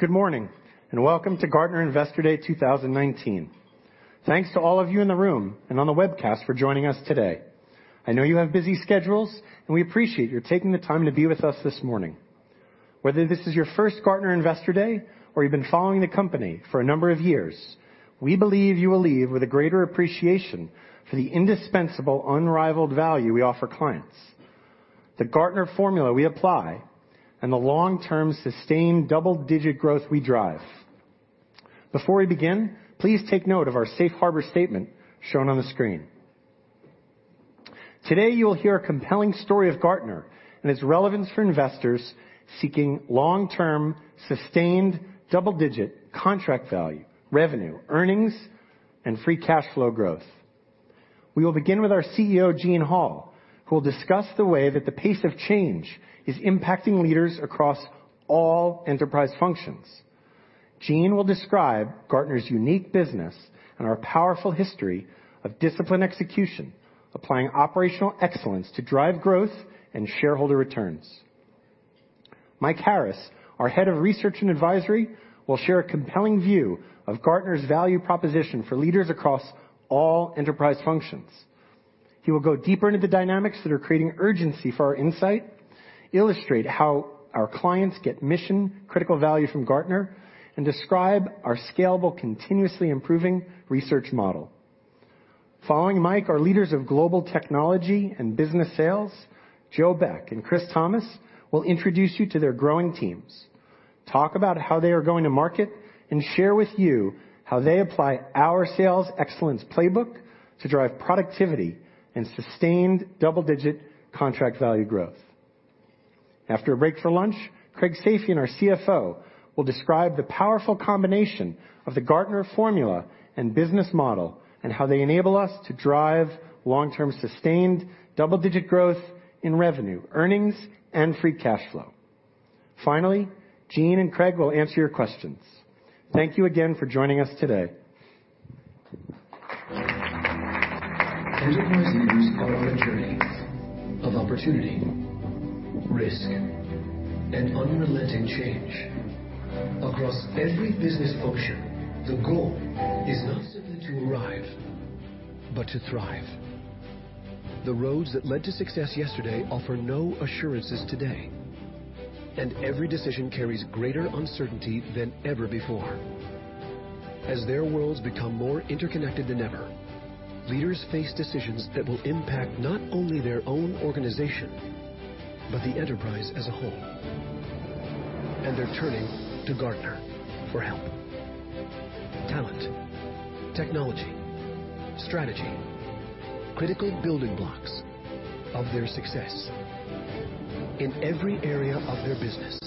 Good morning. Welcome to Gartner Investor Day 2019. Thanks to all of you in the room and on the webcast for joining us today. I know you have busy schedules. We appreciate your taking the time to be with us this morning. Whether this is your first Gartner Investor Day or you've been following the company for a number of years, we believe you will leave with a greater appreciation for the indispensable, unrivaled value we offer clients, the Gartner Formula we apply, and the long-term sustained double-digit growth we drive. Before we begin, please take note of our safe harbor statement shown on the screen. Today, you will hear a compelling story of Gartner and its relevance for investors seeking long-term, sustained, double-digit contract value, revenue, earnings, and free cash flow growth. We will begin with our CEO, Gene Hall, who will discuss the way that the pace of change is impacting leaders across all enterprise functions. Gene will describe Gartner's unique business and our powerful history of disciplined execution, applying operational excellence to drive growth and shareholder returns. Mike Harris, our head of Research & Advisory, will share a compelling view of Gartner's value proposition for leaders across all enterprise functions. He will go deeper into the dynamics that are creating urgency for our insight, illustrate how our clients get mission-critical value from Gartner, and describe our scalable, continuously improving research model. Following Mike, our leaders of global technology and business sales, Joe Beck and Chris Thomas, will introduce you to their growing teams, talk about how they are going to market, and share with you how they apply our Sales Excellence Playbook to drive productivity and sustained double-digit contract value growth. After a break for lunch, Craig Safian, our CFO, will describe the powerful combination of the Gartner Formula and business model and how they enable us to drive long-term, sustained double-digit growth in revenue, earnings, and free cash flow. Gene and Craig will answer your questions. Thank you again for joining us today. Enterprise leaders are on a journey of opportunity, risk, and unrelenting change. Across every business function, the goal is not simply to arrive, but to thrive. The roads that led to success yesterday offer no assurances today. Every decision carries greater uncertainty than ever before. As their worlds become more interconnected than ever, leaders face decisions that will impact not only their own organization, but the enterprise as a whole. They're turning to Gartner for help. Talent, technology, strategy. Critical building blocks of their success. In every area of their business,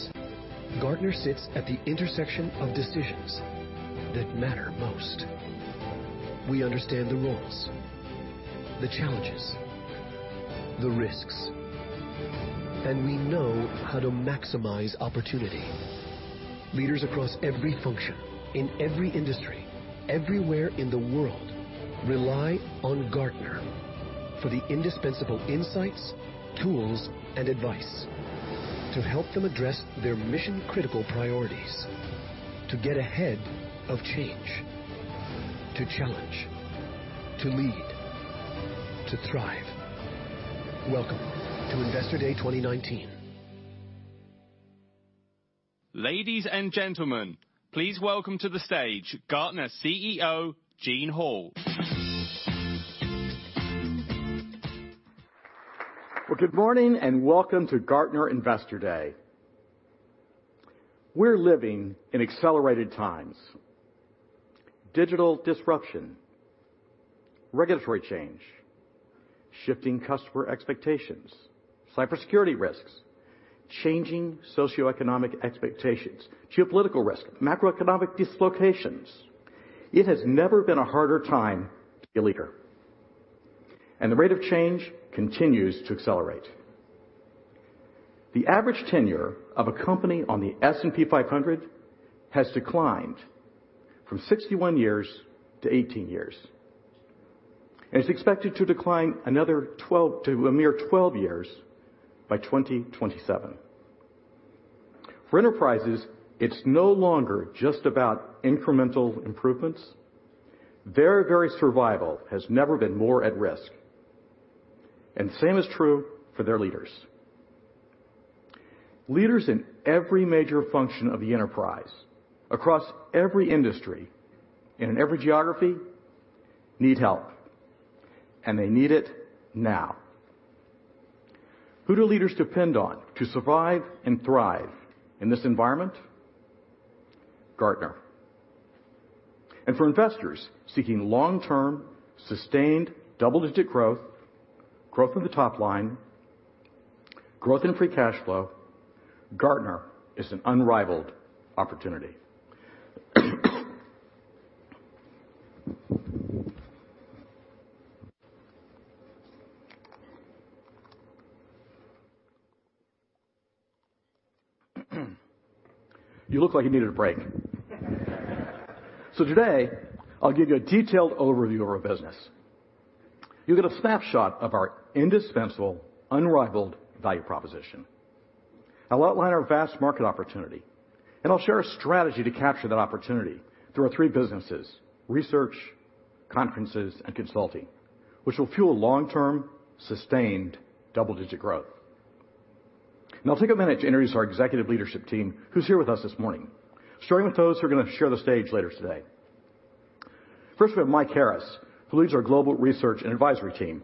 Gartner sits at the intersection of decisions that matter most. We understand the roles, the challenges, the risks, and we know how to maximize opportunity. Leaders across every function in every industry everywhere in the world rely on Gartner for the indispensable insights, tools, and advice to help them address their mission-critical priorities, to get ahead of change, to challenge, to lead, to thrive. Welcome to Investor Day 2019. Ladies and gentlemen, please welcome to the stage, Gartner CEO, Gene Hall. Well, good morning and welcome to Gartner Investor Day. We're living in accelerated times. Digital disruption, regulatory change, shifting customer expectations, cybersecurity risks, changing socioeconomic expectations, geopolitical risk, macroeconomic dislocations. It has never been a harder time to be a leader. The rate of change continues to accelerate. The average tenure of a company on the S&P 500 has declined from 61 years to 18 years, and it's expected to decline another 12, to a mere 12 years by 2027. For enterprises, it's no longer just about incremental improvements. Their very survival has never been more at risk, and the same is true for their leaders. Leaders in every major function of the enterprise, across every industry and in every geography need help, and they need it now. Who do leaders depend on to survive and thrive in this environment? Gartner. For investors seeking long-term, sustained double-digit growth in the top line, growth in free cash flow, Gartner is an unrivaled opportunity. You look like you needed a break. Today, I'll give you a detailed overview of our business. You'll get a snapshot of our indispensable, unrivaled value proposition. I'll outline our vast market opportunity, and I'll share a strategy to capture that opportunity through our three businesses, Research, Conferences, and Consulting, which will fuel long-term, sustained double-digit growth. I'll take a minute to introduce our executive leadership team who's here with us this morning, starting with those who are going to share the stage later today. First, we have Mike Harris, who leads our global Research & Advisory team.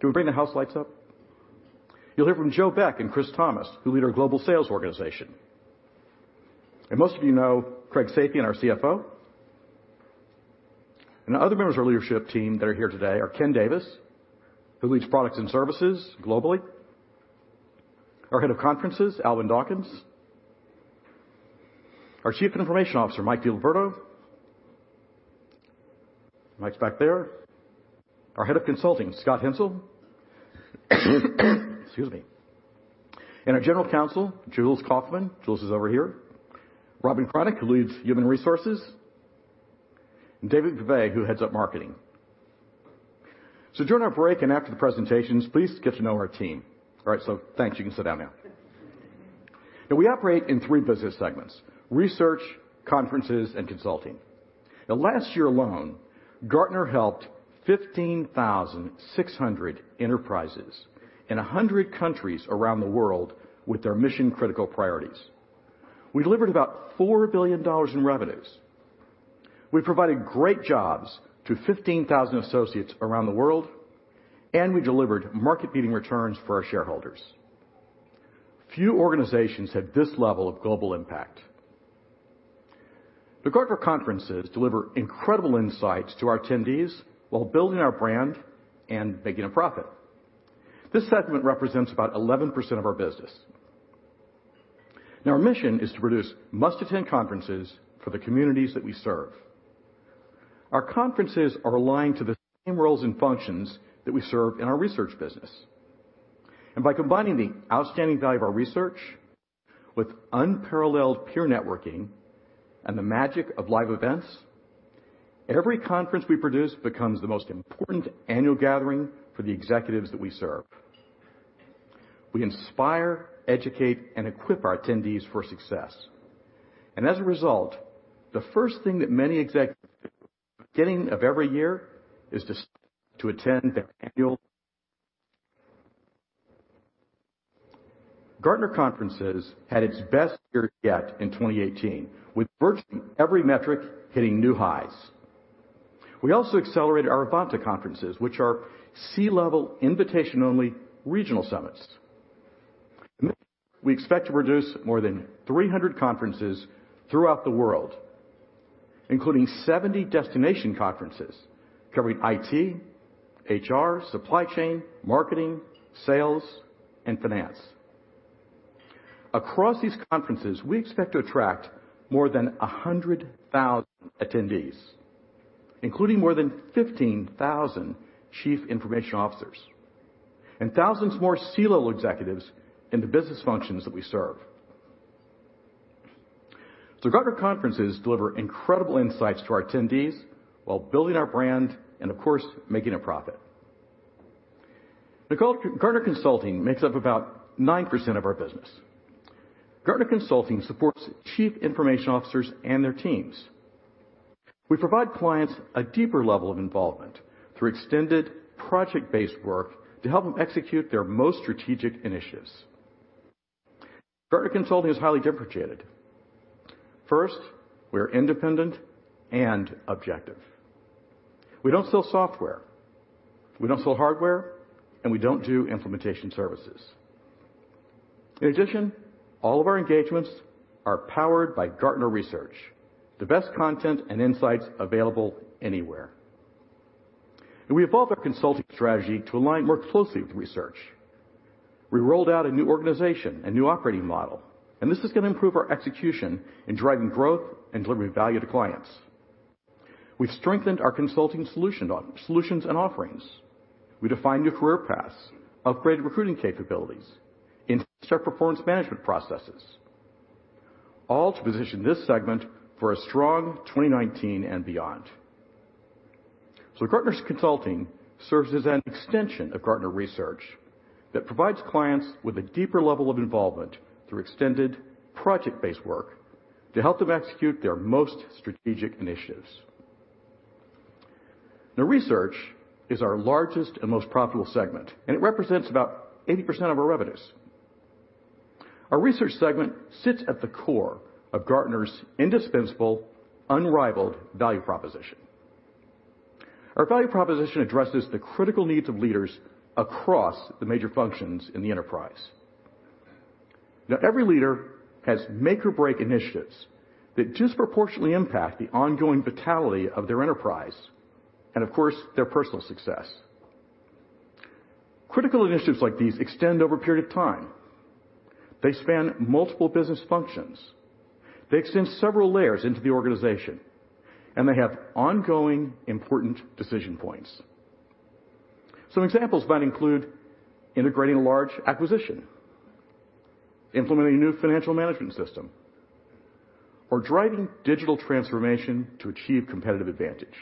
Can we bring the house lights up? You'll hear from Joe Beck and Chris Thomas, who lead our global sales organization. Most of you know Craig Safian, our CFO. The other members of our leadership team that are here today are Ken Davis, who leads products and services globally. Our head of Conferences, Alwyn Dawkins. Our Chief Information Officer, Mike Diliberto. Mike's back there. Our head of Consulting, Scott Hensel. Excuse me. Our General Counsel, Jules Kaufman. Jules is over here. Robin Kranich, who leads Human Resources, and David Gouveia, who heads up Marketing. During our break and after the presentations, please get to know our team. All right, thanks. You can sit down now. We operate in three business segments, Research, Conferences, and Consulting. Last year alone, Gartner helped 15,600 enterprises in 100 countries around the world with their mission-critical priorities. We delivered about $4 billion in revenues. We provided great jobs to 15,000 associates around the world, and we delivered market-leading returns for our shareholders. Few organizations have this level of global impact. The Gartner Conferences deliver incredible insights to our attendees while building our brand and making a profit. This segment represents about 11% of our business. Our mission is to produce must-attend conferences for the communities that we serve. Our conferences are aligned to the same roles and functions that we serve in our Research business. By combining the outstanding value of our Research with unparalleled peer networking and the magic of live events, every conference we produce becomes the most important annual gathering for the executives that we serve. We inspire, educate, and equip our attendees for success. As a result, the first thing that many executives do at the beginning of every year is decide to attend their annual Gartner Conferences had its best year yet in 2018, with virtually every metric hitting new highs. We also accelerated our Evanta conferences, which are C-level, invitation-only regional summits. We expect to produce more than 300 conferences throughout the world, including 70 destination conferences covering IT, HR, Supply Chain, Marketing, Sales, and Finance. Across these conferences, we expect to attract more than 100,000 attendees, including more than 15,000 Chief Information Officers and thousands more C-level executives in the business functions that we serve. Gartner Conferences deliver incredible insights to our attendees while building our brand and, of course, making a profit. The Gartner Consulting makes up about 9% of our business. Gartner Consulting supports Chief Information Officers and their teams. We provide clients a deeper level of involvement through extended project-based work to help them execute their most strategic initiatives. Gartner Consulting is highly differentiated. First, we're independent and objective. We don't sell software, we don't sell hardware, and we don't do implementation services. In addition, all of our engagements are powered by Gartner Research, the best content and insights available anywhere. We evolved our Consulting strategy to align more closely with Research. We rolled out a new organization, a new operating model. This is going to improve our execution in driving growth and delivering value to clients. We've strengthened our consulting solutions and offerings. We defined new career paths, upgraded recruiting capabilities, and set performance management processes, all to position this segment for a strong 2019 and beyond. Gartner's Consulting serves as an extension of Gartner research that provides clients with a deeper level of involvement through extended project-based work to help them execute their most strategic initiatives. Research is our largest and most profitable segment, and it represents about 80% of our revenues. Our research segment sits at the core of Gartner's indispensable, unrivaled value proposition. Our value proposition addresses the critical needs of leaders across the major functions in the enterprise. Every leader has make or break initiatives that disproportionately impact the ongoing vitality of their enterprise and, of course, their personal success. Critical initiatives like these extend over a period of time. They span multiple business functions. They extend several layers into the organization, and they have ongoing, important decision points. Some examples might include integrating a large acquisition, implementing a new financial management system, or driving digital transformation to achieve competitive advantage.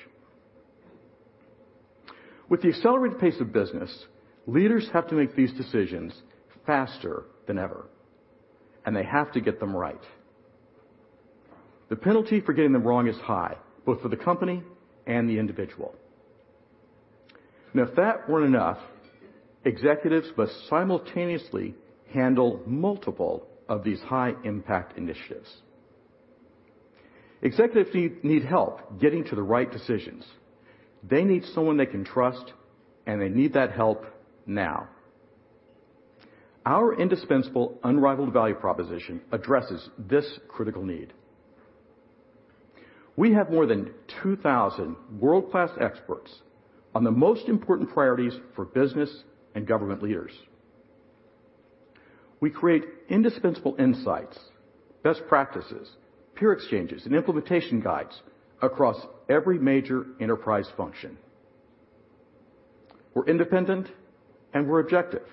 With the accelerated pace of business, leaders have to make these decisions faster than ever, and they have to get them right. The penalty for getting them wrong is high, both for the company and the individual. If that weren't enough, executives must simultaneously handle multiple of these high-impact initiatives. Executives need help getting to the right decisions. They need someone they can trust, and they need that help now. Our indispensable, unrivaled value proposition addresses this critical need. We have more than 2,000 world-class experts on the most important priorities for business and government leaders. We create indispensable insights, best practices, peer exchanges, and implementation guides across every major enterprise function. We're independent, and we're objective.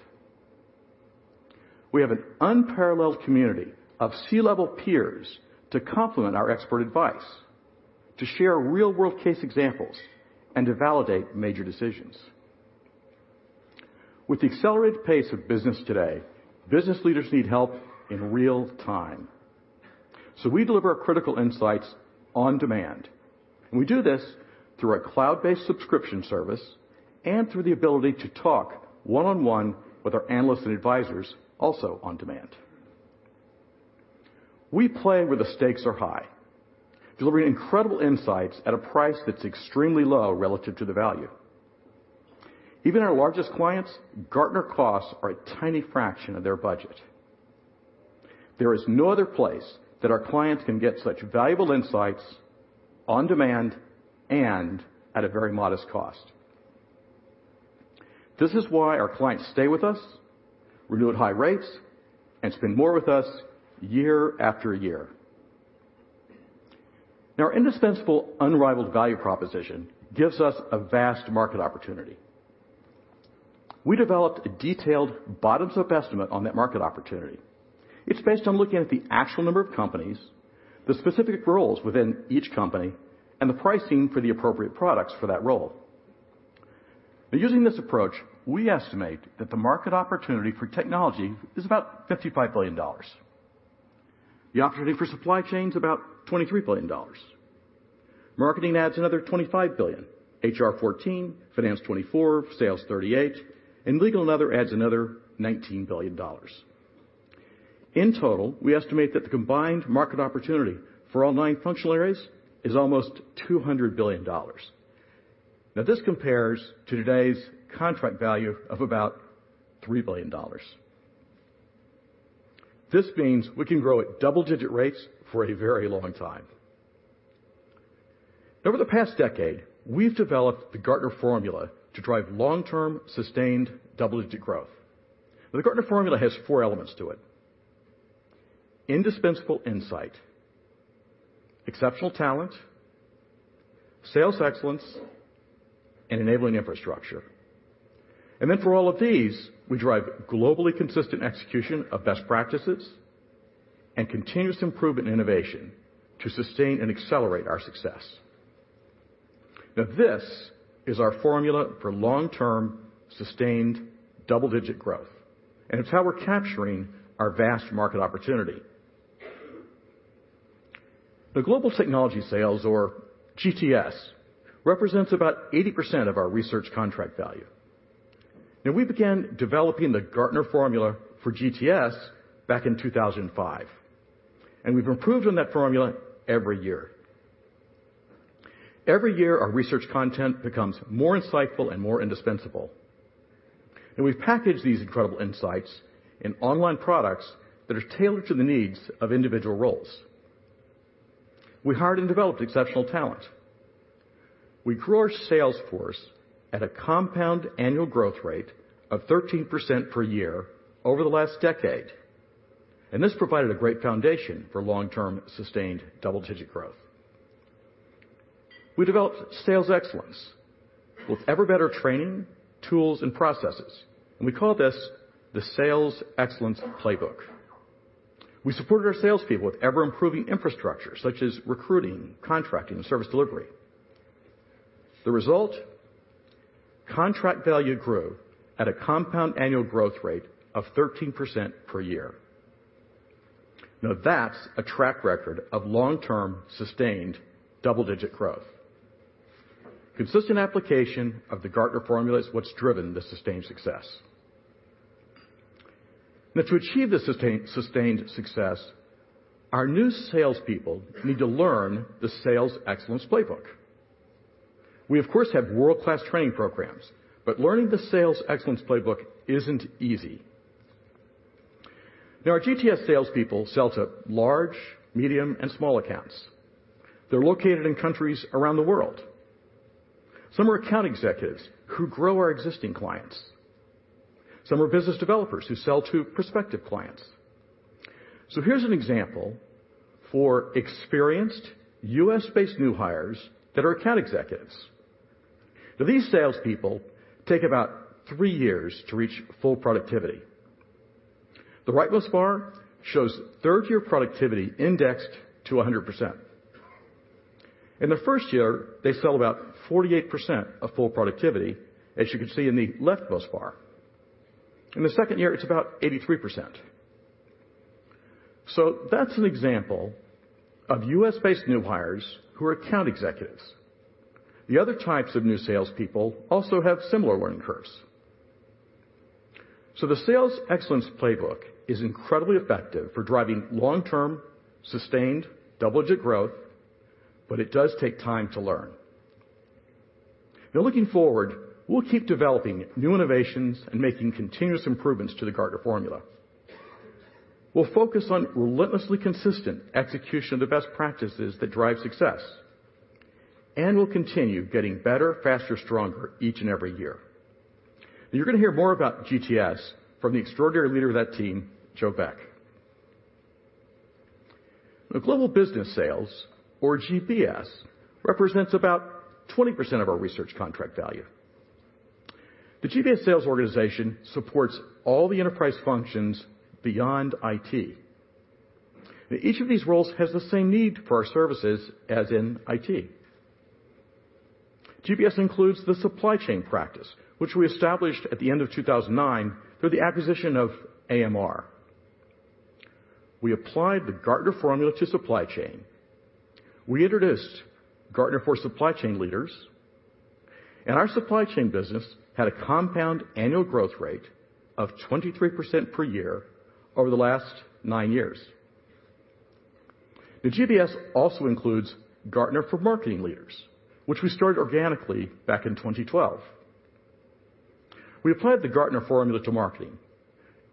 We have an unparalleled community of C-level peers to complement our expert advice, to share real-world case examples, and to validate major decisions. With the accelerated pace of business today, business leaders need help in real-time. We deliver critical insights on demand, and we do this through our cloud-based subscription service and through the ability to talk one-on-one with our analysts and advisors, also on demand. We play where the stakes are high, delivering incredible insights at a price that's extremely low relative to the value. Even our largest clients, Gartner costs are a tiny fraction of their budget. There is no other place that our clients can get such valuable insights on demand and at a very modest cost. This is why our clients stay with us, renew at high rates, and spend more with us year after year. Our indispensable, unrivaled value proposition gives us a vast market opportunity. We developed a detailed bottoms-up estimate on that market opportunity. It's based on looking at the actual number of companies, the specific roles within each company, and the pricing for the appropriate products for that role. Using this approach, we estimate that the market opportunity for technology is about $55 billion. The opportunity for supply chain's about $23 billion. Marketing adds another $25 billion, HR, $14 billion, finance, $24 billion, sales, $38 billion, and legal and other adds another $19 billion. In total, we estimate that the combined market opportunity for all nine functional areas is almost $200 billion. This compares to today's contract value of about $3 billion. This means we can grow at double-digit rates for a very long time. Over the past decade, we've developed the Gartner Formula to drive long-term, sustained double-digit growth. The Gartner Formula has four elements to it: indispensable insight, exceptional talent, sales excellence, and enabling infrastructure. For all of these, we drive globally consistent execution of best practices and continuous improvement and innovation to sustain and accelerate our success. This is our formula for long-term, sustained double-digit growth, and it's how we're capturing our vast market opportunity. global technology sales, or GTS, represents about 80% of our research contract value. We began developing the Gartner Formula for GTS back in 2005, and we've improved on that formula every year. Every year, our research content becomes more insightful and more indispensable. We've packaged these incredible insights in online products that are tailored to the needs of individual roles. We hired and developed exceptional talent. We grew our sales force at a compound annual growth rate of 13% per year over the last decade, this provided a great foundation for long-term, sustained double-digit growth. We developed sales excellence with ever-better training, tools and processes, we call this the Sales Excellence Playbook. We supported our salespeople with ever-improving infrastructure, such as recruiting, contracting, and service delivery. The result, contract value grew at a compound annual growth rate of 13% per year. That's a track record of long-term, sustained double-digit growth. Consistent application of the Gartner Formula is what's driven the sustained success. To achieve the sustained success, our new salespeople need to learn the Sales Excellence Playbook. We, of course, have world-class training programs, learning the Sales Excellence Playbook isn't easy. Our GTS salespeople sell to large, medium, and small accounts. They're located in countries around the world. Some are account executives who grow our existing clients. Some are business developers who sell to prospective clients. Here's an example for experienced U.S.-based new hires that are account executives. These salespeople take about three years to reach full productivity. The rightmost bar shows third-year productivity indexed to 100%. In the first year, they sell about 48% of full productivity, as you can see in the leftmost bar. In the second year, it's about 83%. That's an example of U.S.-based new hires who are account executives. The other types of new salespeople also have similar learning curves. The Sales Excellence Playbook is incredibly effective for driving long-term, sustained double-digit growth, it does take time to learn. Looking forward, we'll keep developing new innovations and making continuous improvements to the Gartner Formula. We'll focus on relentlessly consistent execution of the best practices that drive success. We'll continue getting better, faster, stronger each and every year. You're going to hear more about GTS from the extraordinary leader of that team, Joe Beck. global business sales, or GBS, represents about 20% of our research contract value. The GBS sales organization supports all the enterprise functions beyond IT. Each of these roles has the same need for our services as in IT. GBS includes the supply chain practice, which we established at the end of 2009 through the acquisition of AMR. We applied the Gartner Formula to supply chain. We introduced Gartner for Supply Chain Leaders, and our supply chain business had a compound annual growth rate of 23% per year over the last nine years. The GBS also includes Gartner for Marketing Leaders, which we started organically back in 2012. We applied the Gartner Formula to marketing,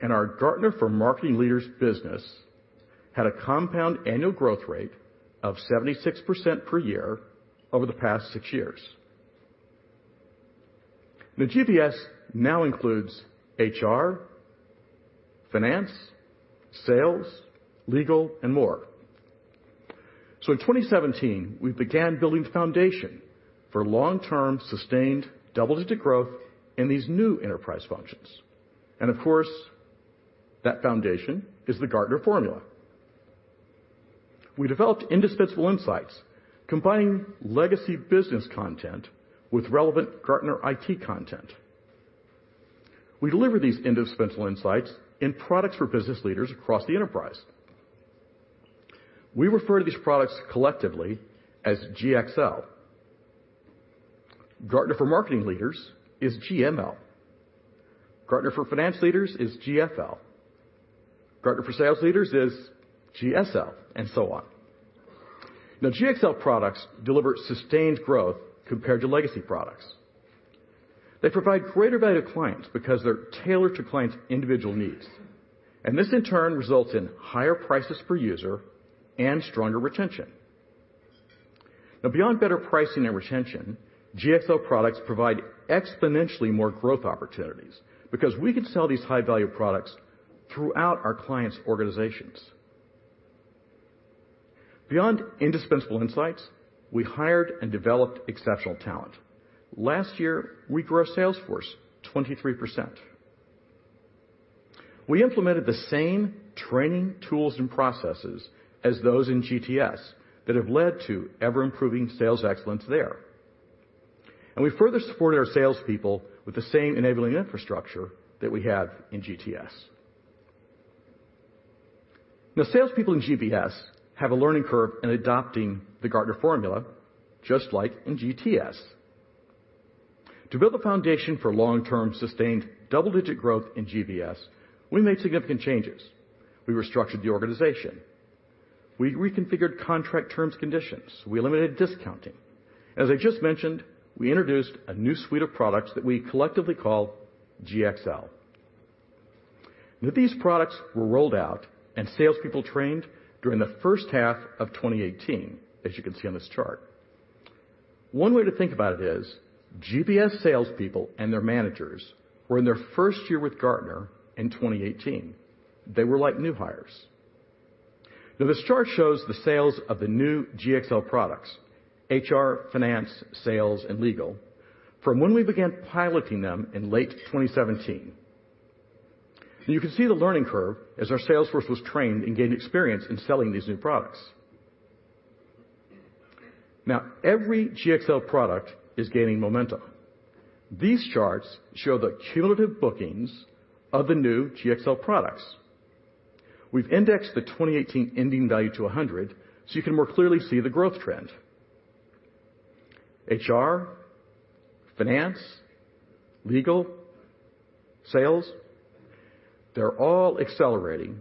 and our Gartner for Marketing Leaders business had a compound annual growth rate of 76% per year over the past six years. The GBS now includes HR, finance, sales, legal, and more. In 2017, we began building the foundation for long-term, sustained double-digit growth in these new enterprise functions. Of course, that foundation is the Gartner Formula. We developed indispensable insights, combining legacy business content with relevant Gartner IT content. We deliver these indispensable insights in products for business leaders across the enterprise. We refer to these products collectively as GXL. Gartner for Marketing Leaders is GML. Gartner for Finance Leaders is GFL. Gartner for Sales Leaders is GSL, and so on. GXL products deliver sustained growth compared to legacy products. They provide greater value to clients because they're tailored to clients' individual needs, and this in turn results in higher prices per user and stronger retention. Beyond better pricing and retention, GXL products provide exponentially more growth opportunities because we can sell these high-value products throughout our clients' organizations. Beyond indispensable insights, we hired and developed exceptional talent. Last year, we grew our sales force 23%. We implemented the same training tools and processes as those in GTS that have led to ever-improving sales excellence there. We further supported our salespeople with the same enabling infrastructure that we have in GTS. Salespeople in GBS have a learning curve in adopting the Gartner Formula, just like in GTS. To build a foundation for long-term, sustained double-digit growth in GBS, we made significant changes. We restructured the organization. We reconfigured contract terms conditions. We eliminated discounting. As I just mentioned, we introduced a new suite of products that we collectively call GXL. These products were rolled out and salespeople trained during the first half of 2018, as you can see on this chart. One way to think about it is GBS salespeople and their managers were in their first year with Gartner in 2018. They were like new hires. This chart shows the sales of the new GXL products, HR, finance, sales, and legal, from when we began piloting them in late 2017. You can see the learning curve as our sales force was trained and gained experience in selling these new products. Every GXL product is gaining momentum. These charts show the cumulative bookings of the new GXL products. We've indexed the 2018 ending value to 100 so you can more clearly see the growth trend. HR, finance, legal, sales, they're all accelerating.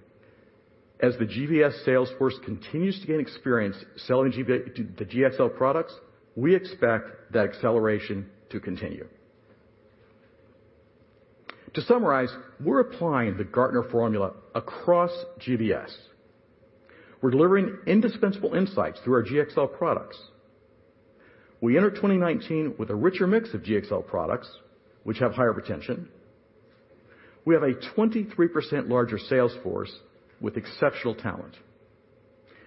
As the GBS sales force continues to gain experience selling the GXL products, we expect that acceleration to continue. To summarize, we're applying the Gartner Formula across GBS. We're delivering indispensable insights through our GXL products. We enter 2019 with a richer mix of GXL products, which have higher retention. We have a 23% larger sales force with exceptional talent,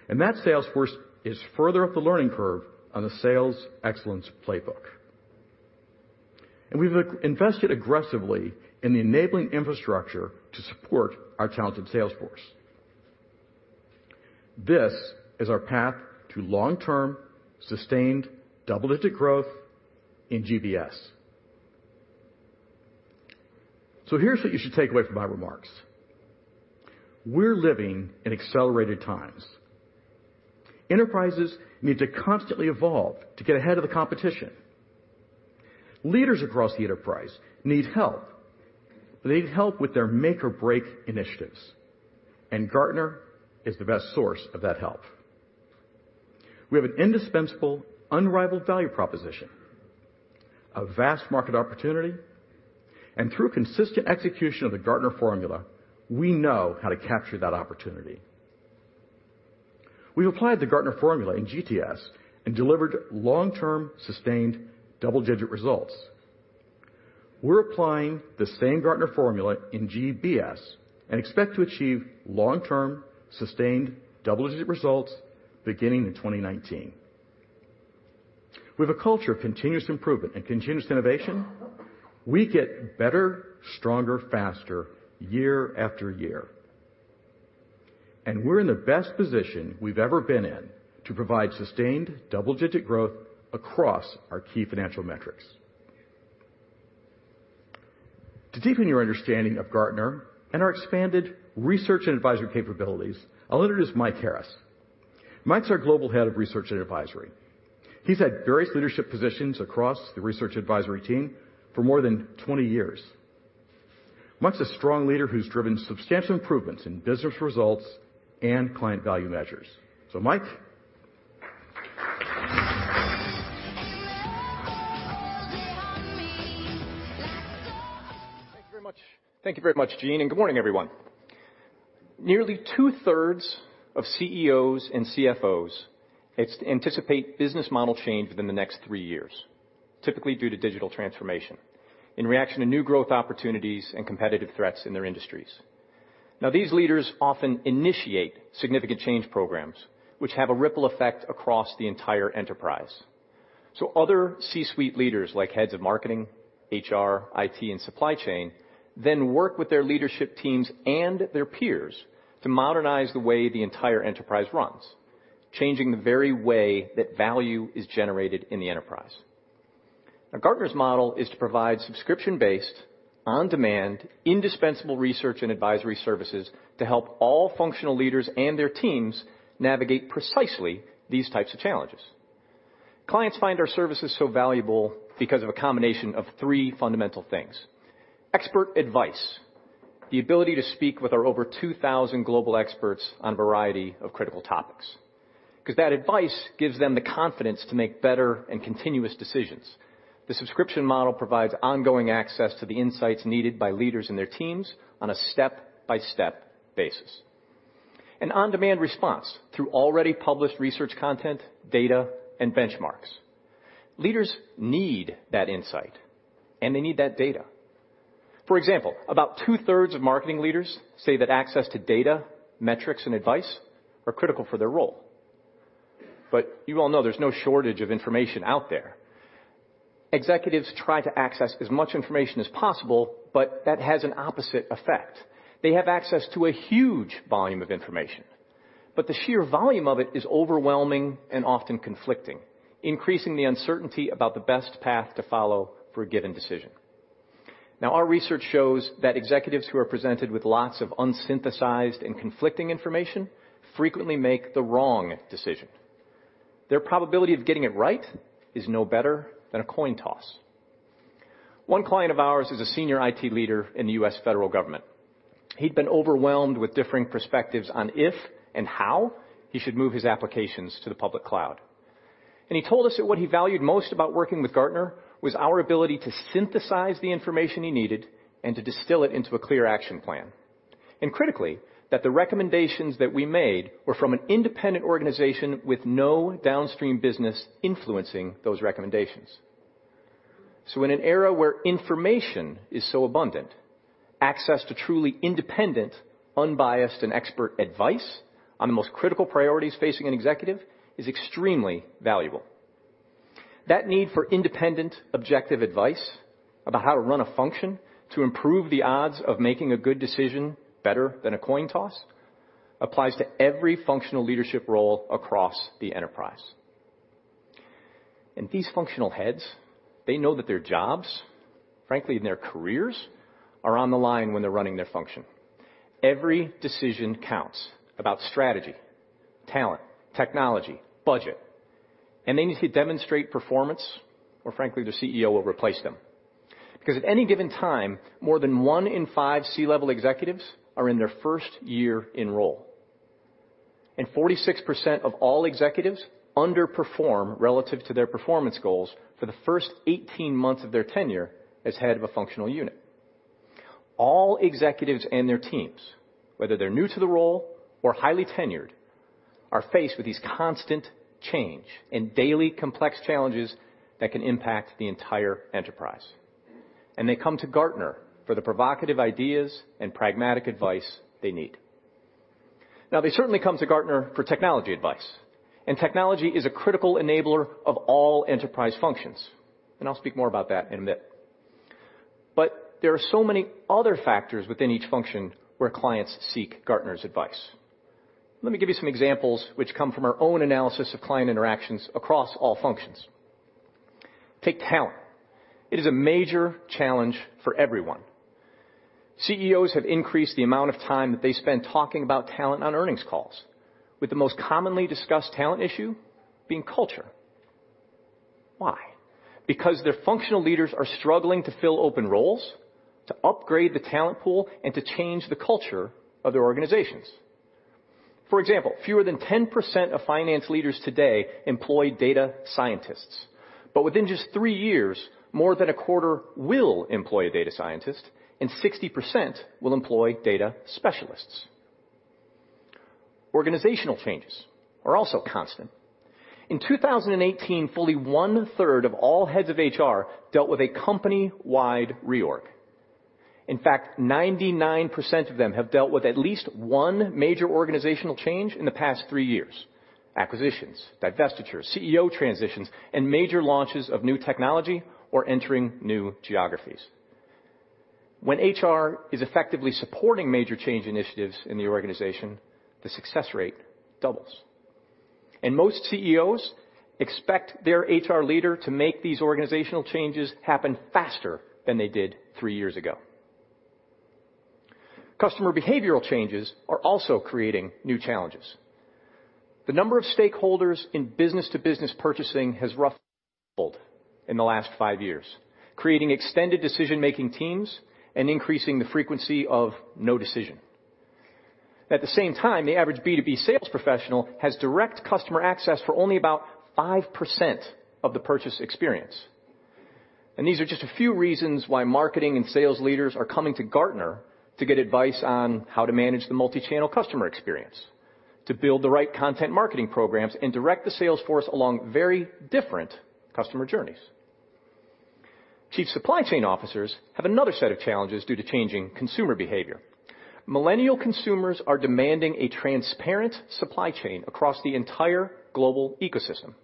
and that sales force is further up the learning curve on the Sales Excellence Playbook. We've invested aggressively in the enabling infrastructure to support our talented sales force. This is our path to long-term, sustained, double-digit growth in GBS. Here's what you should take away from my remarks. We're living in accelerated times. Enterprises need to constantly evolve to get ahead of the competition. Leaders across the enterprise need help. They need help with their make or break initiatives. Gartner is the best source of that help. We have an indispensable, unrivaled value proposition, a vast market opportunity. Through consistent execution of the Gartner Formula, we know how to capture that opportunity. We have applied the Gartner Formula in GTS and delivered long-term, sustained double-digit results. We are applying the same Gartner Formula in GBS and expect to achieve long-term, sustained double-digit results beginning in 2019. With a culture of continuous improvement and continuous innovation, we get better, stronger, faster year after year. We are in the best position we have ever been in to provide sustained double-digit growth across our key financial metrics. To deepen your understanding of Gartner and our expanded research and advisory capabilities, I will introduce Mike Harris. Mike's our global head of research and advisory. He's had various leadership positions across the research advisory team for more than 20 years. Mike's a strong leader who's driven substantial improvements in business results and client value measures. Mike. Thank you very much, Gene, and good morning, everyone. Nearly two-thirds of CEOs and CFOs anticipate business model change within the next three years, typically due to digital transformation in reaction to new growth opportunities and competitive threats in their industries. These leaders often initiate significant change programs, which have a ripple effect across the entire enterprise. Other C-suite leaders, like heads of marketing, HR, IT, and supply chain, then work with their leadership teams and their peers to modernize the way the entire enterprise runs, changing the very way that value is generated in the enterprise. Gartner's model is to provide subscription-based, on-demand, indispensable research and advisory services to help all functional leaders and their teams navigate precisely these types of challenges. Clients find our services so valuable because of a combination of three fundamental things. Expert advice, the ability to speak with our over 2,000 global experts on a variety of critical topics. That advice gives them the confidence to make better and continuous decisions. The subscription model provides ongoing access to the insights needed by leaders and their teams on a step-by-step basis. An on-demand response through already published research content, data, and benchmarks. Leaders need that insight, and they need that data. For example, about two-thirds of marketing leaders say that access to data, metrics, and advice are critical for their role. You all know there's no shortage of information out there. Executives try to access as much information as possible, but that has an opposite effect. They have access to a huge volume of information, but the sheer volume of it is overwhelming and often conflicting, increasing the uncertainty about the best path to follow for a given decision. Our research shows that executives who are presented with lots of unsynthesized and conflicting information frequently make the wrong decision. Their probability of getting it right is no better than a coin toss. One client of ours is a senior IT leader in the U.S. federal government. He had been overwhelmed with differing perspectives on if and how he should move his applications to the public cloud. He told us that what he valued most about working with Gartner was our ability to synthesize the information he needed and to distill it into a clear action plan. Critically, that the recommendations that we made were from an independent organization with no downstream business influencing those recommendations. In an era where information is so abundant, access to truly independent, unbiased, and expert advice on the most critical priorities facing an executive is extremely valuable. That need for independent, objective advice about how to run a function to improve the odds of making a good decision better than a coin toss applies to every functional leadership role across the enterprise. These functional heads, they know that their jobs, frankly, their careers, are on the line when they are running their function. Every decision counts about strategy, talent, technology, budget, and they need to demonstrate performance, or frankly, their CEO will replace them. Because at any given time, more than one in five C-level executives are in their first year in role. 46% of all executives underperform relative to their performance goals for the first 18 months of their tenure as head of a functional unit. All executives and their teams, whether they are new to the role or highly tenured, are faced with these constant change and daily complex challenges that can impact the entire enterprise. They come to Gartner for the provocative ideas and pragmatic advice they need. They certainly come to Gartner for technology advice, and technology is a critical enabler of all enterprise functions, and I will speak more about that in a bit. There are so many other factors within each function where clients seek Gartner's advice. Let me give you some examples which come from our own analysis of client interactions across all functions. Take talent. It is a major challenge for everyone. CEOs have increased the amount of time that they spend talking about talent on earnings calls, with the most commonly discussed talent issue being culture. Why? Because their functional leaders are struggling to fill open roles, to upgrade the talent pool, and to change the culture of their organizations. For example, fewer than 10% of finance leaders today employ data scientists. Within just three years, more than a quarter will employ a data scientist, and 60% will employ data specialists. Organizational changes are also constant. In 2018, fully one-third of all heads of HR dealt with a company-wide reorg. In fact, 99% of them have dealt with at least one major organizational change in the past three years. Acquisitions, divestitures, CEO transitions, and major launches of new technology or entering new geographies. When HR is effectively supporting major change initiatives in the organization, the success rate doubles. Most CEOs expect their HR leader to make these organizational changes happen faster than they did three years ago. Customer behavioral changes are also creating new challenges. The number of stakeholders in business-to-business purchasing has roughly doubled in the last five years, creating extended decision-making teams and increasing the frequency of no decision. At the same time, the average B2B sales professional has direct customer access for only about 5% of the purchase experience. These are just a few reasons why marketing and sales leaders are coming to Gartner to get advice on how to manage the multi-channel customer experience, to build the right content marketing programs and direct the sales force along very different customer journeys. Chief supply chain officers have another set of challenges due to changing consumer behavior. Millennial consumers are demanding a transparent supply chain across the entire global ecosystem.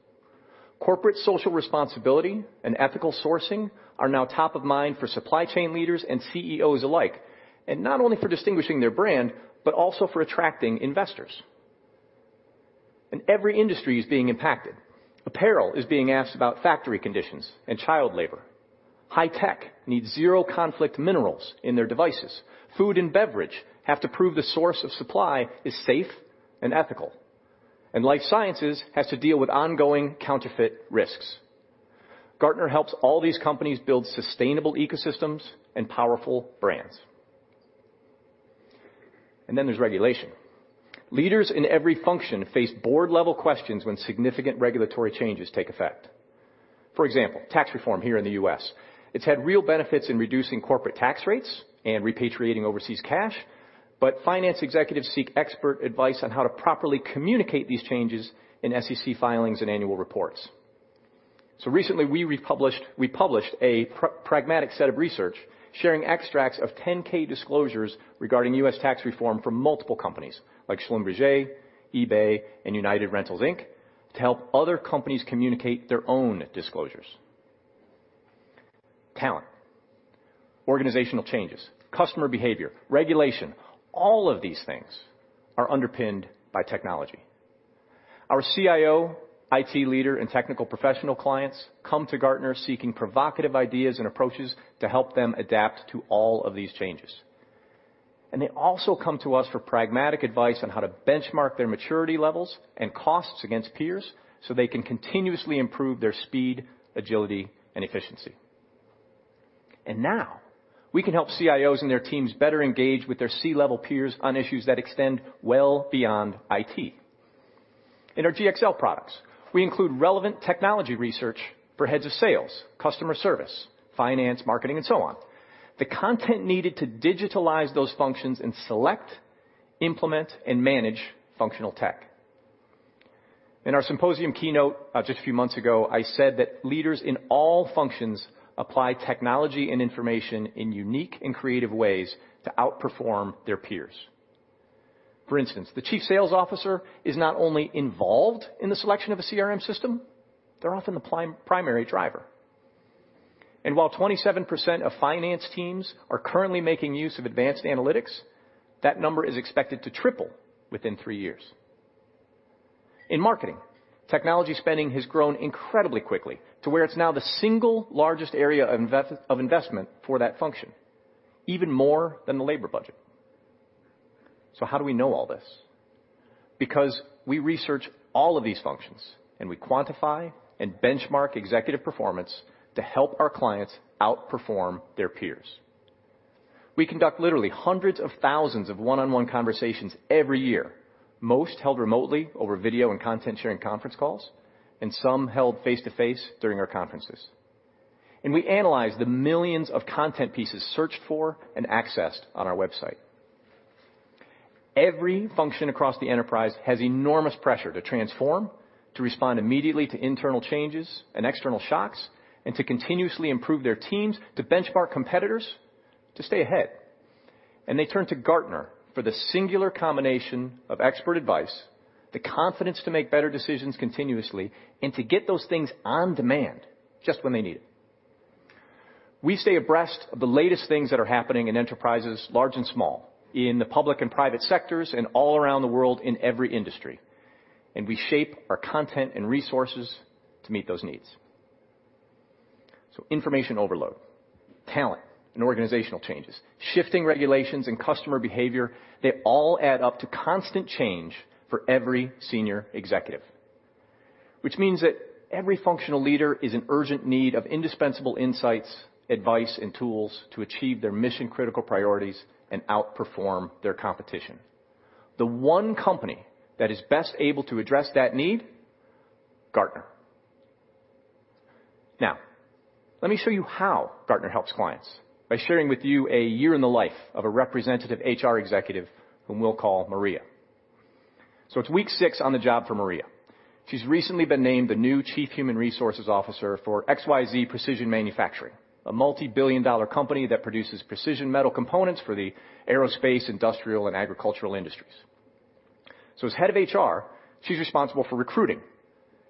Corporate social responsibility and ethical sourcing are now top of mind for supply chain leaders and CEOs alike, not only for distinguishing their brand, but also for attracting investors. Every industry is being impacted. Apparel is being asked about factory conditions and child labor. High tech needs zero conflict minerals in their devices. Food and beverage have to prove the source of supply is safe and ethical. Life sciences has to deal with ongoing counterfeit risks. Gartner helps all these companies build sustainable ecosystems and powerful brands. Then there's regulation. Leaders in every function face board-level questions when significant regulatory changes take effect. For example, tax reform here in the U.S. It's had real benefits in reducing corporate tax rates and repatriating overseas cash, finance executives seek expert advice on how to properly communicate these changes in SEC filings and annual reports. Recently we published a pragmatic set of research sharing extracts of 10-K disclosures regarding U.S. tax reform from multiple companies like Schlumberger, eBay, and United Rentals Inc. to help other companies communicate their own disclosures. Talent, organizational changes, customer behavior, regulation, all of these things are underpinned by technology. Our CIO, IT leader, and technical professional clients come to Gartner seeking provocative ideas and approaches to help them adapt to all of these changes. They also come to us for pragmatic advice on how to benchmark their maturity levels and costs against peers so they can continuously improve their speed, agility, and efficiency. Now we can help CIOs and their teams better engage with their C-level peers on issues that extend well beyond IT. In our GXL products, we include relevant technology research for heads of sales, customer service, finance, marketing, and so on. The content needed to digitalize those functions and select, implement, and manage functional tech. In our symposium keynote just a few months ago, I said that leaders in all functions apply technology and information in unique and creative ways to outperform their peers. For instance, the Chief Sales Officer is not only involved in the selection of a CRM system, they're often the primary driver. While 27% of finance teams are currently making use of advanced analytics, that number is expected to triple within three years. In marketing, technology spending has grown incredibly quickly to where it's now the single largest area of investment for that function, even more than the labor budget. How do we know all this? We research all of these functions, we quantify and benchmark executive performance to help our clients outperform their peers. We conduct literally hundreds of thousands of one-on-one conversations every year. Most held remotely over video and content-sharing conference calls, and some held face-to-face during our conferences. We analyze the millions of content pieces searched for and accessed on our website. Every function across the enterprise has enormous pressure to transform, to respond immediately to internal changes and external shocks, and to continuously improve their teams, to benchmark competitors, to stay ahead. They turn to Gartner for the singular combination of expert advice, the confidence to make better decisions continuously, and to get those things on demand just when they need it. We stay abreast of the latest things that are happening in enterprises large and small, in the public and private sectors, and all around the world in every industry, and we shape our content and resources to meet those needs. Information overload, talent and organizational changes, shifting regulations and customer behavior, they all add up to constant change for every senior executive. Which means that every functional leader is in urgent need of indispensable insights, advice, and tools to achieve their mission-critical priorities and outperform their competition. The one company that is best able to address that need, Gartner. Let me show you how Gartner helps clients by sharing with you a year in the life of a representative HR executive whom we'll call Maria. It's week six on the job for Maria. She's recently been named the new Chief Human Resources Officer for XYZ Precision Manufacturing, a multibillion-dollar company that produces precision metal components for the aerospace, industrial, and agricultural industries. As head of HR, she's responsible for recruiting,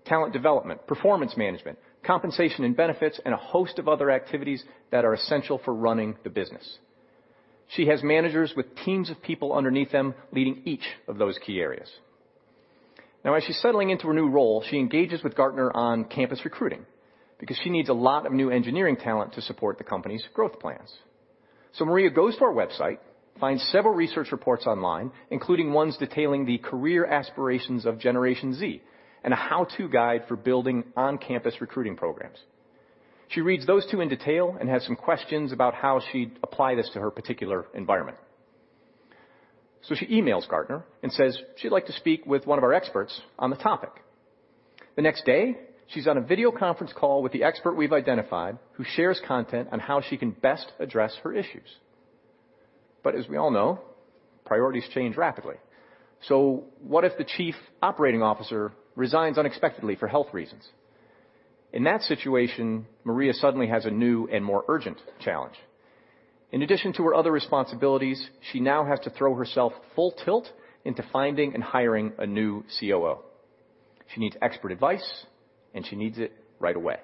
talent development, performance management, compensation and benefits, and a host of other activities that are essential for running the business. She has managers with teams of people underneath them leading each of those key areas. As she's settling into her new role, she engages with Gartner on campus recruiting because she needs a lot of new engineering talent to support the company's growth plans. Maria goes to our website, finds several research reports online, including ones detailing the career aspirations of Generation Z and a how-to guide for building on-campus recruiting programs. She reads those two in detail and has some questions about how she'd apply this to her particular environment. She emails Gartner and says she'd like to speak with one of our experts on the topic. The next day, she's on a video conference call with the expert we've identified who shares content on how she can best address her issues. As we all know, priorities change rapidly. What if the Chief Operating Officer resigns unexpectedly for health reasons? In that situation, Maria suddenly has a new and more urgent challenge. In addition to her other responsibilities, she now has to throw herself full tilt into finding and hiring a new COO. She needs expert advice, and she needs it right away.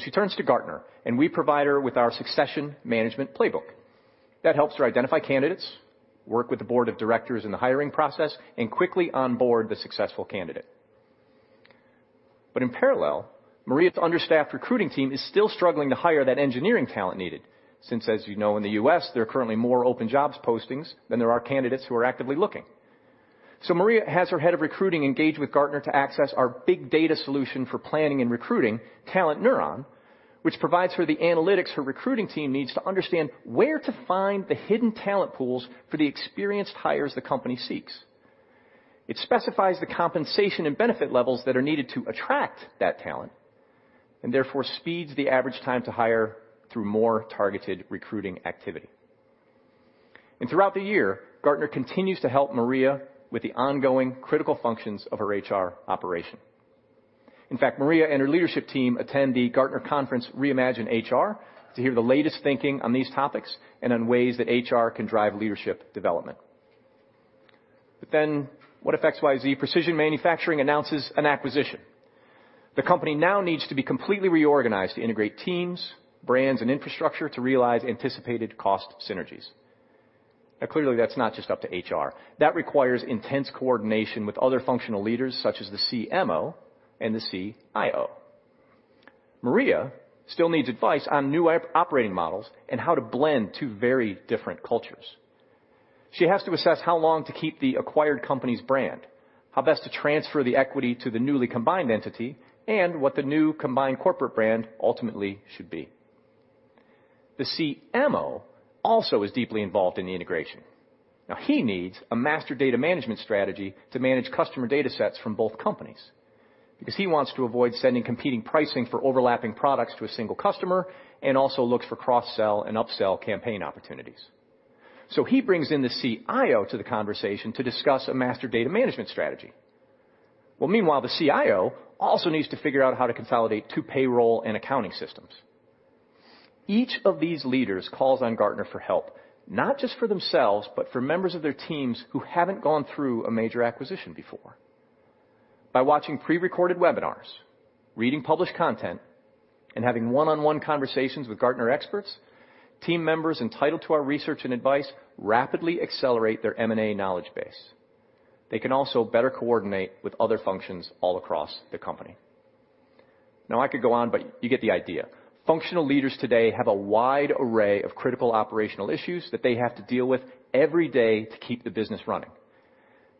She turns to Gartner, and we provide her with our succession management playbook. That helps her identify candidates, work with the board of directors in the hiring process, and quickly onboard the successful candidate. In parallel, Maria's understaffed recruiting team is still struggling to hire that engineering talent needed since, as you know, in the U.S., there are currently more open jobs postings than there are candidates who are actively looking. Maria has her head of recruiting engage with Gartner to access our big data solution for planning and recruiting TalentNeuron, which provides her the analytics her recruiting team needs to understand where to find the hidden talent pools for the experienced hires the company seeks. It specifies the compensation and benefit levels that are needed to attract that talent, and therefore speeds the average time to hire through more targeted recruiting activity. Throughout the year, Gartner continues to help Maria with the ongoing critical functions of her HR operation. In fact, Maria and her leadership team attend the Gartner conference, ReimagineHR, to hear the latest thinking on these topics and on ways that HR can drive leadership development. What if XYZ Precision Manufacturing announces an acquisition? The company now needs to be completely reorganized to integrate teams, brands, and infrastructure to realize anticipated cost synergies. Clearly, that's not just up to HR. That requires intense coordination with other functional leaders such as the CMO and the CIO. Maria still needs advice on new operating models and how to blend two very different cultures. She has to assess how long to keep the acquired company's brand, how best to transfer the equity to the newly combined entity, and what the new combined corporate brand ultimately should be. The CMO also is deeply involved in the integration. He needs a master data management strategy to manage customer data sets from both companies because he wants to avoid sending competing pricing for overlapping products to a single customer and also looks for cross-sell and up-sell campaign opportunities. He brings in the CIO to the conversation to discuss a master data management strategy. Meanwhile, the CIO also needs to figure out how to consolidate two payroll and accounting systems. Each of these leaders calls on Gartner for help, not just for themselves, but for members of their teams who haven't gone through a major acquisition before. By watching pre-recorded webinars, reading published content, and having one-on-one conversations with Gartner experts, team members entitled to our research and advice rapidly accelerate their M&A knowledge base. They can also better coordinate with other functions all across the company. I could go on, but you get the idea. Functional leaders today have a wide array of critical operational issues that they have to deal with every day to keep the business running.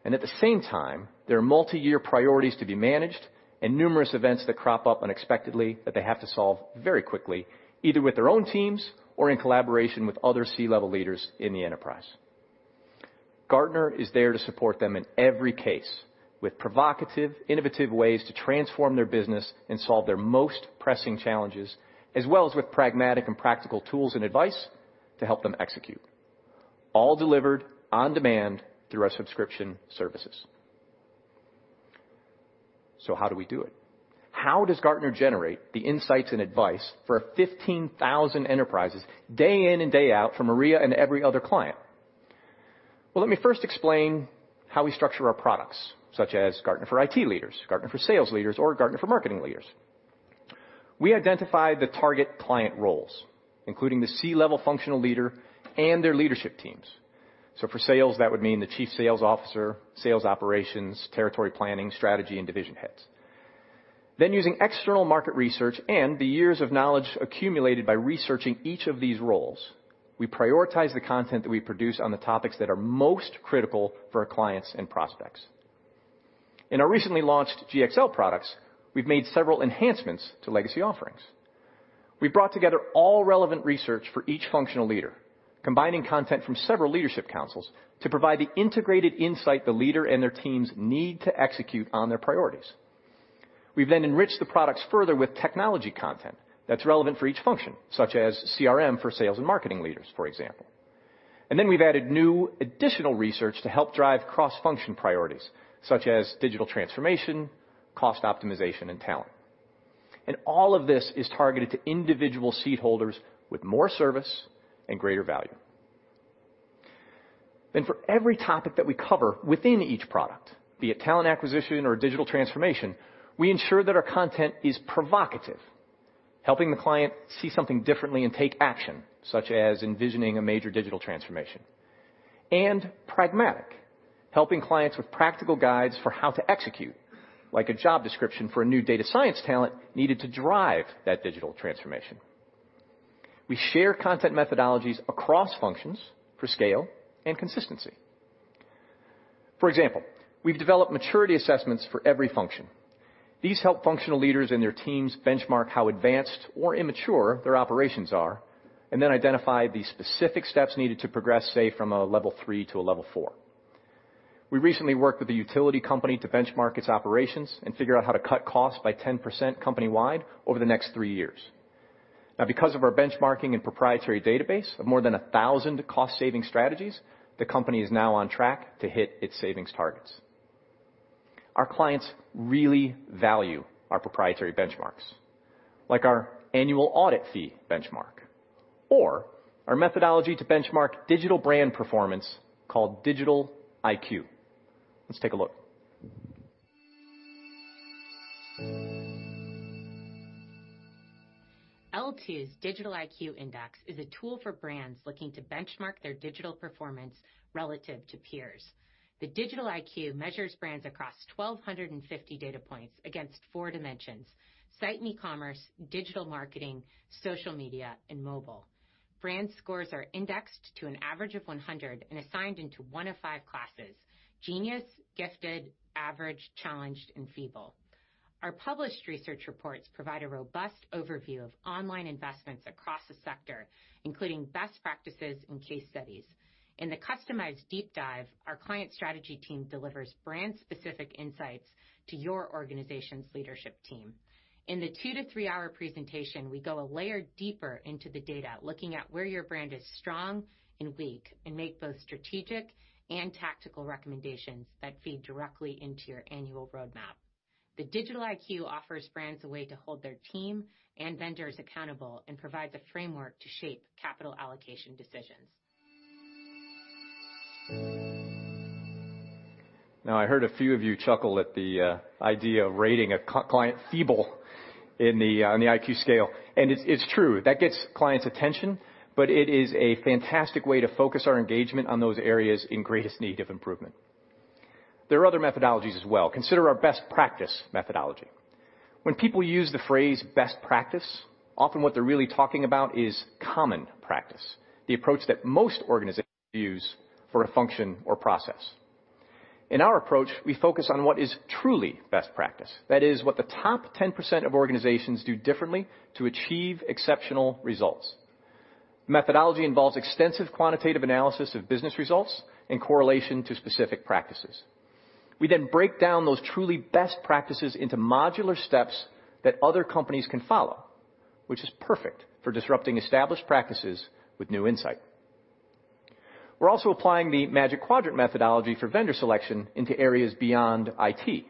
At the same time, there are multi-year priorities to be managed and numerous events that crop up unexpectedly that they have to solve very quickly, either with their own teams or in collaboration with other C-level leaders in the enterprise. Gartner is there to support them in every case with provocative, innovative ways to transform their business and solve their most pressing challenges, as well as with pragmatic and practical tools and advice to help them execute. All delivered on demand through our subscription services. How do we do it? How does Gartner generate the insights and advice for 15,000 enterprises day in and day out for Maria and every other client? Let me first explain how we structure our products, such as Gartner for IT Leaders, Gartner for Sales Leaders, or Gartner for Marketing Leaders. We identify the target client roles, including the C-level functional leader and their leadership teams. For sales, that would mean the chief sales officer, sales operations, territory planning, strategy, and division heads. Using external market research and the years of knowledge accumulated by researching each of these roles, we prioritize the content that we produce on the topics that are most critical for our clients and prospects. In our recently launched GXL products, we've made several enhancements to legacy offerings. We've brought together all relevant research for each functional leader, combining content from several leadership councils to provide the integrated insight the leader and their teams need to execute on their priorities. We've enriched the products further with technology content that's relevant for each function, such as CRM for sales and marketing leaders, for example. We've added new additional research to help drive cross-function priorities such as digital transformation, cost optimization, and talent. All of this is targeted to individual seat holders with more service and greater value. For every topic that we cover within each product, be it talent acquisition or digital transformation, we ensure that our content is provocative, helping the client see something differently and take action, such as envisioning a major digital transformation. Pragmatic, helping clients with practical guides for how to execute, like a job description for a new data science talent needed to drive that digital transformation. We share content methodologies across functions for scale and consistency. For example, we've developed maturity assessments for every function. These help functional leaders and their teams benchmark how advanced or immature their operations are, and then identify the specific steps needed to progress, say, from a level 3 to a level 4. We recently worked with a utility company to benchmark its operations and figure out how to cut costs by 10% company-wide over the next three years. Because of our benchmarking and proprietary database of more than 1,000 cost-saving strategies, the company is now on track to hit its savings targets. Our clients really value our proprietary benchmarks, like our annual audit fee benchmark or our methodology to benchmark digital brand performance called Digital IQ. Let's take a look. L2's Digital IQ Index is a tool for brands looking to benchmark their digital performance relative to peers. The Digital IQ measures brands across 1,250 data points against four dimensions: site and e-commerce, digital marketing, social media, and mobile. Brand scores are indexed to an average of 100 and assigned into one of 5 classes: genius, gifted, average, challenged, and feeble. Our published research reports provide a robust overview of online investments across the sector, including best practices and case studies. In the customized deep dive, our client strategy team delivers brand-specific insights to your organization's leadership team. In the two to three-hour presentation, we go a layer deeper into the data, looking at where your brand is strong and weak, and make both strategic and tactical recommendations that feed directly into your annual roadmap. The Digital IQ offers brands a way to hold their team and vendors accountable and provides a framework to shape capital allocation decisions. I heard a few of you chuckle at the idea of rating a client feeble on the IQ scale. It's true, that gets clients' attention, but it is a fantastic way to focus our engagement on those areas in greatest need of improvement. There are other methodologies as well. Consider our best practice methodology. When people use the phrase best practice, often what they're really talking about is common practice, the approach that most organizations use for a function or process. In our approach, we focus on what is truly best practice. That is what the top 10% of organizations do differently to achieve exceptional results. Methodology involves extensive quantitative analysis of business results and correlation to specific practices. We then break down those truly best practices into modular steps that other companies can follow, which is perfect for disrupting established practices with new insight. We're also applying the Magic Quadrant methodology for vendor selection into areas beyond IT.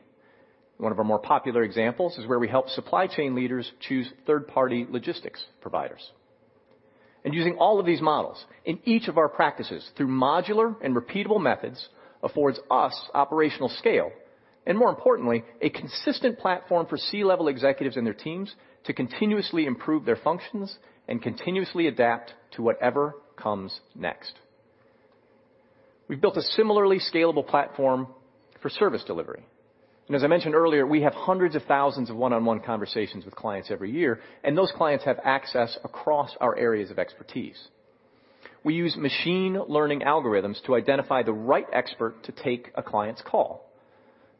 One of our more popular examples is where we help supply chain leaders choose third-party logistics providers. Using all of these models in each of our practices through modular and repeatable methods affords us operational scale, and more importantly, a consistent platform for C-level executives and their teams to continuously improve their functions and continuously adapt to whatever comes next. We've built a similarly scalable platform for service delivery. As I mentioned earlier, we have hundreds of thousands of one-on-one conversations with clients every year, and those clients have access across our areas of expertise. We use machine learning algorithms to identify the right expert to take a client's call.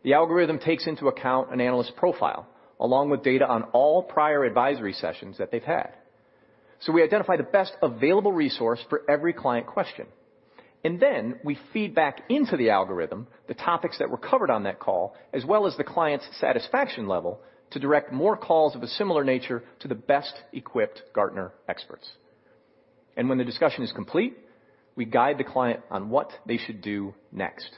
The algorithm takes into account an analyst's profile, along with data on all prior advisory sessions that they've had. We identify the best available resource for every client question. Then we feed back into the algorithm the topics that were covered on that call, as well as the client's satisfaction level, to direct more calls of a similar nature to the best-equipped Gartner experts. When the discussion is complete, we guide the client on what they should do next.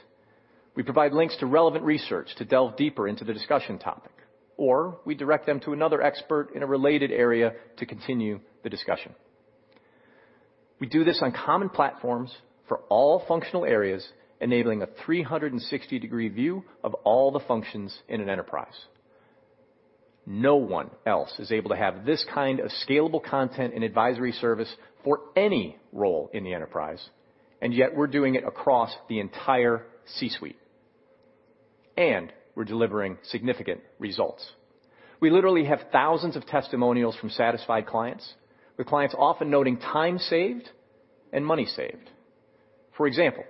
We provide links to relevant research to delve deeper into the discussion topic, or we direct them to another expert in a related area to continue the discussion. We do this on common platforms for all functional areas, enabling a 360-degree view of all the functions in an enterprise. No one else is able to have this kind of scalable content and advisory service for any role in the enterprise, and yet we're doing it across the entire C-suite. We're delivering significant results. We literally have thousands of testimonials from satisfied clients, with clients often noting time saved and money saved. For example,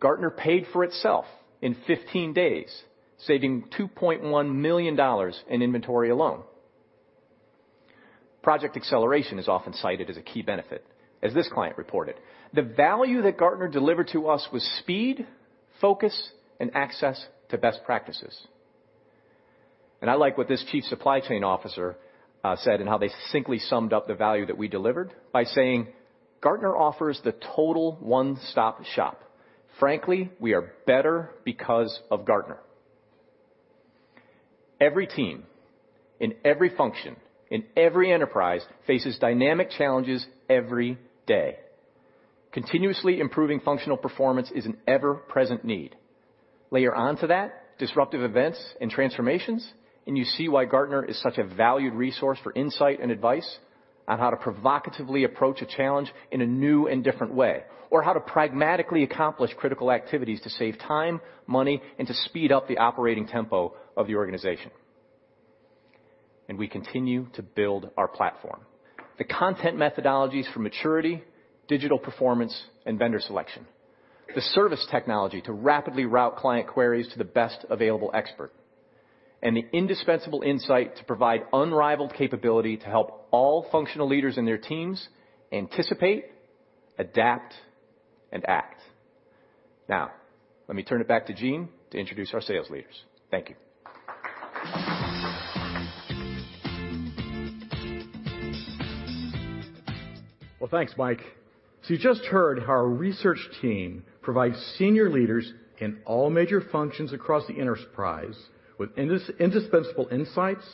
Gartner paid for itself in 15 days, saving $2.1 million in inventory alone. Project acceleration is often cited as a key benefit, as this client reported: "The value that Gartner delivered to us was speed, focus, and access to best practices." I like what this chief supply chain officer said and how they succinctly summed up the value that we delivered by saying, "Gartner offers the total one-stop shop. Frankly, we are better because of Gartner." Every team in every function in every enterprise faces dynamic challenges every day. Continuously improving functional performance is an ever-present need. Layer onto that disruptive events and transformations, and you see why Gartner is such a valued resource for insight and advice on how to provocatively approach a challenge in a new and different way, or how to pragmatically accomplish critical activities to save time, money, and to speed up the operating tempo of the organization. We continue to build our platform. The content methodologies for maturity, digital performance, and vendor selection. The service technology to rapidly route client queries to the best available expert, and the indispensable insight to provide unrivaled capability to help all functional leaders and their teams anticipate, adapt, and act. Let me turn it back to Gene to introduce our sales leaders. Thank you. Well, thanks, Mike. You just heard how our research team provides senior leaders in all major functions across the enterprise with indispensable insights,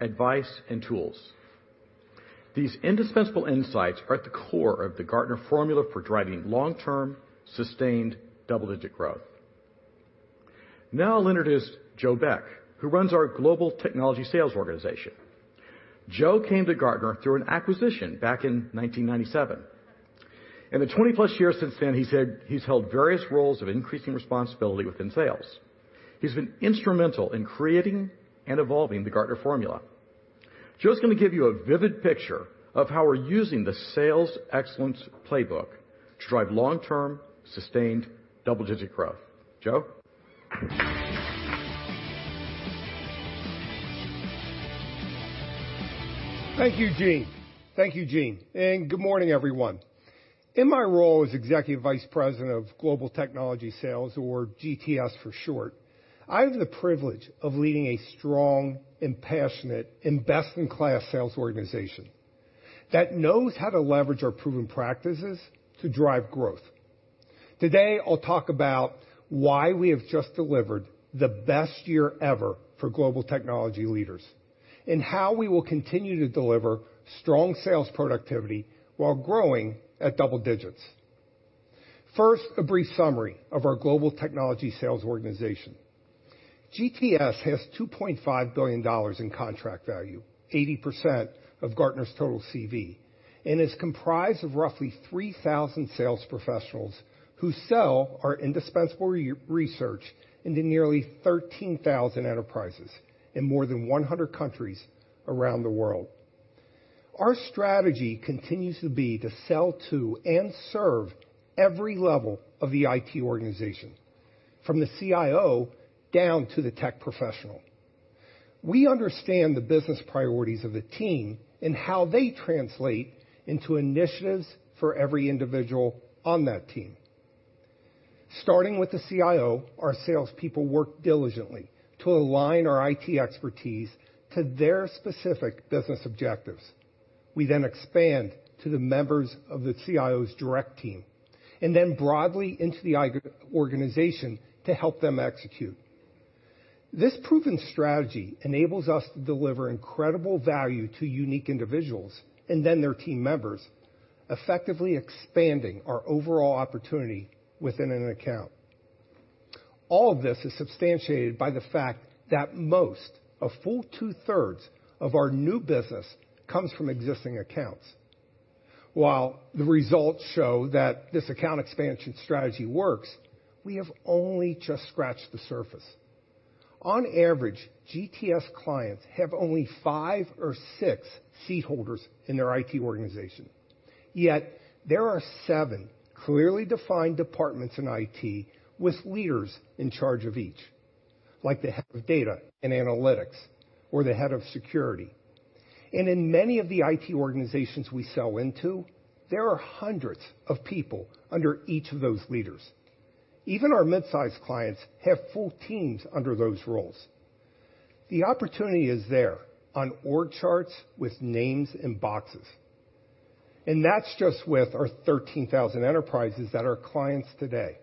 advice, and tools. These indispensable insights are at the core of the Gartner Formula for driving long-term, sustained double-digit growth. Next is Joe Beck, who runs our global technology sales organization. Joe came to Gartner through an acquisition back in 1997. In the 20-plus years since then, he's held various roles of increasing responsibility within sales. He's been instrumental in creating and evolving the Gartner Formula. Joe's going to give you a vivid picture of how we're using the Sales Excellence Playbook to drive long-term, sustained double-digit growth. Joe. Thank you, Gene. Good morning, everyone. In my role as Executive Vice President of Global Technology Sales, or GTS for short, I have the privilege of leading a strong and passionate and best-in-class sales organization that knows how to leverage our proven practices to drive growth. Today, I'll talk about why we have just delivered the best year ever for global technology leaders and how we will continue to deliver strong sales productivity while growing at double digits. First, a brief summary of our global technology sales organization. GTS has $2.5 billion in contract value, 80% of Gartner's total CV, and is comprised of roughly 3,000 sales professionals who sell our indispensable research into nearly 13,000 enterprises in more than 100 countries around the world. Our strategy continues to be to sell to and serve every level of the IT organization, from the CIO down to the tech professional. We understand the business priorities of the team and how they translate into initiatives for every individual on that team. Starting with the CIO, our salespeople work diligently to align our IT expertise to their specific business objectives. We then expand to the members of the CIO's direct team, and then broadly into the IT organization to help them execute. This proven strategy enables us to deliver incredible value to unique individuals and then their team members, effectively expanding our overall opportunity within an account. All of this is substantiated by the fact that most, a full two-thirds, of our new business comes from existing accounts. While the results show that this account expansion strategy works, we have only just scratched the surface. On average, GTS clients have only five or six seat holders in their IT organization. Yet there are seven clearly defined departments in IT with leaders in charge of each, like the head of data and analytics or the head of security. In many of the IT organizations we sell into, there are hundreds of people under each of those leaders. Even our mid-size clients have full teams under those roles. The opportunity is there on org charts with names and boxes, and that's just with our 13,000 enterprises that are clients today.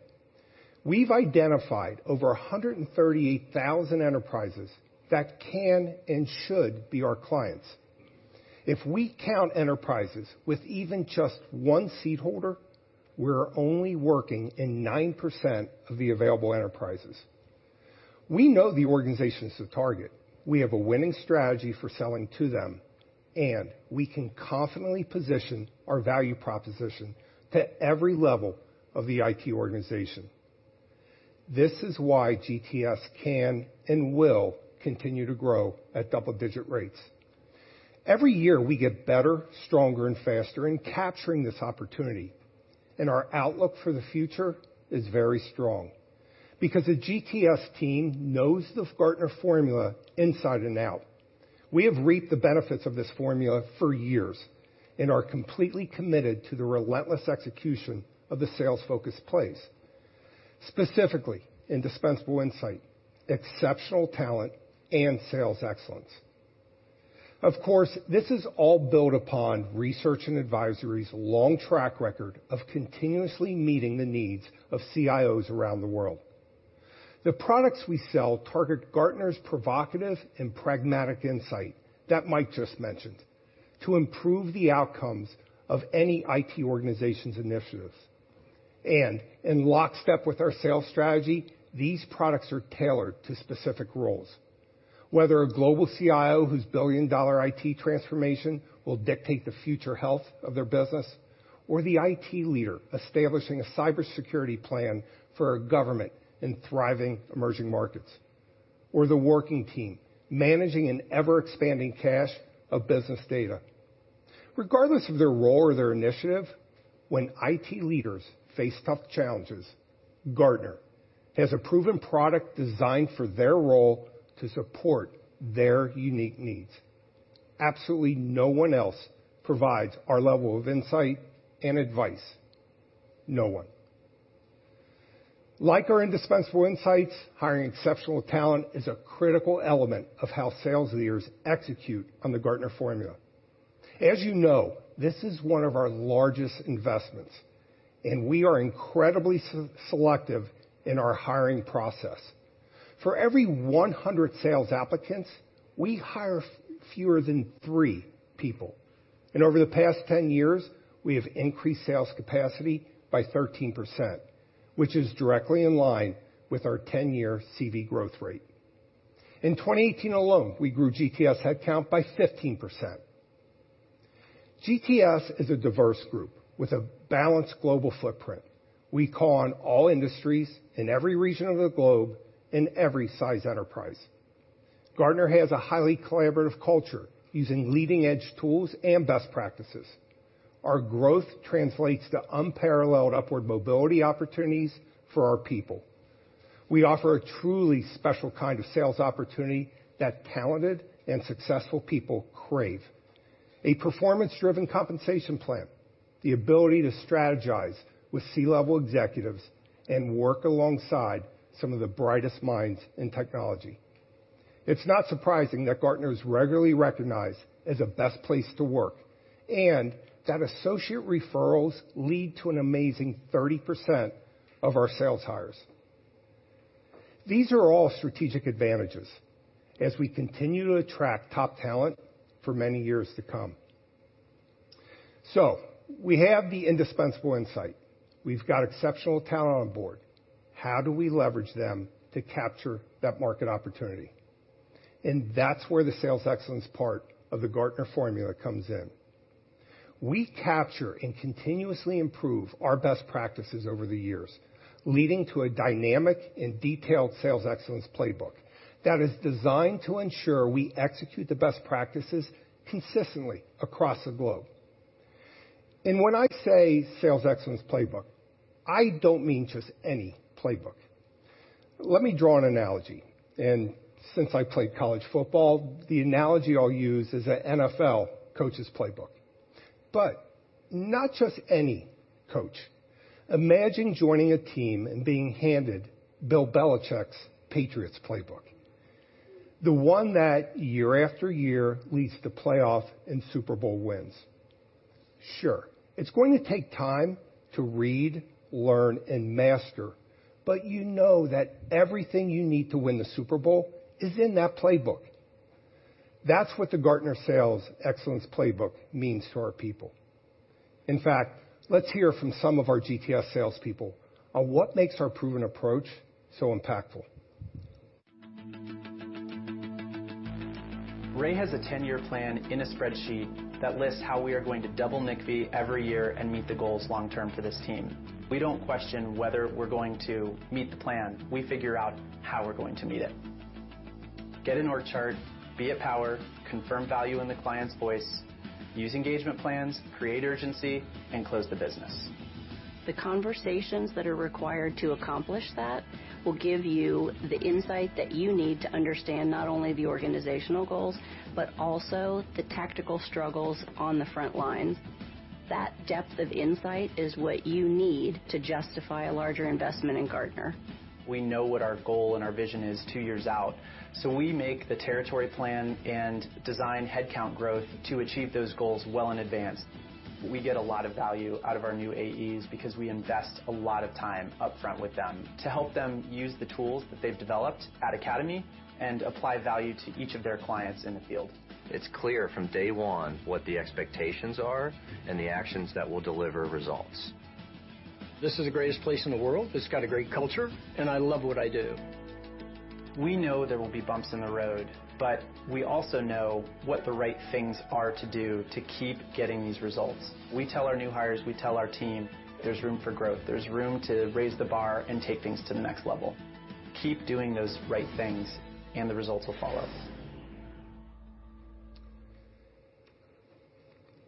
We've identified over 138,000 enterprises that can and should be our clients. If we count enterprises with even just one seat holder, we're only working in 9% of the available enterprises. We know the organizations to target. We have a winning strategy for selling to them, and we can confidently position our value proposition to every level of the IT organization. This is why GTS can and will continue to grow at double-digit rates. Every year we get better, stronger, and faster in capturing this opportunity, and our outlook for the future is very strong because the GTS team knows the Gartner Formula inside and out. We have reaped the benefits of this Formula for years and are completely committed to the relentless execution of the sales-focused plays, specifically Indispensable Insight, Exceptional Talent, and Sales Excellence. Of course, this is all built upon Research & Advisory's long track record of continuously meeting the needs of CIOs around the world. The products we sell target Gartner's provocative and pragmatic insight that Mike just mentioned to improve the outcomes of any IT organization's initiatives. In lockstep with our sales strategy, these products are tailored to specific roles. Whether a global CIO whose billion-dollar IT transformation will dictate the future health of their business, or the IT leader establishing a cybersecurity plan for a government in thriving emerging markets, or the working team managing an ever-expanding cache of business data. Regardless of their role or their initiative, when IT leaders face tough challenges, Gartner has a proven product designed for their role to support their unique needs. Absolutely no one else provides our level of insight and advice. No one. Like our Indispensable Insights, hiring Exceptional Talent is a critical element of how sales leaders execute on the Gartner Formula. As you know, this is one of our largest investments, and we are incredibly selective in our hiring process. For every 100 sales applicants, we hire fewer than three people. Over the past 10 years, we have increased sales capacity by 13%, which is directly in line with our 10-year CV growth rate. In 2018 alone, we grew GTS headcount by 15%. GTS is a diverse group with a balanced global footprint. We call on all industries in every region of the globe, in every size enterprise. Gartner has a highly collaborative culture using leading-edge tools and best practices. Our growth translates to unparalleled upward mobility opportunities for our people. We offer a truly special kind of sales opportunity that talented and successful people crave. A performance-driven compensation plan, the ability to strategize with C-level executives and work alongside some of the brightest minds in technology. It's not surprising that Gartner is regularly recognized as a best place to work, and that associate referrals lead to an amazing 30% of our sales hires. These are all strategic advantages as we continue to attract top talent for many years to come. We have the indispensable insight. We've got exceptional talent on board. How do we leverage them to capture that market opportunity? That's where the Sales Excellence part of the Gartner Formula comes in. We capture and continuously improve our best practices over the years, leading to a dynamic and detailed Sales Excellence Playbook that is designed to ensure we execute the best practices consistently across the globe. When I say Sales Excellence Playbook, I don't mean just any playbook. Let me draw an analogy, and since I played college football, the analogy I'll use is a NFL coach's playbook, but not just any coach. Imagine joining a team and being handed Bill Belichick's Patriots playbook, the one that year after year leads to playoff and Super Bowl wins. Sure, it's going to take time to read, learn, and master, but you know that everything you need to win the Super Bowl is in that playbook. That's what the Gartner Sales Excellence Playbook means to our people. In fact, let's hear from some of our GTS salespeople on what makes our proven approach so impactful. Ray has a 10-year plan in a spreadsheet that lists how we are going to double NCVI every year and meet the goals long term for this team. We don't question whether we're going to meet the plan. We figure out how we're going to meet it. Get an org chart, be at power, confirm value in the client's voice, use engagement plans, create urgency, and close the business. The conversations that are required to accomplish that will give you the insight that you need to understand not only the organizational goals, but also the tactical struggles on the front lines. That depth of insight is what you need to justify a larger investment in Gartner. We know what our goal and our vision is 2 years out. We make the territory plan and design headcount growth to achieve those goals well in advance. We get a lot of value out of our new AEs because we invest a lot of time upfront with them to help them use the tools that they've developed at Academy and apply value to each of their clients in the field. It's clear from day one what the expectations are and the actions that will deliver results. This is the greatest place in the world. It's got a great culture, and I love what I do. We know there will be bumps in the road, but we also know what the right things are to do to keep getting these results. We tell our new hires, we tell our team, there's room for growth. There's room to raise the bar and take things to the next level. Keep doing those right things. The results will follow.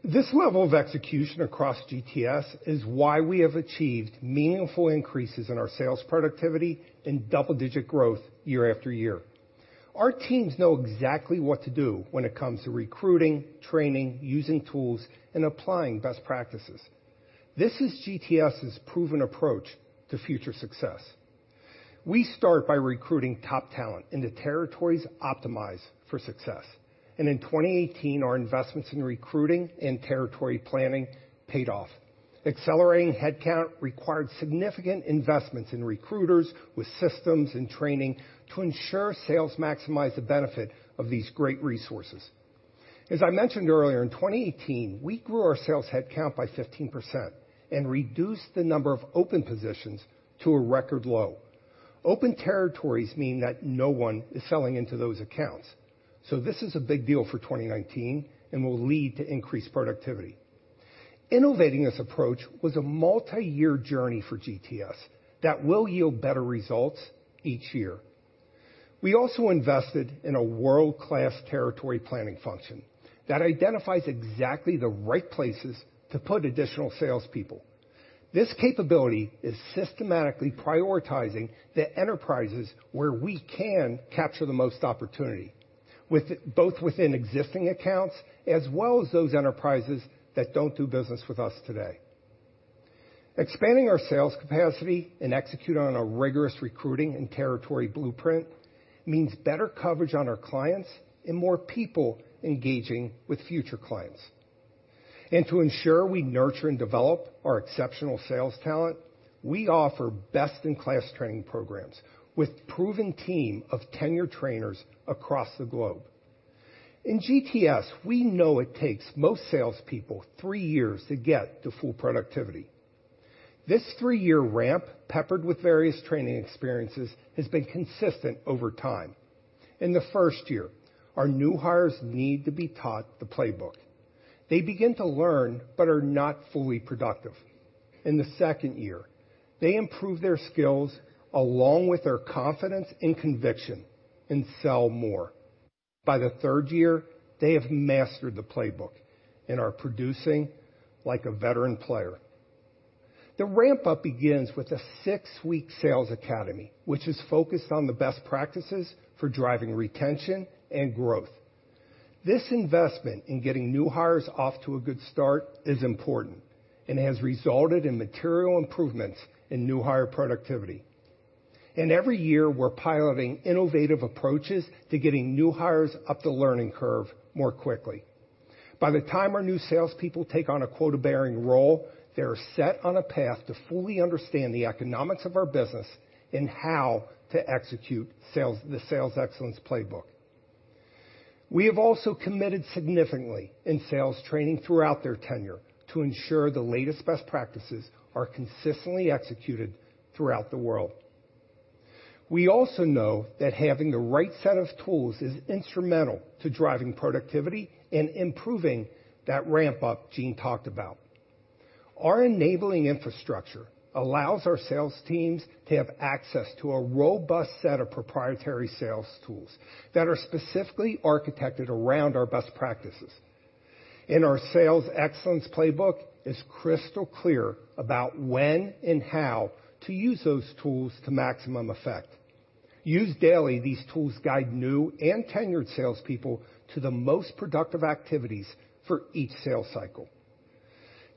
This level of execution across GTS is why we have achieved meaningful increases in our sales productivity and double-digit growth year after year. Our teams know exactly what to do when it comes to recruiting, training, using tools, and applying best practices. This is GTS's proven approach to future success. We start by recruiting top talent into territories optimized for success. In 2018, our investments in recruiting and territory planning paid off. Accelerating headcount required significant investments in recruiters with systems and training to ensure sales maximize the benefit of these great resources. As I mentioned earlier, in 2018, we grew our sales headcount by 15% and reduced the number of open positions to a record low. Open territories mean that no one is selling into those accounts. This is a big deal for 2019 and will lead to increased productivity. Innovating this approach was a multi-year journey for GTS that will yield better results each year. We also invested in a world-class territory planning function that identifies exactly the right places to put additional salespeople. This capability is systematically prioritizing the enterprises where we can capture the most opportunity, both within existing accounts as well as those enterprises that don't do business with us today. Expanding our sales capacity and execute on a rigorous recruiting and territory blueprint means better coverage on our clients and more people engaging with future clients. To ensure we nurture and develop our exceptional sales talent, we offer best-in-class training programs with proven team of tenured trainers across the globe. In GTS, we know it takes most salespeople three years to get to full productivity. This three-year ramp, peppered with various training experiences, has been consistent over time. In the first year, our new hires need to be taught the playbook. They begin to learn, but are not fully productive. In the second year, they improve their skills, along with their confidence and conviction, and sell more. By the third year, they have mastered the playbook and are producing like a veteran player. The ramp-up begins with a six-week Sales Academy, which is focused on the best practices for driving retention and growth. This investment in getting new hires off to a good start is important and has resulted in material improvements in new hire productivity. Every year, we're piloting innovative approaches to getting new hires up the learning curve more quickly. By the time our new salespeople take on a quota-bearing role, they're set on a path to fully understand the economics of our business and how to execute the Sales Excellence Playbook. We have also committed significantly in sales training throughout their tenure to ensure the latest best practices are consistently executed throughout the world. We also know that having the right set of tools is instrumental to driving productivity and improving that ramp-up Gene talked about. Our enabling infrastructure allows our sales teams to have access to a robust set of proprietary sales tools that are specifically architected around our best practices, and our Sales Excellence Playbook is crystal clear about when and how to use those tools to maximum effect. Used daily, these tools guide new and tenured salespeople to the most productive activities for each sales cycle.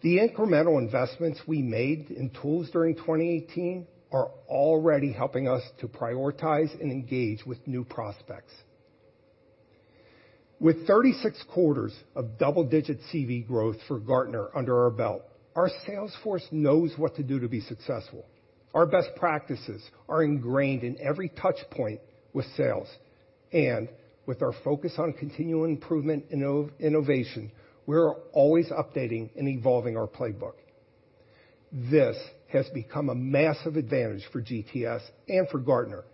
The incremental investments we made in tools during 2018 are already helping us to prioritize and engage with new prospects. With 36 quarters of double-digit CV growth for Gartner under our belt, our sales force knows what to do to be successful. Our best practices are ingrained in every touchpoint with sales. With our focus on continual improvement and innovation, we're always updating and evolving our playbook. This has become a massive advantage for GTS and for Gartner,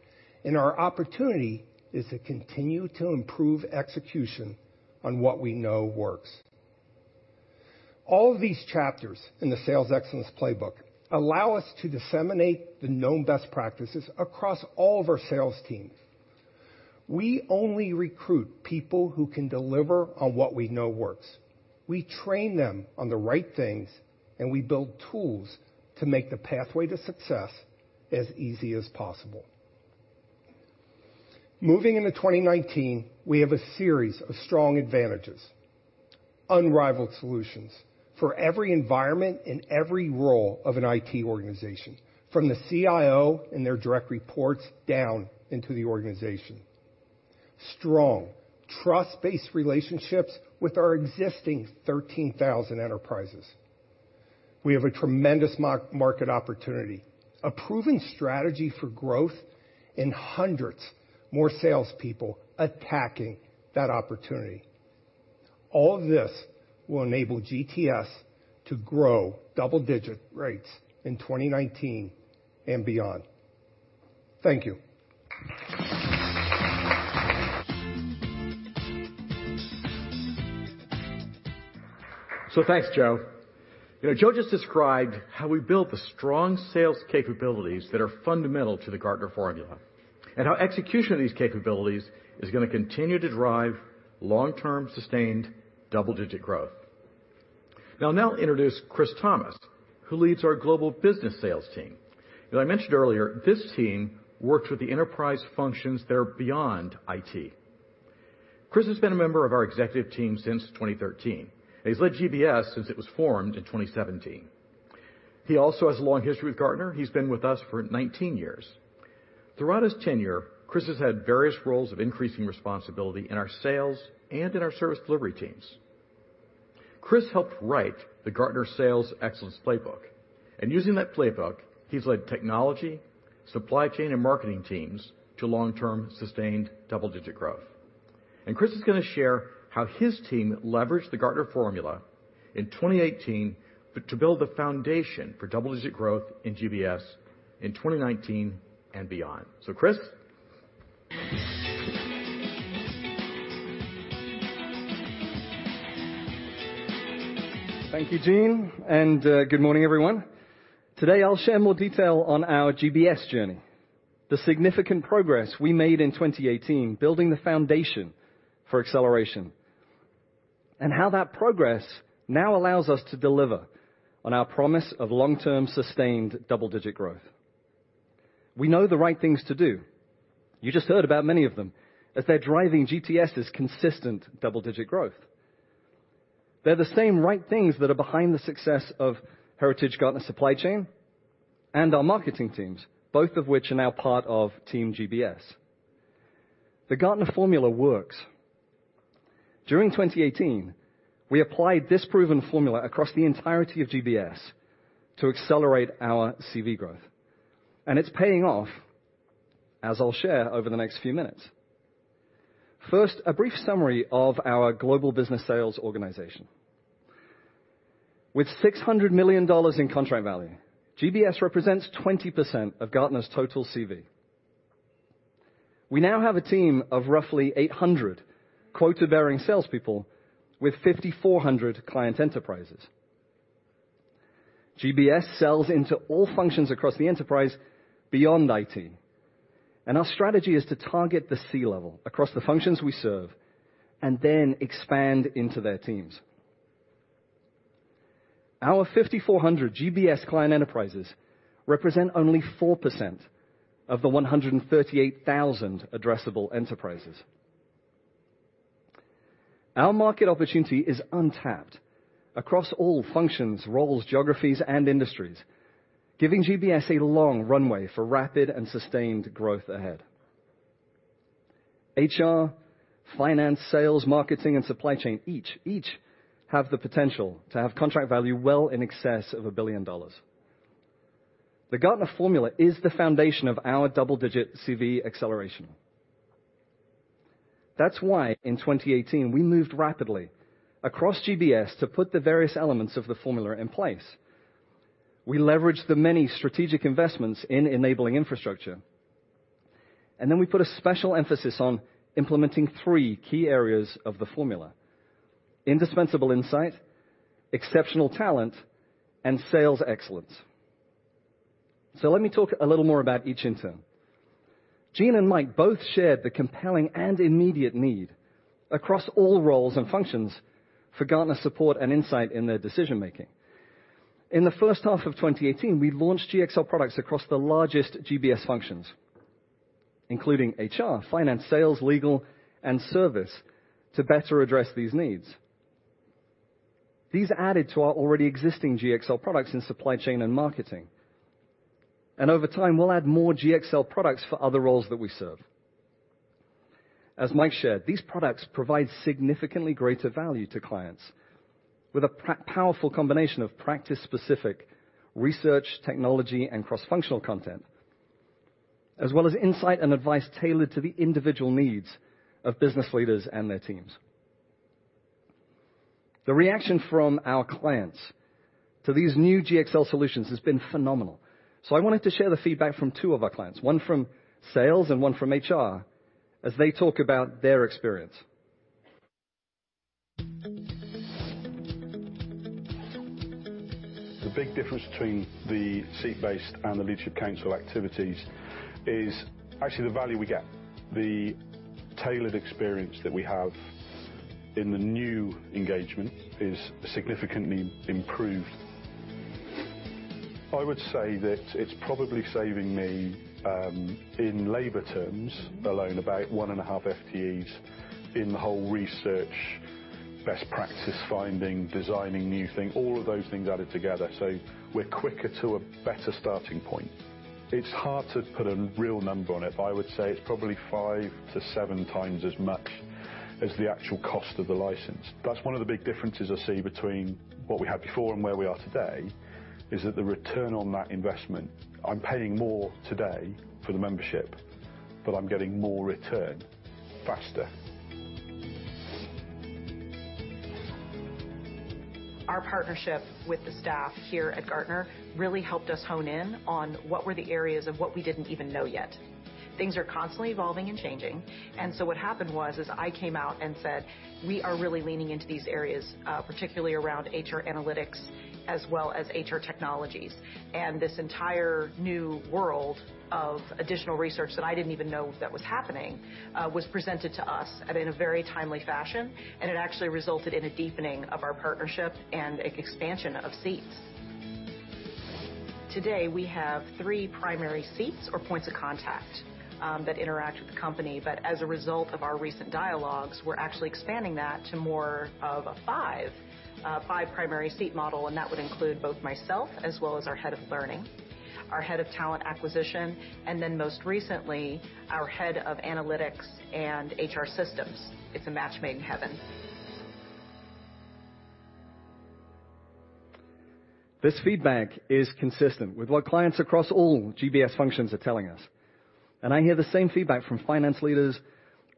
our opportunity is to continue to improve execution on what we know works. All of these chapters in the Sales Excellence Playbook allow us to disseminate the known best practices across all of our sales teams. We only recruit people who can deliver on what we know works. We train them on the right things, and we build tools to make the pathway to success as easy as possible. Moving into 2019, we have a series of strong advantages. Unrivaled solutions for every environment and every role of an IT organization, from the CIO and their direct reports down into the organization. Strong, trust-based relationships with our existing 13,000 enterprises. We have a tremendous market opportunity, a proven strategy for growth, and hundreds more salespeople attacking that opportunity. All of this will enable GTS to grow double-digit rates in 2019 and beyond. Thank you. Thanks, Joe. Joe just described how we built the strong sales capabilities that are fundamental to the Gartner Formula, how execution of these capabilities is going to continue to drive long-term, sustained, double-digit growth. I'll now introduce Chris Thomas, who leads our Global Business Sales team. As I mentioned earlier, this team works with the enterprise functions that are beyond IT. Chris has been a member of our executive team since 2013, and he's led GBS since it was formed in 2017. He also has a long history with Gartner. He's been with us for 19 years. Throughout his tenure, Chris has had various roles of increasing responsibility in our sales and in our service delivery teams. Chris helped write the Gartner Sales Excellence Playbook, and using that playbook, he's led technology, supply chain, and marketing teams to long-term, sustained, double-digit growth. Chris is going to share how his team leveraged the Gartner Formula in 2018 to build the foundation for double-digit growth in GBS in 2019 and beyond. Chris? Thank you, Gene, and good morning, everyone. Today, I'll share more detail on our GBS journey, the significant progress we made in 2018, building the foundation for acceleration, and how that progress now allows us to deliver on our promise of long-term, sustained, double-digit growth. We know the right things to do. You just heard about many of them, as they're driving GTS' consistent double-digit growth. They're the same right things that are behind the success of heritage Gartner supply chain and our marketing teams, both of which are now part of team GBS. The Gartner Formula works. During 2018, we applied this proven formula across the entirety of GBS to accelerate our CV growth, and it's paying off, as I'll share over the next few minutes. First, a brief summary of our global business sales organization. With $600 million in contract value, GBS represents 20% of Gartner's total CV. We now have a team of roughly 800 quota-bearing salespeople with 5,400 client enterprises. GBS sells into all functions across the enterprise beyond IT, and our strategy is to target the C-level across the functions we serve and then expand into their teams. Our 5,400 GBS client enterprises represent only 4% of the 138,000 addressable enterprises. Our market opportunity is untapped across all functions, roles, geographies, and industries, giving GBS a long runway for rapid and sustained growth ahead. HR, finance, sales, marketing, and supply chain, each have the potential to have contract value well in excess of $1 billion. The Gartner Formula is the foundation of our double-digit CV acceleration. That's why in 2018, we moved rapidly across GBS to put the various elements of the formula in place. We leveraged the many strategic investments in enabling infrastructure, we put a special emphasis on implementing three key areas of the formula, Indispensable Insight, Exceptional Talent, and Sales Excellence. Let me talk a little more about each in turn. Gene and Mike both shared the compelling and immediate need across all roles and functions for Gartner support and insight in their decision-making. In the first half of 2018, we launched GXL products across the largest GBS functions, including HR, finance, sales, legal, and service, to better address these needs. These added to our already existing GXL products in supply chain and marketing. Over time, we'll add more GXL products for other roles that we serve. As Mike shared, these products provide significantly greater value to clients with a powerful combination of practice-specific research, technology, and cross-functional content, as well as insight and advice tailored to the individual needs of business leaders and their teams. The reaction from our clients to these new GXL solutions has been phenomenal. I wanted to share the feedback from two of our clients, one from sales and one from HR, as they talk about their experience. The big difference between the seat-based and the Leadership Council activities is actually the value we get. The tailored experience that we have in the new engagement is significantly improved. I would say that it's probably saving me, in labor terms alone, about 1.5 FTEs in the whole research, best practice finding, designing new thing, all of those things added together. We're quicker to a better starting point. It's hard to put a real number on it, but I would say it's probably 5 to 7 times as much as the actual cost of the license. That's one of the big differences I see between what we had before and where we are today, is that the return on that investment, I'm paying more today for the membership, but I'm getting more return faster. Our partnership with the staff here at Gartner really helped us hone in on what were the areas of what we didn't even know yet. Things are constantly evolving and changing. What happened was, is I came out and said, "We are really leaning into these areas, particularly around HR analytics as well as HR technologies." This entire new world of additional research that I didn't even know that was happening, was presented to us and in a very timely fashion, and it actually resulted in a deepening of our partnership and expansion of seats. Today, we have 3 primary seats or points of contact, that interact with the company. As a result of our recent dialogues, we're actually expanding that to more of a 5 primary seat model, and that would include both myself as well as our head of learning, our head of talent acquisition, and then most recently, our head of analytics and HR systems. It's a match made in heaven. This feedback is consistent with what clients across all GBS functions are telling us. I hear the same feedback from finance leaders,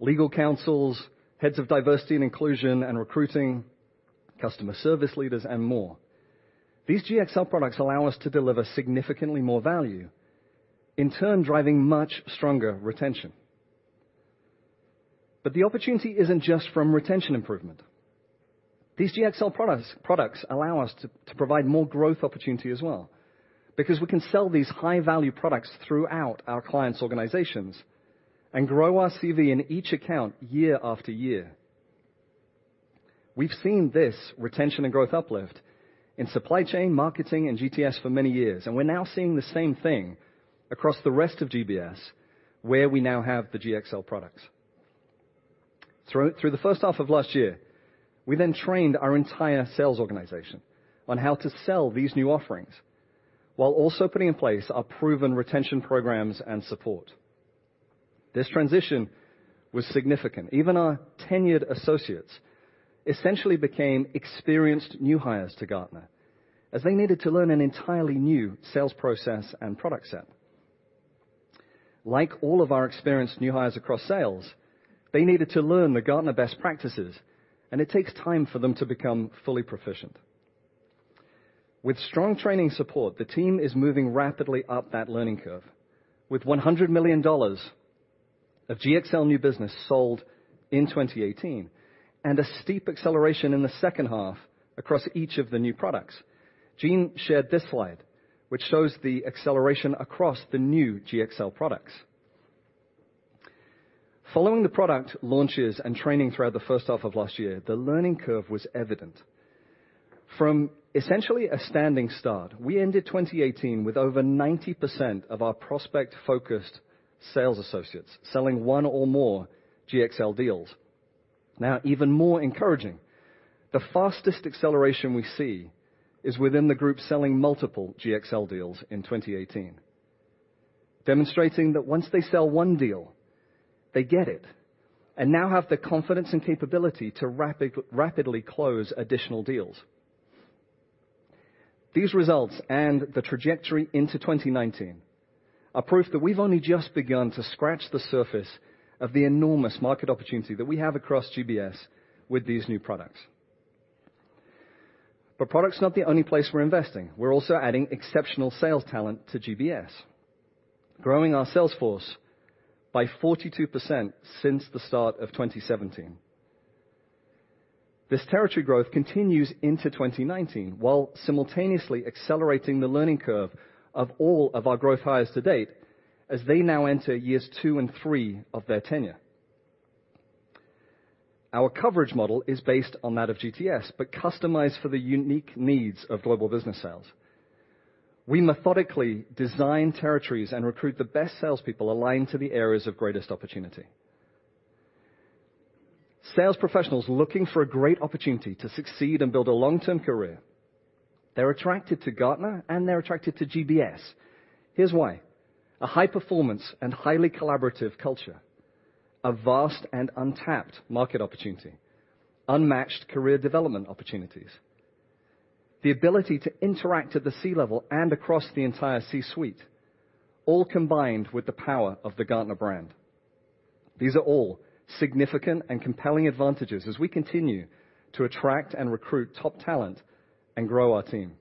legal counsels, heads of diversity and inclusion and recruiting, customer service leaders, and more. These GXL products allow us to deliver significantly more value, in turn, driving much stronger retention. The opportunity isn't just from retention improvement. These GXL products allow us to provide more growth opportunity as well, because we can sell these high-value products throughout our clients' organizations and grow our CV in each account year after year. We've seen this retention and growth uplift in supply chain, marketing, and GTS for many years, and we're now seeing the same thing across the rest of GBS, where we now have the GXL products. Through the first half of last year, we then trained our entire sales organization on how to sell these new offerings while also putting in place our proven retention programs and support. This transition was significant. Even our tenured associates essentially became experienced new hires to Gartner, as they needed to learn an entirely new sales process and product set. Like all of our experienced new hires across sales, they needed to learn the Gartner best practices, and it takes time for them to become fully proficient. With strong training support, the team is moving rapidly up that learning curve with $100 million of GXL new business sold in 2018 and a steep acceleration in the second half across each of the new products. Gene shared this slide, which shows the acceleration across the new GXL products. Following the product launches and training throughout the first half of last year, the learning curve was evident. From essentially a standing start, we ended 2018 with over 90% of our prospect-focused sales associates selling one or more GXL deals. Even more encouraging, the fastest acceleration we see is within the group selling multiple GXL deals in 2018. Demonstrating that once they sell one deal, they get it and now have the confidence and capability to rapidly close additional deals. These results and the trajectory into 2019 are proof that we've only just begun to scratch the surface of the enormous market opportunity that we have across GBS with these new products. Product's not the only place we're investing. We're also adding exceptional sales talent to GBS, growing our sales force by 42% since the start of 2017. This territory growth continues into 2019, while simultaneously accelerating the learning curve of all of our growth hires to date as they now enter years two and three of their tenure. Our coverage model is based on that of GTS, but customized for the unique needs of Global Business Sales. We methodically design territories and recruit the best salespeople aligned to the areas of greatest opportunity. Sales professionals looking for a great opportunity to succeed and build a long-term career, they're attracted to Gartner, and they're attracted to GBS. Here's why. A high-performance and highly collaborative culture, a vast and untapped market opportunity, unmatched career development opportunities, the ability to interact at the C-level and across the entire C-suite, all combined with the power of the Gartner brand. These are all significant and compelling advantages as we continue to attract and recruit top talent and grow our team.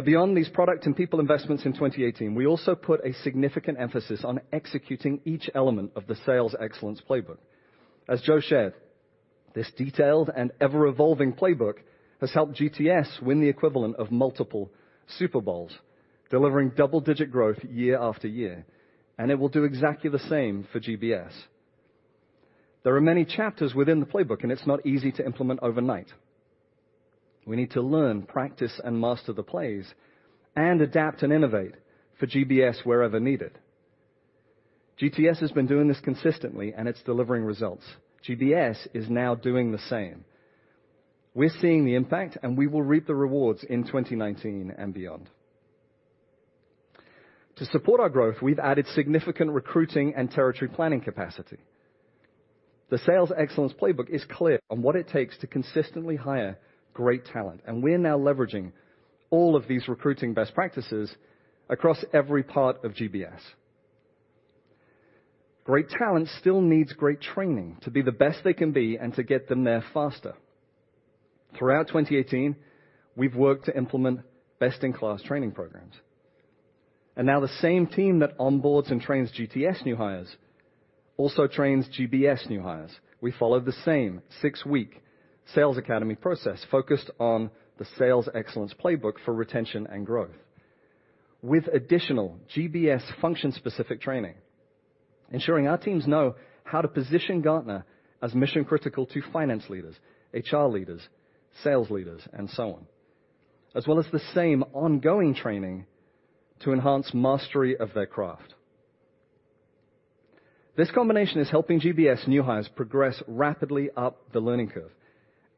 Beyond these product and people investments in 2018, we also put a significant emphasis on executing each element of the Sales Excellence Playbook. As Joe shared, this detailed and ever-evolving playbook has helped GTS win the equivalent of multiple Super Bowls, delivering double-digit growth year after year, and it will do exactly the same for GBS. There are many chapters within the playbook, and it's not easy to implement overnight. We need to learn, practice, and master the plays, and adapt and innovate for GBS wherever needed. GTS has been doing this consistently, and it's delivering results. GBS is now doing the same. We're seeing the impact, and we will reap the rewards in 2019 and beyond. To support our growth, we've added significant recruiting and territory planning capacity. The Sales Excellence Playbook is clear on what it takes to consistently hire great talent, we're now leveraging all of these recruiting best practices across every part of GBS. Great talent still needs great training to be the best they can be and to get them there faster. Throughout 2018, we've worked to implement best-in-class training programs. Now the same team that onboards and trains GTS new hires also trains GBS new hires. We follow the same six-week sales academy process focused on the Sales Excellence Playbook for retention and growth. With additional GBS function-specific training, ensuring our teams know how to position Gartner as mission-critical to finance leaders, HR leaders, sales leaders, and so on, as well as the same ongoing training to enhance mastery of their craft. This combination is helping GBS new hires progress rapidly up the learning curve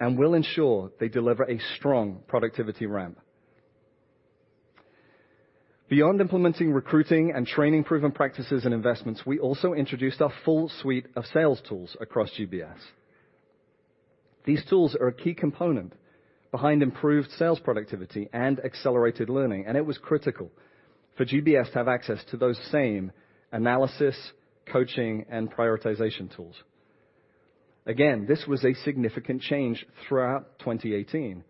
and will ensure they deliver a strong productivity ramp. Beyond implementing recruiting and training proven practices and investments, we also introduced our full suite of sales tools across GBS. These tools are a key component behind improved sales productivity and accelerated learning, and it was critical for GBS to have access to those same analysis, coaching, and prioritization tools. This was a significant change throughout 2018,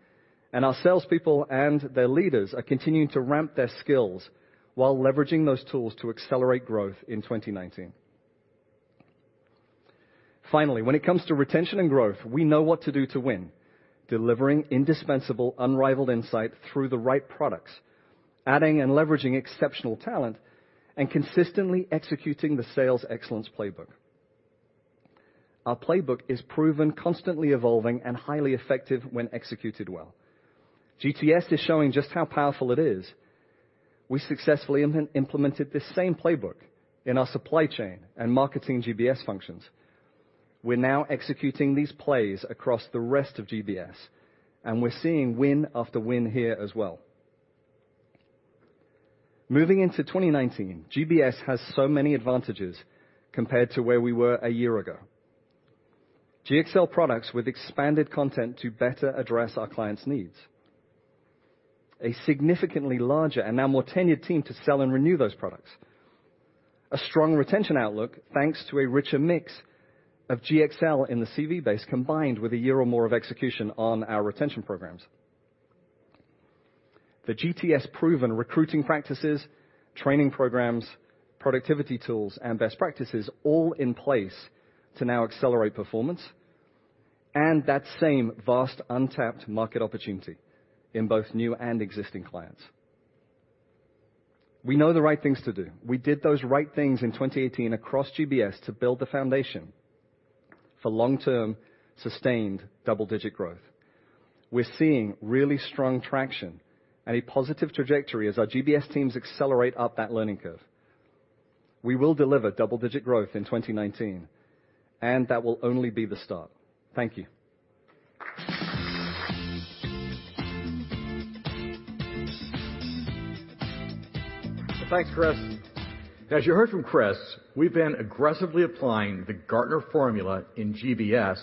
and our salespeople and their leaders are continuing to ramp their skills while leveraging those tools to accelerate growth in 2019. When it comes to retention and growth, we know what to do to win, delivering indispensable, unrivaled insight through the right products, adding and leveraging exceptional talent, and consistently executing the Sales Excellence Playbook. Our playbook is proven, constantly evolving and highly effective when executed well. GTS is showing just how powerful it is. We successfully implemented this same playbook in our supply chain and marketing GBS functions. We're now executing these plays across the rest of GBS, and we're seeing win after win here as well. In 2019, GBS has so many advantages compared to where we were a year ago. GXL products with expanded content to better address our clients' needs. A significantly larger and now more tenured team to sell and renew those products. A strong retention outlook, thanks to a richer mix of GXL in the CV base, combined with a year or more of execution on our retention programs. The GTS-proven recruiting practices, training programs, productivity tools, and best practices all in place to now accelerate performance, and that same vast, untapped market opportunity in both new and existing clients. We know the right things to do. We did those right things in 2018 across GBS to build the foundation for long-term, sustained double-digit growth. We're seeing really strong traction and a positive trajectory as our GBS teams accelerate up that learning curve. We will deliver double-digit growth in 2019, that will only be the start. Thank you. Thanks, Chris. As you heard from Chris, we've been aggressively applying the Gartner Formula in GBS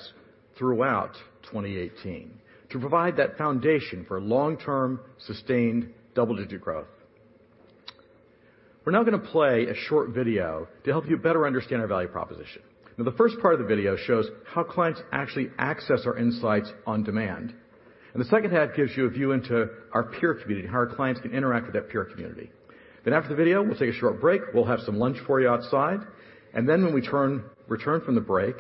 throughout 2018 to provide that foundation for long-term, sustained double-digit growth. We're now going to play a short video to help you better understand our value proposition. The first part of the video shows how clients actually access our insights on demand. The second half gives you a view into our peer community, how our clients can interact with that peer community. After the video, we'll take a short break. We'll have some lunch for you outside. When we return from the break,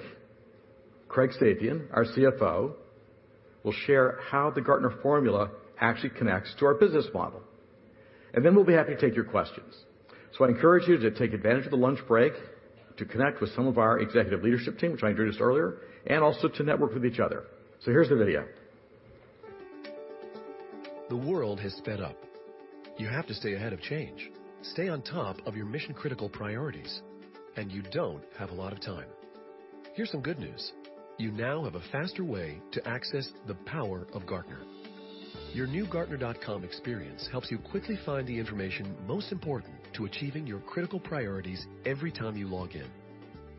Craig Safian, our CFO, will share how the Gartner Formula actually connects to our business model. We'll be happy to take your questions. I encourage you to take advantage of the lunch break to connect with some of our executive leadership team, which I introduced earlier, also to network with each other. Here's the video. The world has sped up. You have to stay ahead of change, stay on top of your mission-critical priorities, you don't have a lot of time. Here's some good news. You now have a faster way to access the power of Gartner. Your new gartner.com experience helps you quickly find the information most important to achieving your critical priorities every time you log in.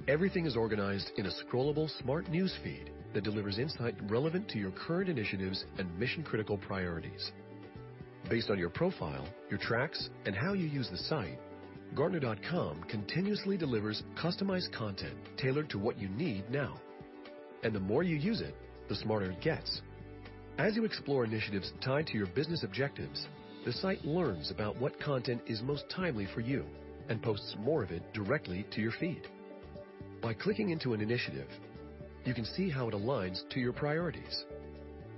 Everything is organized in a scrollable, smart news feed that delivers insight relevant to your current initiatives and mission-critical priorities. Based on your profile, your tracks, and how you use the site, gartner.com continuously delivers customized content tailored to what you need now. The more you use it, the smarter it gets. As you explore initiatives tied to your business objectives, the site learns about what content is most timely for you and posts more of it directly to your feed. By clicking into an initiative, you can see how it aligns to your priorities.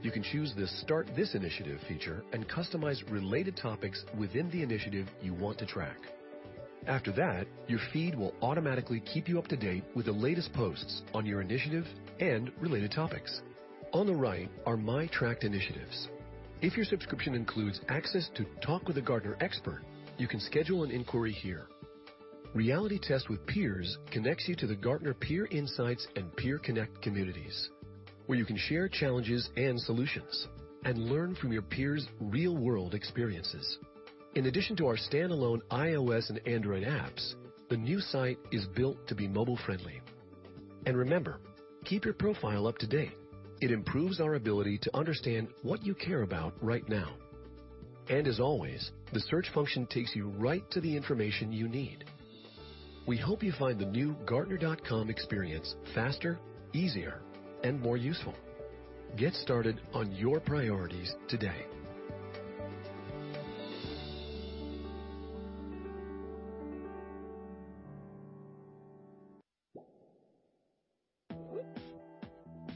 You can choose the Start this initiative feature and customize related topics within the initiative you want to track. After that, your feed will automatically keep you up to date with the latest posts on your initiative and related topics. On the right are My Tracked Initiatives. If your subscription includes access to Talk with a Gartner Expert, you can schedule an inquiry here. Reality Test with Peers connects you to the Gartner Peer Insights and Peer Connect communities, where you can share challenges and solutions and learn from your peers' real-world experiences. In addition to our standalone iOS and Android apps, the new site is built to be mobile-friendly. Remember, keep your profile up to date. It improves our ability to understand what you care about right now. As always, the search function takes you right to the information you need. We hope you find the new gartner.com experience faster, easier, and more useful. Get started on your priorities today.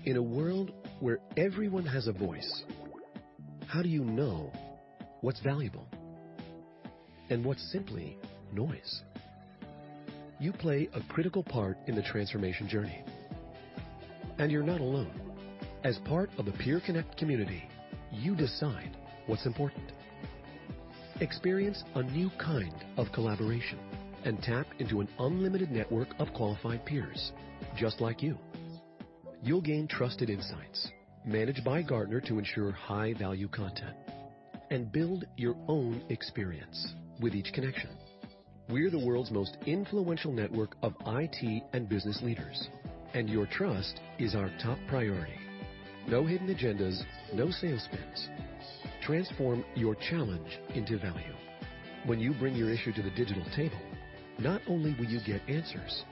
In a world where everyone has a voice, how do you know what's valuable and what's simply noise? You play a critical part in the transformation journey, and you're not alone. As part of the Peer Connect community, you decide what's important. Experience a new kind of collaboration and tap into an unlimited network of qualified peers, just like you. You'll gain trusted insights, managed by Gartner to ensure high-value content, and build your own experience with each connection. We're the world's most influential network of IT and business leaders, and your trust is our top priority. No hidden agendas, no sales spins. Transform your challenge into value. When you bring your issue to the digital table, not only will you get answers,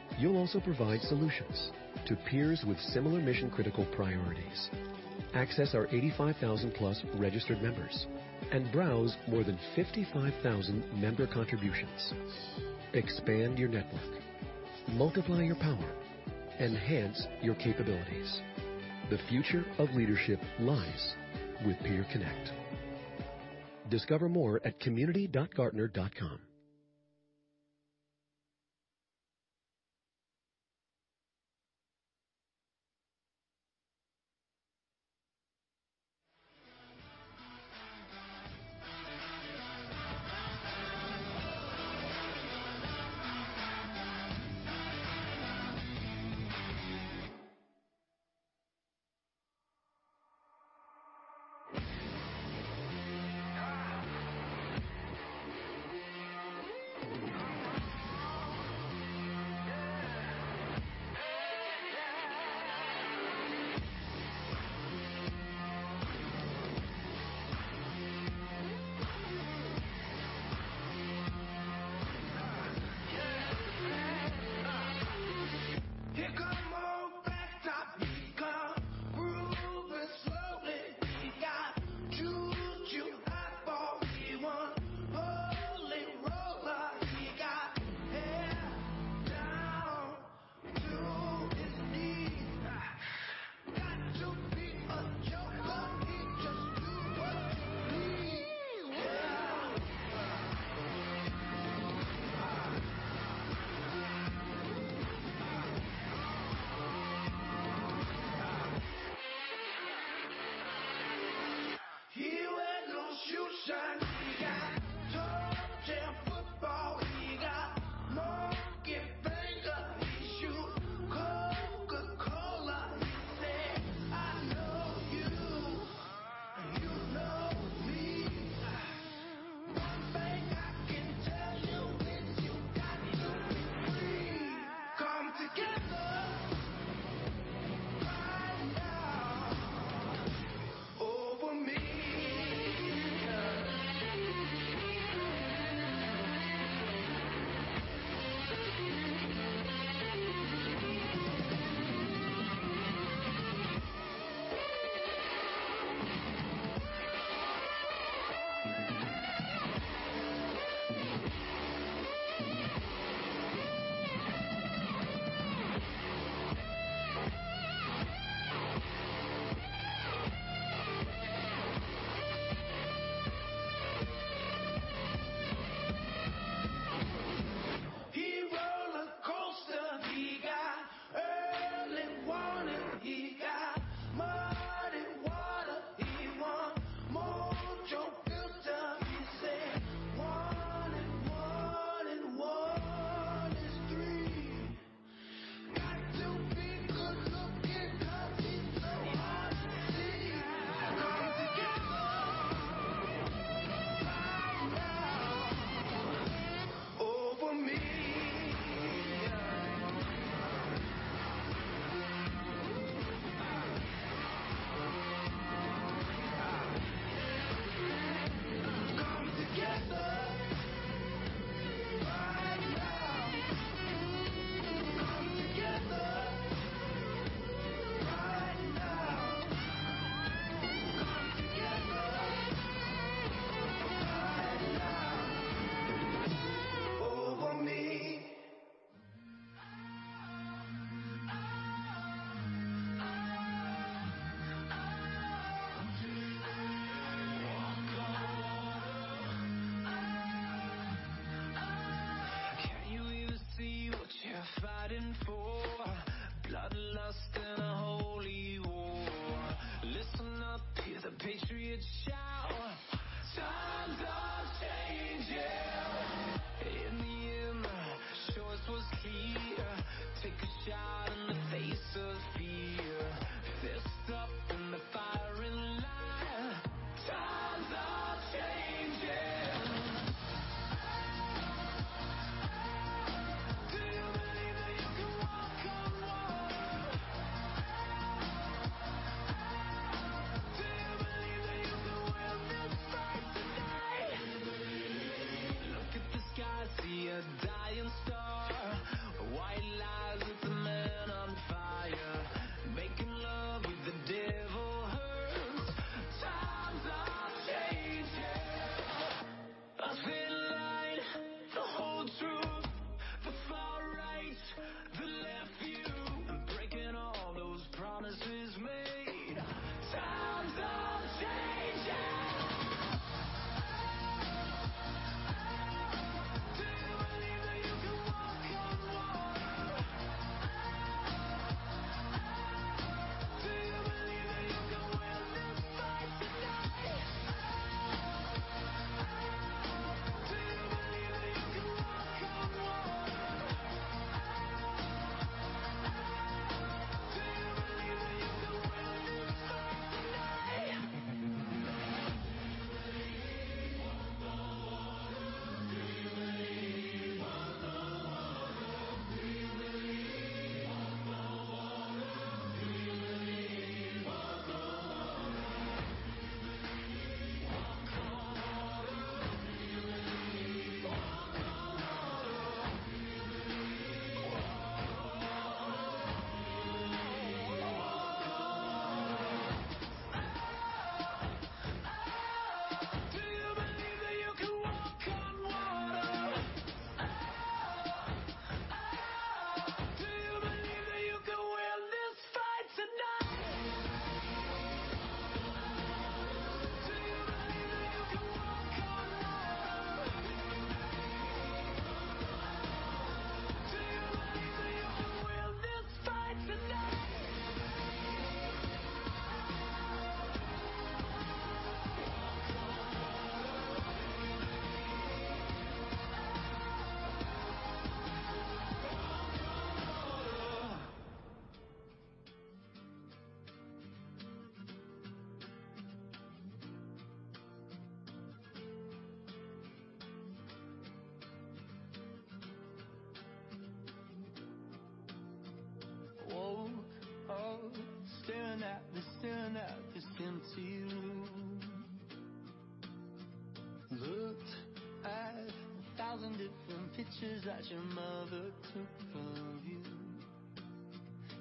pictures that your mother took of you.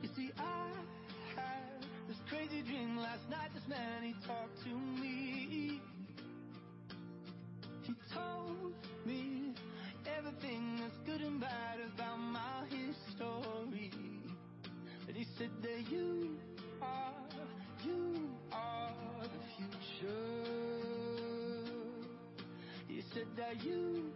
You see, I had this crazy dream last night. This man he talked to me. He told me everything that's good and bad about my history. He said that you are the future. He said that you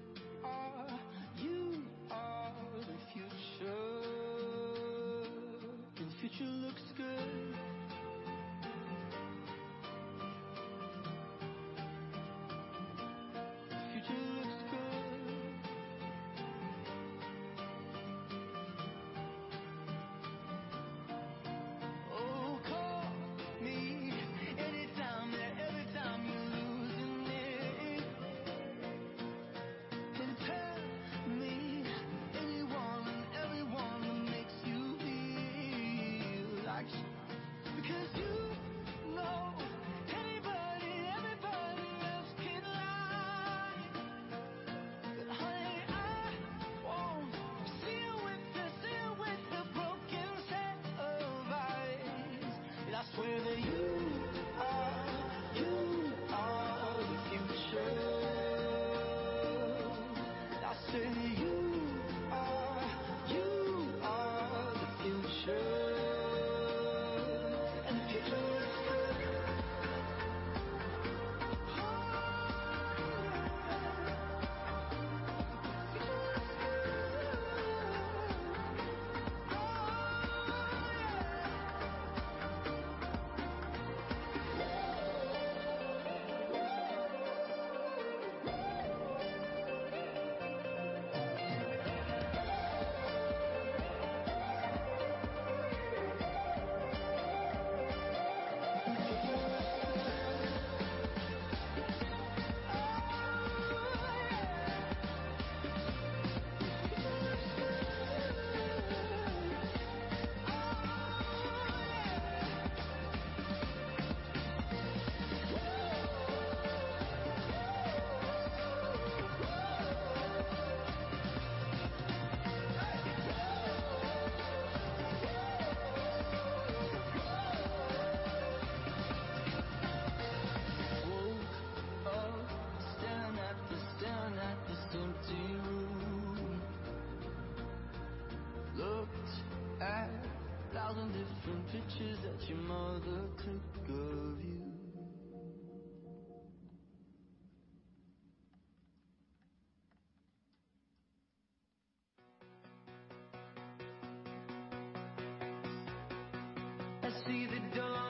Because the future looks good Ah yeah. Oh yeah. Whoa, whoa. Hey. Whoa, whoa. Woke up staring at this, staring at this empty room. Looked at 1,000 different pictures that your mother clicked of you. I see the dawn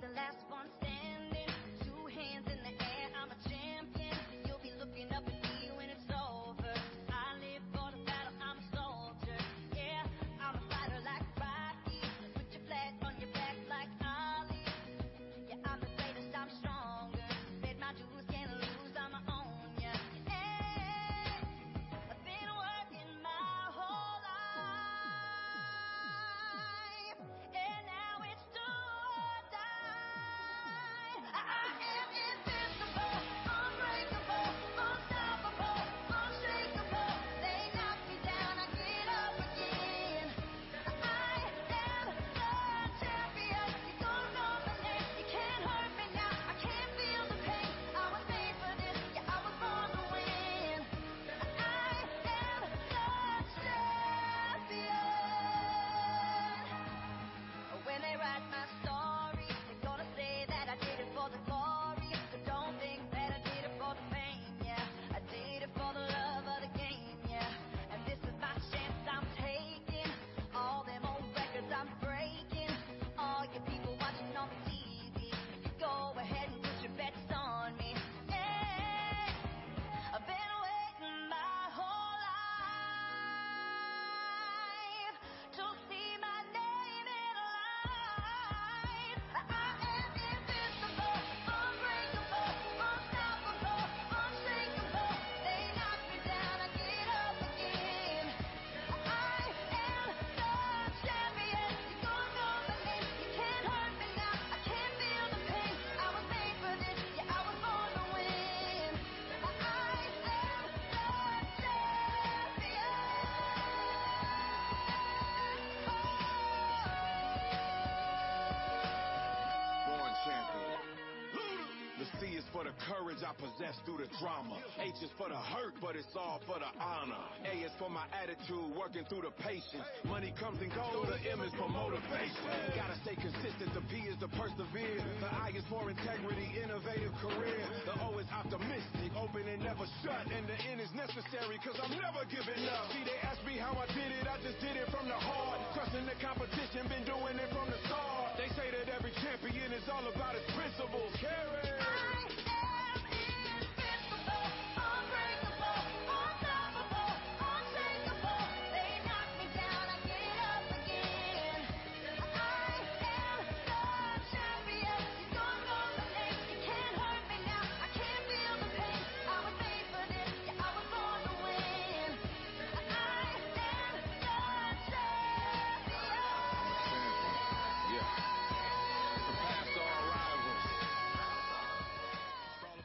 the last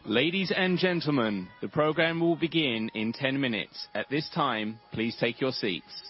Ladies and gentlemen, the program will begin in 10 minutes. At this time, please take your seats.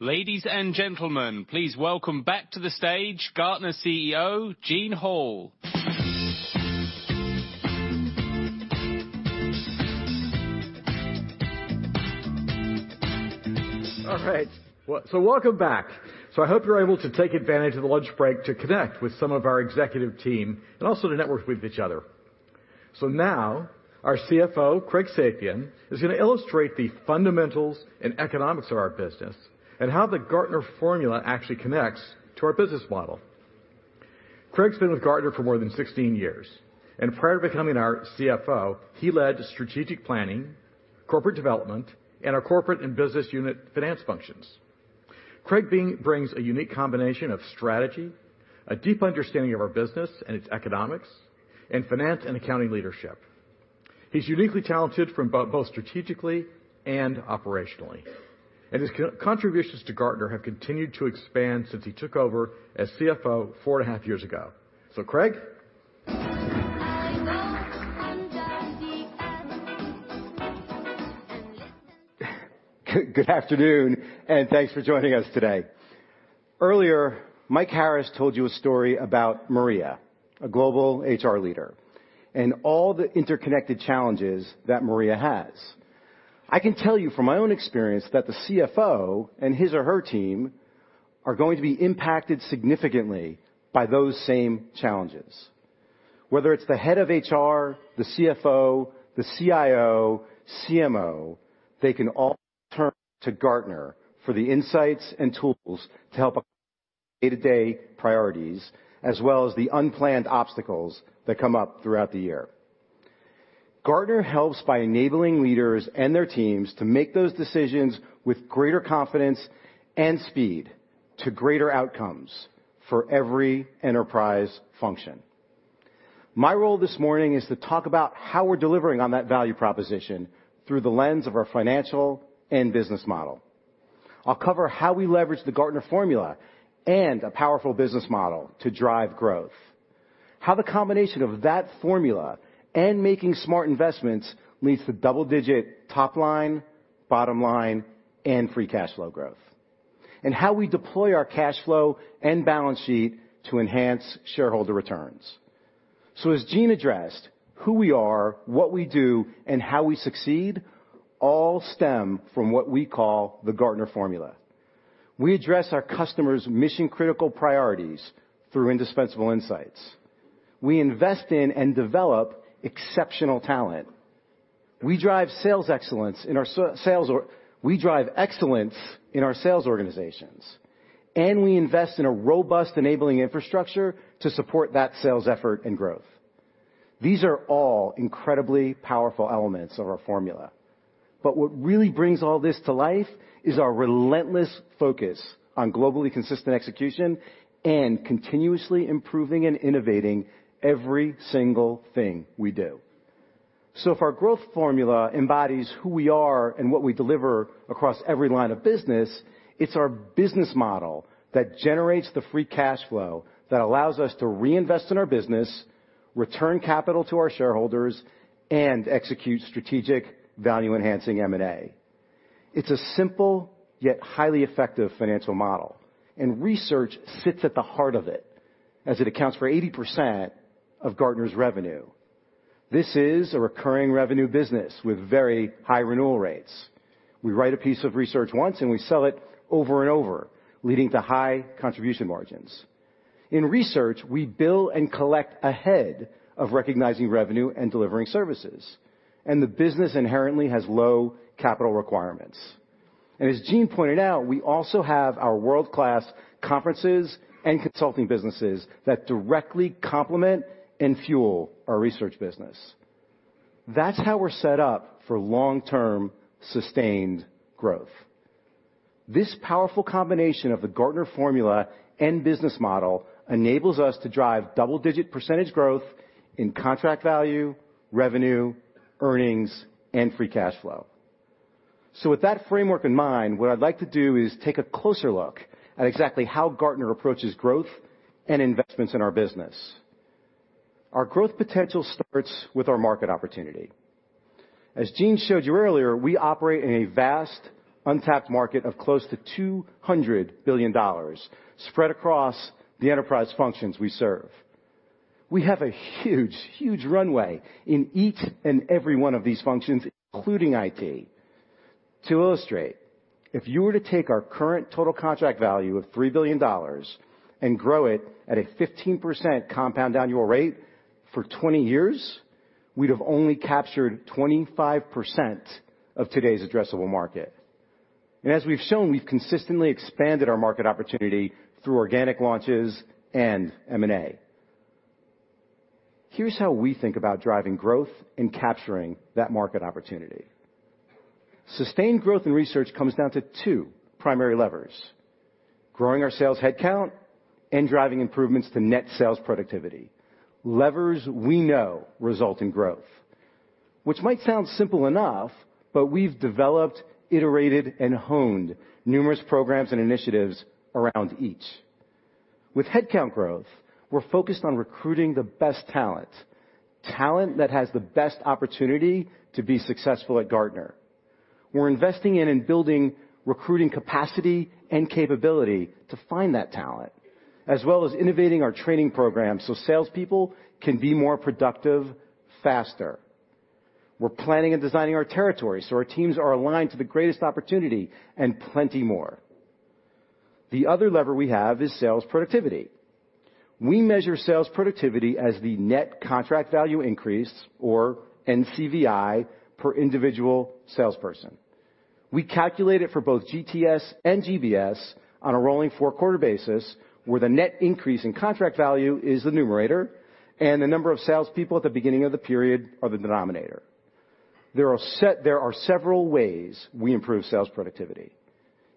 Ladies and gentlemen, please welcome back to the stage Gartner CEO, Gene Hall. All right. Welcome back. I hope you were able to take advantage of the lunch break to connect with some of our executive team and also to network with each other. Now our CFO, Craig Safian, is going to illustrate the fundamentals and economics of our business and how the Gartner Formula actually connects to our business model. Craig's been with Gartner for more than 16 years, and prior to becoming our CFO, he led strategic planning, corporate development, and our corporate and business unit finance functions. Craig brings a unique combination of strategy, a deep understanding of our business and its economics, and finance and accounting leadership. He's uniquely talented both strategically and operationally, and his contributions to Gartner have continued to expand since he took over as CFO four and a half years ago. Craig. Good afternoon, thanks for joining us today. Earlier, Mike Harris told you a story about Maria, a global HR leader, and all the interconnected challenges that Maria has. I can tell you from my own experience that the CFO and his or her team are going to be impacted significantly by those same challenges. Whether it's the head of HR, the CFO, the CIO, CMO, they can all turn to Gartner for the insights and tools to help day-to-day priorities, as well as the unplanned obstacles that come up throughout the year. Gartner helps by enabling leaders and their teams to make those decisions with greater confidence and speed to greater outcomes for every enterprise function. My role this morning is to talk about how we're delivering on that value proposition through the lens of our financial and business model. I'll cover how we leverage the Gartner Formula and a powerful business model to drive growth, how the combination of that formula and making smart investments leads to double-digit top line, bottom line, and free cash flow growth, and how we deploy our cash flow and balance sheet to enhance shareholder returns. As Gene addressed who we are, what we do, and how we succeed, all stem from what we call the Gartner Formula. We address our customers' mission-critical priorities through indispensable insights. We invest in and develop exceptional talent. We drive excellence in our sales organizations, and we invest in a robust enabling infrastructure to support that sales effort and growth. These are all incredibly powerful elements of our formula. What really brings all this to life is our relentless focus on globally consistent execution and continuously improving and innovating every single thing we do. If our Gartner Formula embodies who we are and what we deliver across every line of business, it's our business model that generates the free cash flow that allows us to reinvest in our business, return capital to our shareholders, and execute strategic value-enhancing M&A. It's a simple, yet highly effective financial model, research sits at the heart of it, as it accounts for 80% of Gartner's revenue. This is a recurring revenue business with very high renewal rates. We write a piece of research once, we sell it over and over, leading to high contribution margins. In research, we bill and collect ahead of recognizing revenue and delivering services, the business inherently has low capital requirements. As Gene pointed out, we also have our world-class conferences and consulting businesses that directly complement and fuel our research business. That's how we're set up for long-term, sustained growth. This powerful combination of the Gartner Formula and business model enables us to drive double-digit percentage growth in contract value, revenue, earnings, and free cash flow. With that framework in mind, what I'd like to do is take a closer look at exactly how Gartner approaches growth and investments in our business. Our growth potential starts with our market opportunity. As Gene showed you earlier, we operate in a vast, untapped market of close to $200 billion spread across the enterprise functions we serve. We have a huge runway in each and every one of these functions, including IT. To illustrate, if you were to take our current total contract value of $3 billion and grow it at a 15% compound annual rate for 20 years, we'd have only captured 25% of today's addressable market. As we've shown, we've consistently expanded our market opportunity through organic launches and M&A. Here's how we think about driving growth and capturing that market opportunity. Sustained growth in research comes down to two primary levers, growing our sales headcount and driving improvements to net sales productivity. Levers we know result in growth, which might sound simple enough, we've developed, iterated, and honed numerous programs and initiatives around each. With headcount growth, we're focused on recruiting the best talent. Talent that has the best opportunity to be successful at Gartner. We're investing in and building recruiting capacity and capability to find that talent, as well as innovating our training program so salespeople can be more productive faster. We're planning and designing our territory so our teams are aligned to the greatest opportunity and plenty more. The other lever we have is sales productivity. We measure sales productivity as the Net Contract Value increase, or NCVI, per individual salesperson. We calculate it for both GTS and GBS on a rolling four-quarter basis, where the net increase in contract value is the numerator and the number of salespeople at the beginning of the period are the denominator. There are several ways we improve sales productivity.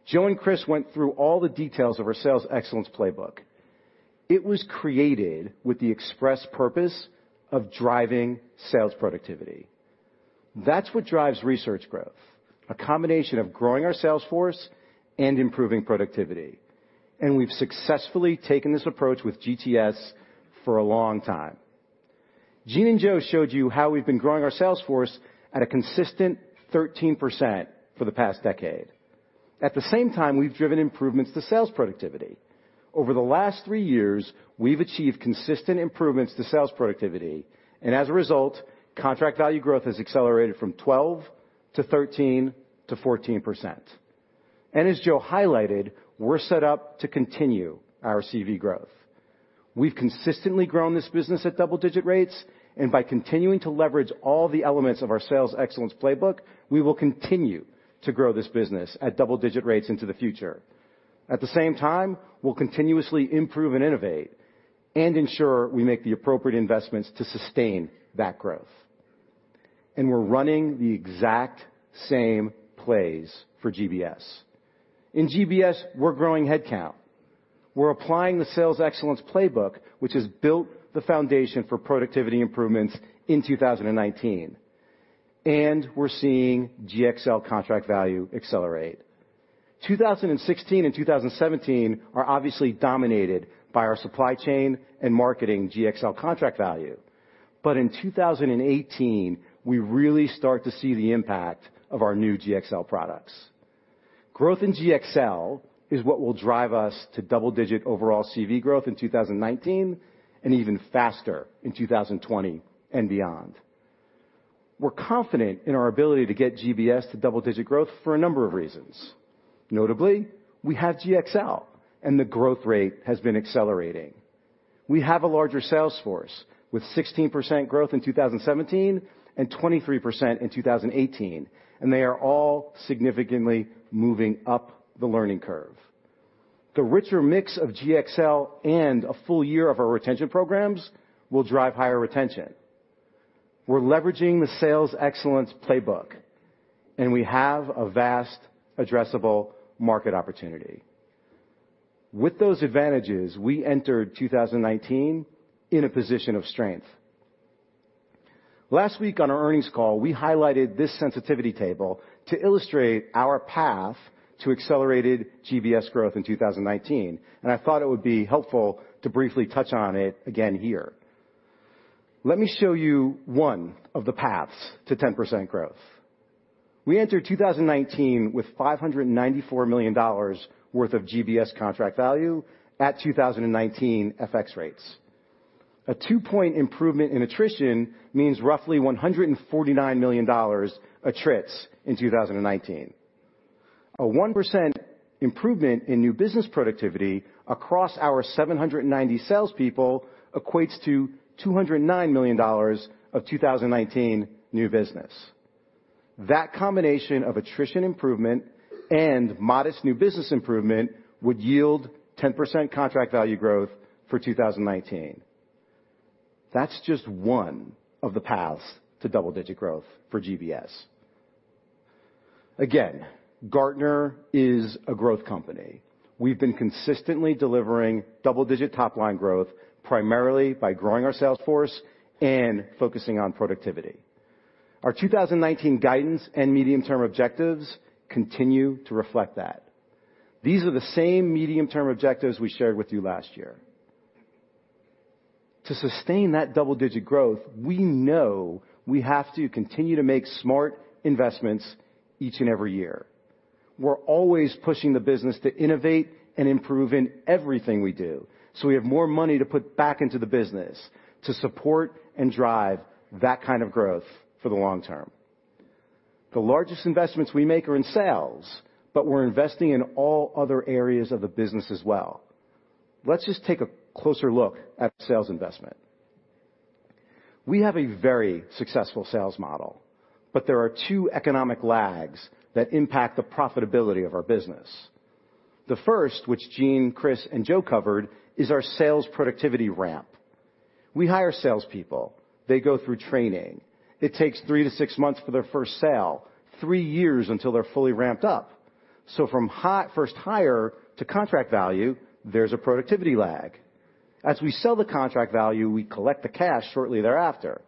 Joe and Chris went through all the details of our Sales Excellence Playbook. It was created with the express purpose of driving sales productivity. That's what drives research growth, a combination of growing our sales force and improving productivity. We've successfully taken this approach with GTS for a long time. Gene and Joe showed you how we've been growing our sales force at a consistent 13% for the past decade. At the same time, we've driven improvements to sales productivity. Over the last three years, we've achieved consistent improvements to sales productivity. As a result, contract value growth has accelerated from 12% to 13% to 14%. As Joe highlighted, we're set up to continue our CV growth. We've consistently grown this business at double-digit rates, and by continuing to leverage all the elements of our Sales Excellence Playbook, we will continue to grow this business at double-digit rates into the future. At the same time, we'll continuously improve and innovate and ensure we make the appropriate investments to sustain that growth. We're running the exact same plays for GBS. In GBS, we're growing headcount. We're applying the Sales Excellence Playbook, which has built the foundation for productivity improvements in 2019. We're seeing GXL contract value accelerate. 2016 and 2017 are obviously dominated by our supply chain and marketing GXL contract value. In 2018, we really start to see the impact of our new GXL products. Growth in GXL is what will drive us to double-digit overall CV growth in 2019, and even faster in 2020 and beyond. We're confident in our ability to get GBS to double-digit growth for a number of reasons. Notably, we have GXL, and the growth rate has been accelerating. We have a larger sales force, with 16% growth in 2017 and 23% in 2018, and they are all significantly moving up the learning curve. The richer mix of GXL and a full year of our retention programs will drive higher retention. We're leveraging the Sales Excellence Playbook, and we have a vast addressable market opportunity. With those advantages, we entered 2019 in a position of strength. Last week on our earnings call, we highlighted this sensitivity table to illustrate our path to accelerated GBS growth in 2019. I thought it would be helpful to briefly touch on it again here. Let me show you one of the paths to 10% growth. We entered 2019 with $594 million worth of GBS contract value at 2019 FX rates. A two-point improvement in attrition means roughly $149 million attrits in 2019. A 1% improvement in new business productivity across our 790 salespeople equates to $209 million of 2019 new business. That combination of attrition improvement and modest new business improvement would yield 10% contract value growth for 2019. That's just one of the paths to double-digit growth for GBS. Again, Gartner is a growth company. We've been consistently delivering double-digit top-line growth, primarily by growing our sales force and focusing on productivity. Our 2019 guidance and medium-term objectives continue to reflect that. These are the same medium-term objectives we shared with you last year. To sustain that double-digit growth, we know we have to continue to make smart investments each and every year. We're always pushing the business to innovate and improve in everything we do. We have more money to put back into the business to support and drive that kind of growth for the long term. The largest investments we make are in sales. We're investing in all other areas of the business as well. Let's just take a closer look at sales investment. We have a very successful sales model. There are two economic lags that impact the profitability of our business. The first, which Gene, Chris, and Joe covered, is our sales productivity ramp. We hire salespeople. They go through training. It takes three to six months for their first sale, three years until they're fully ramped up. From first hire to contract value, there's a productivity lag. As we sell the contract value, we collect the cash shortly thereafter.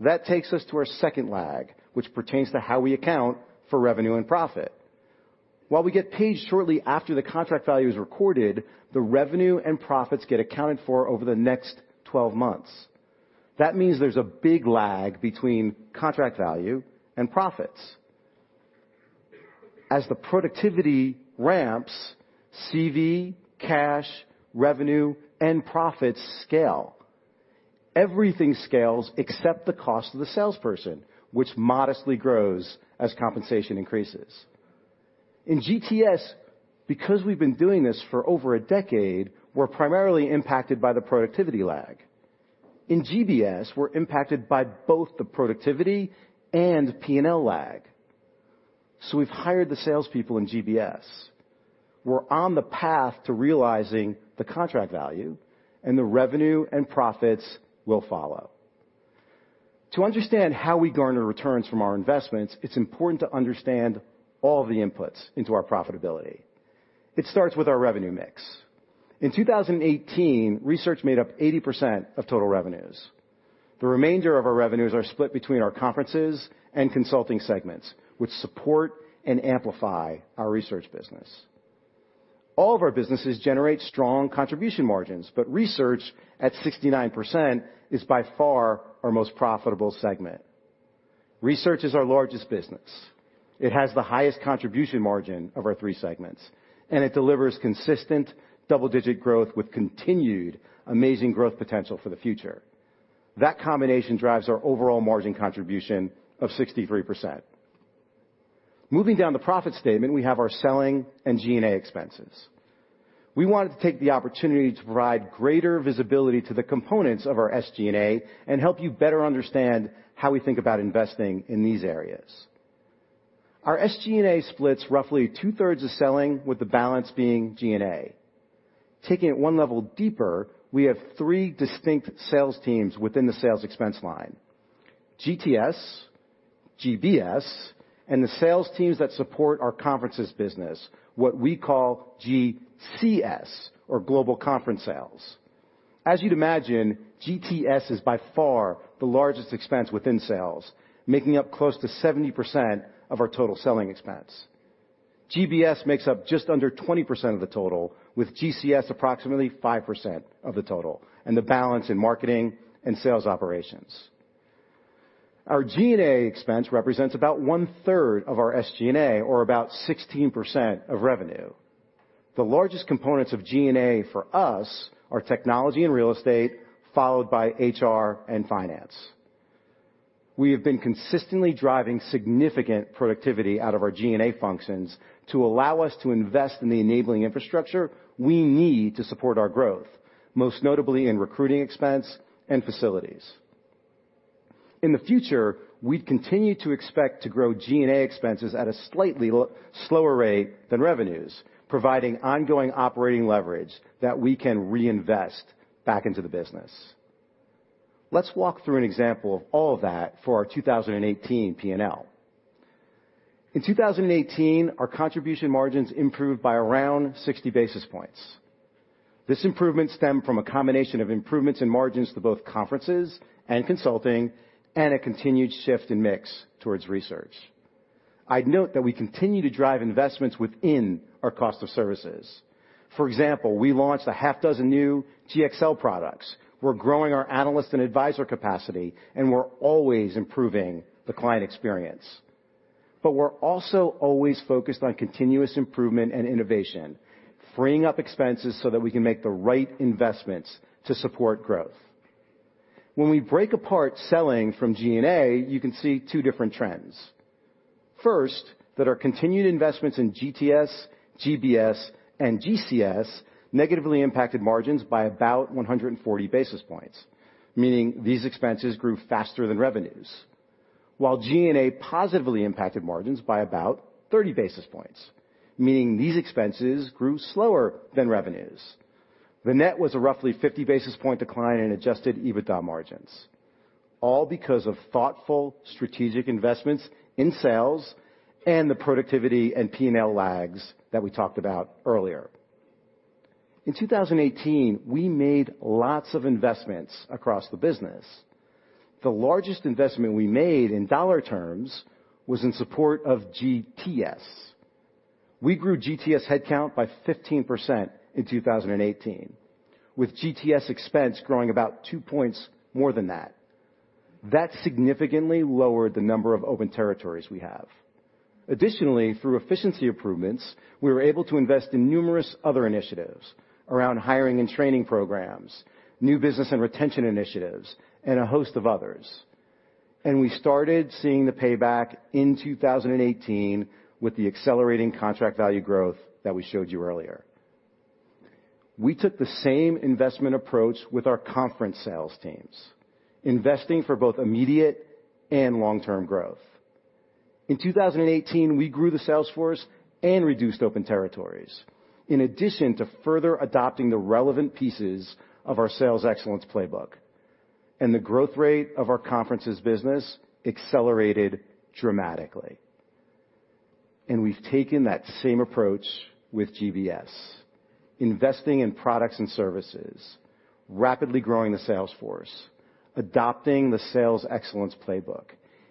That takes us to our second lag, which pertains to how we account for revenue and profit. While we get paid shortly after the contract value is recorded, the revenue and profits get accounted for over the next 12 months. That means there's a big lag between contract value and profits. As the productivity ramps, CV, cash, revenue, and profits scale. Everything scales except the cost of the salesperson, which modestly grows as compensation increases. In GTS, because we've been doing this for over a decade, we're primarily impacted by the productivity lag. In GBS, we're impacted by both the productivity and P&L lag. We've hired the salespeople in GBS. We're on the path to realizing the contract value and the revenue and profits will follow. To understand how we garner returns from our investments, it's important to understand all the inputs into our profitability. It starts with our revenue mix. In 2018, research made up 80% of total revenues. The remainder of our revenues are split between our conferences and consulting segments, which support and amplify our research business. All of our businesses generate strong contribution margins, but research at 69% is by far our most profitable segment. Research is our largest business. It has the highest contribution margin of our three segments, and it delivers consistent double-digit growth with continued amazing growth potential for the future. That combination drives our overall margin contribution of 63%. Moving down the profit statement, we have our selling and G&A expenses. We wanted to take the opportunity to provide greater visibility to the components of our SG&A and help you better understand how we think about investing in these areas. Our SG&A splits roughly two-thirds of selling, with the balance being G&A. Taking it one level deeper, we have three distinct sales teams within the sales expense line, GTS, GBS, and the sales teams that support our conferences business, what we call GCS, or Global Conference Sales. As you'd imagine, GTS is by far the largest expense within sales, making up close to 70% of our total selling expense. GBS makes up just under 20% of the total, with GCS approximately 5% of the total, and the balance in marketing and sales operations. Our G&A expense represents about one-third of our SG&A, or about 16% of revenue. The largest components of G&A for us are technology and real estate, followed by HR and finance. We have been consistently driving significant productivity out of our G&A functions to allow us to invest in the enabling infrastructure we need to support our growth, most notably in recruiting expense and facilities. In the future, we continue to expect to grow G&A expenses at a slightly slower rate than revenues, providing ongoing operating leverage that we can reinvest back into the business. Let's walk through an example of all of that for our 2018 P&L. In 2018, our contribution margins improved by around 60 basis points. This improvement stemmed from a combination of improvements in margins to both conferences and consulting, and a continued shift in mix towards research. I'd note that we continue to drive investments within our cost of services. For example, we launched a half dozen new GXL products. We're growing our analyst and advisor capacity, we're always improving the client experience. We're also always focused on continuous improvement and innovation, freeing up expenses so that we can make the right investments to support growth. When we break apart selling from G&A, you can see two different trends. First, that our continued investments in GTS, GBS, and GCS negatively impacted margins by about 140 basis points, meaning these expenses grew faster than revenues. G&A positively impacted margins by about 30 basis points, meaning these expenses grew slower than revenues. The net was a roughly 50 basis point decline in adjusted EBITDA margins, all because of thoughtful strategic investments in sales and the productivity and P&L lags that we talked about earlier. In 2018, we made lots of investments across the business. The largest investment we made in dollar terms was in support of GTS. We grew GTS headcount by 15% in 2018, with GTS expense growing about 2 points more than that. That significantly lowered the number of open territories we have. Additionally, through efficiency improvements, we were able to invest in numerous other initiatives around hiring and training programs, new business and retention initiatives, and a host of others. We started seeing the payback in 2018 with the accelerating contract value growth that we showed you earlier. We took the same investment approach with our conference sales teams, investing for both immediate and long-term growth. In 2018, we grew the sales force and reduced open territories. In addition to further adopting the relevant pieces of our Sales Excellence Playbook, the growth rate of our conferences business accelerated dramatically. We've taken that same approach with GBS, investing in products and services, rapidly growing the sales force, adopting the Sales Excellence Playbook,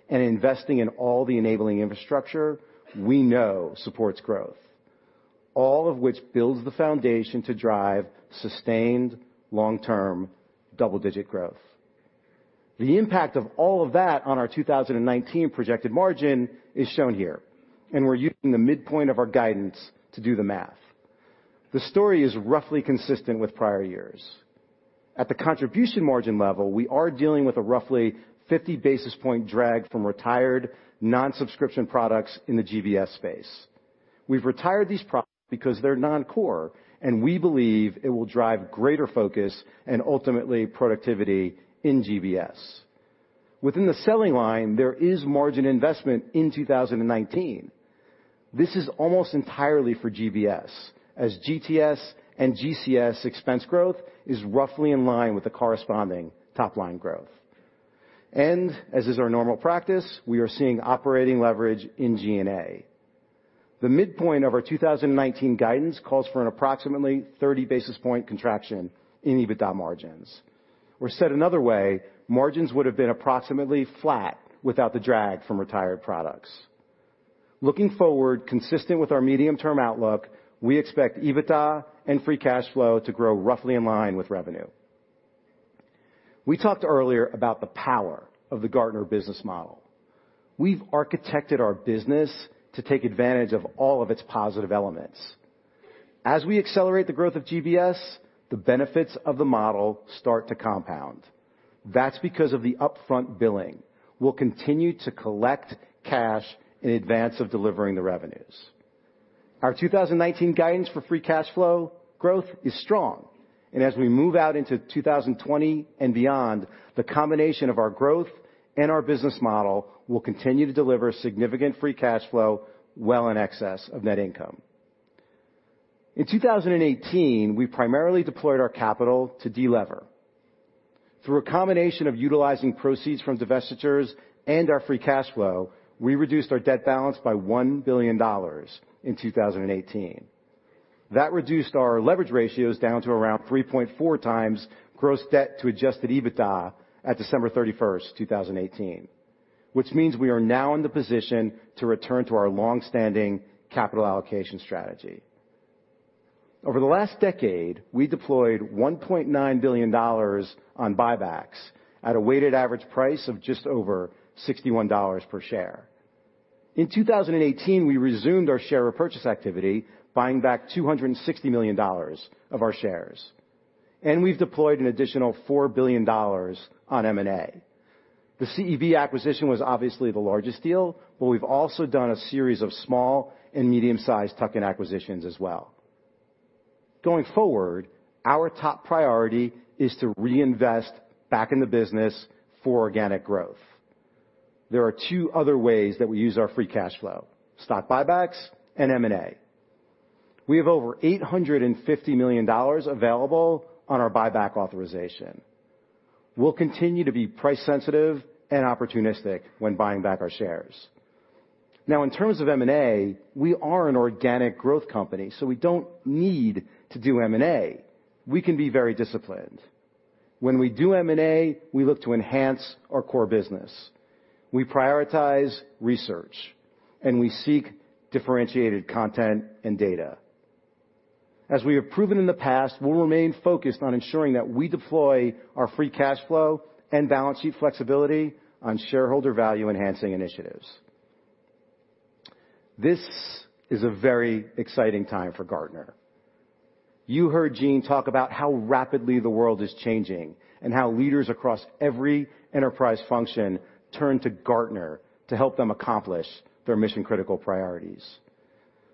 and investing in all the enabling infrastructure we know supports growth, all of which builds the foundation to drive sustained long-term double-digit growth. The impact of all of that on our 2019 projected margin is shown here, we're using the midpoint of our guidance to do the math. The story is roughly consistent with prior years. At the contribution margin level, we are dealing with a roughly 50 basis point drag from retired non-subscription products in the GBS space. We've retired these products because they're non-core, we believe it will drive greater focus and ultimately productivity in GBS. Within the selling line, there is margin investment in 2019. This is almost entirely for GBS, as GTS and GCS expense growth is roughly in line with the corresponding top-line growth. As is our normal practice, we are seeing operating leverage in G&A. The midpoint of our 2019 guidance calls for an approximately 30 basis point contraction in EBITDA margins. Said another way, margins would have been approximately flat without the drag from retired products. Looking forward, consistent with our medium-term outlook, we expect EBITDA and free cash flow to grow roughly in line with revenue. We talked earlier about the power of the Gartner business model. We've architected our business to take advantage of all of its positive elements. As we accelerate the growth of GBS, the benefits of the model start to compound. That's because of the upfront billing. We'll continue to collect cash in advance of delivering the revenues. Our 2019 guidance for free cash flow growth is strong. As we move out into 2020 and beyond, the combination of our growth and our business model will continue to deliver significant free cash flow well in excess of net income. In 2018, we primarily deployed our capital to delever. Through a combination of utilizing proceeds from divestitures and our free cash flow, we reduced our debt balance by $1 billion in 2018. That reduced our leverage ratios down to around 3.4 times gross debt to adjusted EBITDA at December 31, 2018. We are now in the position to return to our longstanding capital allocation strategy. Over the last decade, we deployed $1.9 billion on buybacks at a weighted average price of just over $61 per share. In 2018, we resumed our share purchase activity, buying back $260 million of our shares. We've deployed an additional $4 billion on M&A. The CEB acquisition was obviously the largest deal, but we've also done a series of small and medium-sized tuck-in acquisitions as well. Going forward, our top priority is to reinvest back in the business for organic growth. There are two other ways that we use our free cash flow, stock buybacks and M&A. We have over $850 million available on our buyback authorization. We'll continue to be price sensitive and opportunistic when buying back our shares. In terms of M&A, we are an organic growth company, we don't need to do M&A. We can be very disciplined. When we do M&A, we look to enhance our core business. We prioritize research, we seek differentiated content and data. As we have proven in the past, we'll remain focused on ensuring that we deploy our free cash flow and balance sheet flexibility on shareholder value-enhancing initiatives. This is a very exciting time for Gartner. You heard Gene talk about how rapidly the world is changing and how leaders across every enterprise function turn to Gartner to help them accomplish their mission-critical priorities.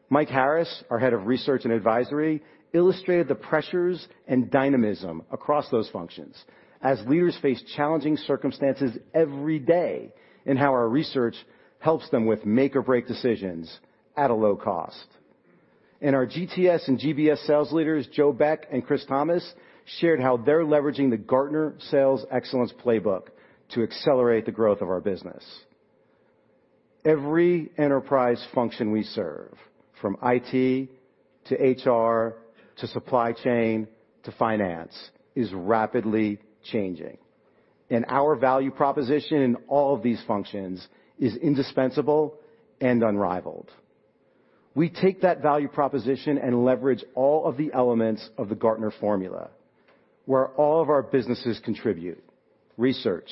Mike Harris, our Head of Research and Advisory, illustrated the pressures and dynamism across those functions as leaders face challenging circumstances every day, and how our research helps them with make or break decisions at a low cost. Our GTS and GBS sales leaders, Joe Beck and Chris Thomas, shared how they're leveraging the Gartner Sales Excellence Playbook to accelerate the growth of our business. Every enterprise function we serve, from IT to HR, to supply chain, to finance, is rapidly changing, and our value proposition in all of these functions is indispensable and unrivaled. We take that value proposition and leverage all of the elements of the Gartner Formula, where all of our businesses contribute: research,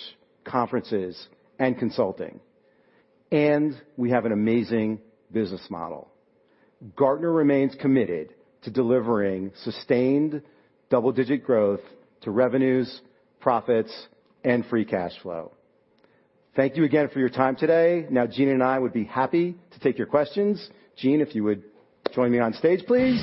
conferences, and consulting. We have an amazing business model. Gartner remains committed to delivering sustained double-digit growth to revenues, profits, and free cash flow. Thank you again for your time today. Gene and I would be happy to take your questions. Gene, if you would join me on stage, please.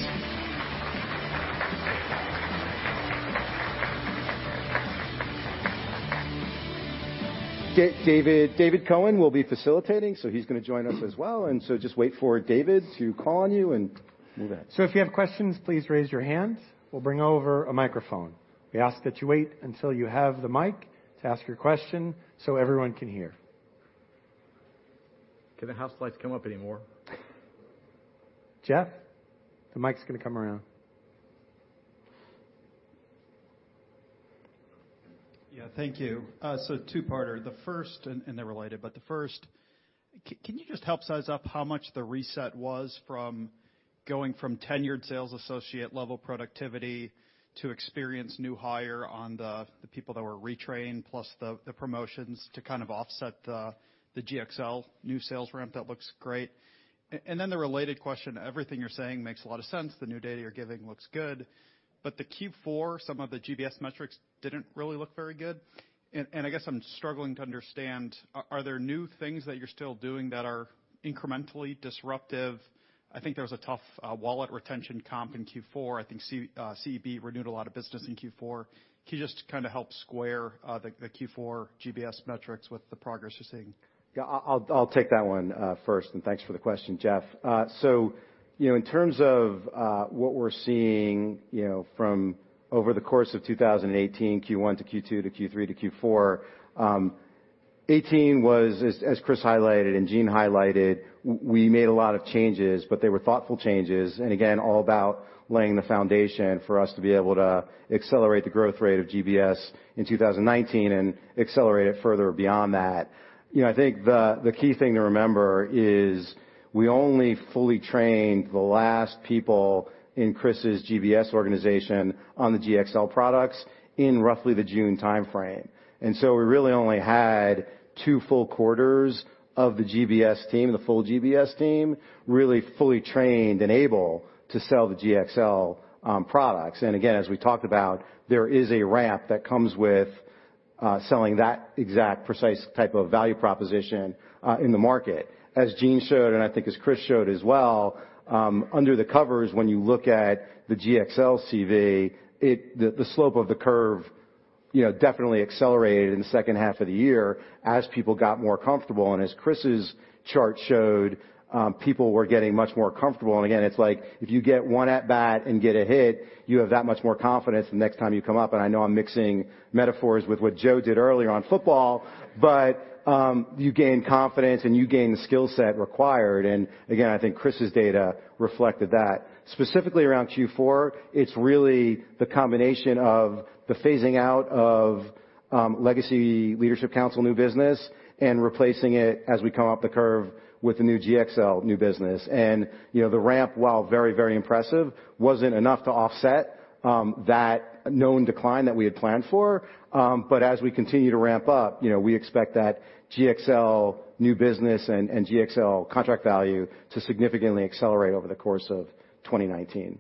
David Cohen will be facilitating, he's going to join us as well. Just wait for David to call on you and move ahead. If you have questions, please raise your hands. We'll bring over a microphone. We ask that you wait until you have the mic to ask your question so everyone can hear. Can the house lights come up anymore? Jeff, the mic's going to come around. Yeah, thank you. Two-parter. They're related, but the first, can you just help size up how much the reset was from going from tenured sales associate level productivity to experience new hire on the people that were retrained, plus the promotions to kind of offset the GXL new sales ramp? That looks great. The related question, everything you're saying makes a lot of sense. The new data you're giving looks good. The Q4, some of the GBS metrics didn't really look very good. I guess I'm struggling to understand, are there new things that you're still doing that are incrementally disruptive? I think there was a tough wallet retention comp in Q4. I think CEB renewed a lot of business in Q4. Can you just help square the Q4 GBS metrics with the progress you're seeing? Yeah, I'll take that one first, and thanks for the question, Jeff. In terms of what we're seeing from over the course of 2018, Q1 to Q2 to Q3 to Q4, 2018 was, as Chris highlighted and Gene highlighted, we made a lot of changes, but they were thoughtful changes. Again, all about laying the foundation for us to be able to accelerate the growth rate of GBS in 2019 and accelerate it further beyond that. I think the key thing to remember is we only fully trained the last people in Chris's GBS organization on the GXL products in roughly the June timeframe. We really only had two full quarters of the GBS team, the full GBS team, really fully trained and able to sell the GXL products. Again, as we talked about, there is a ramp that comes with selling that exact precise type of value proposition in the market. As Gene showed, and I think as Chris showed as well, under the covers, when you look at the GXL CV, the slope of the curve definitely accelerated in the second half of the year as people got more comfortable. As Chris's chart showed, people were getting much more comfortable. Again, it's like if you get one at-bat and get a hit, you have that much more confidence the next time you come up. I know I'm mixing metaphors with what Joe did earlier on football, but you gain confidence and you gain the skill set required. Again, I think Chris's data reflected that. Specifically around Q4, it's really the combination of the phasing out of legacy Leadership Council new business and replacing it as we come up the curve with the new GXL new business. The ramp, while very, very impressive, wasn't enough to offset that known decline that we had planned for. As we continue to ramp up, we expect that GXL new business and GXL contract value to significantly accelerate over the course of 2019.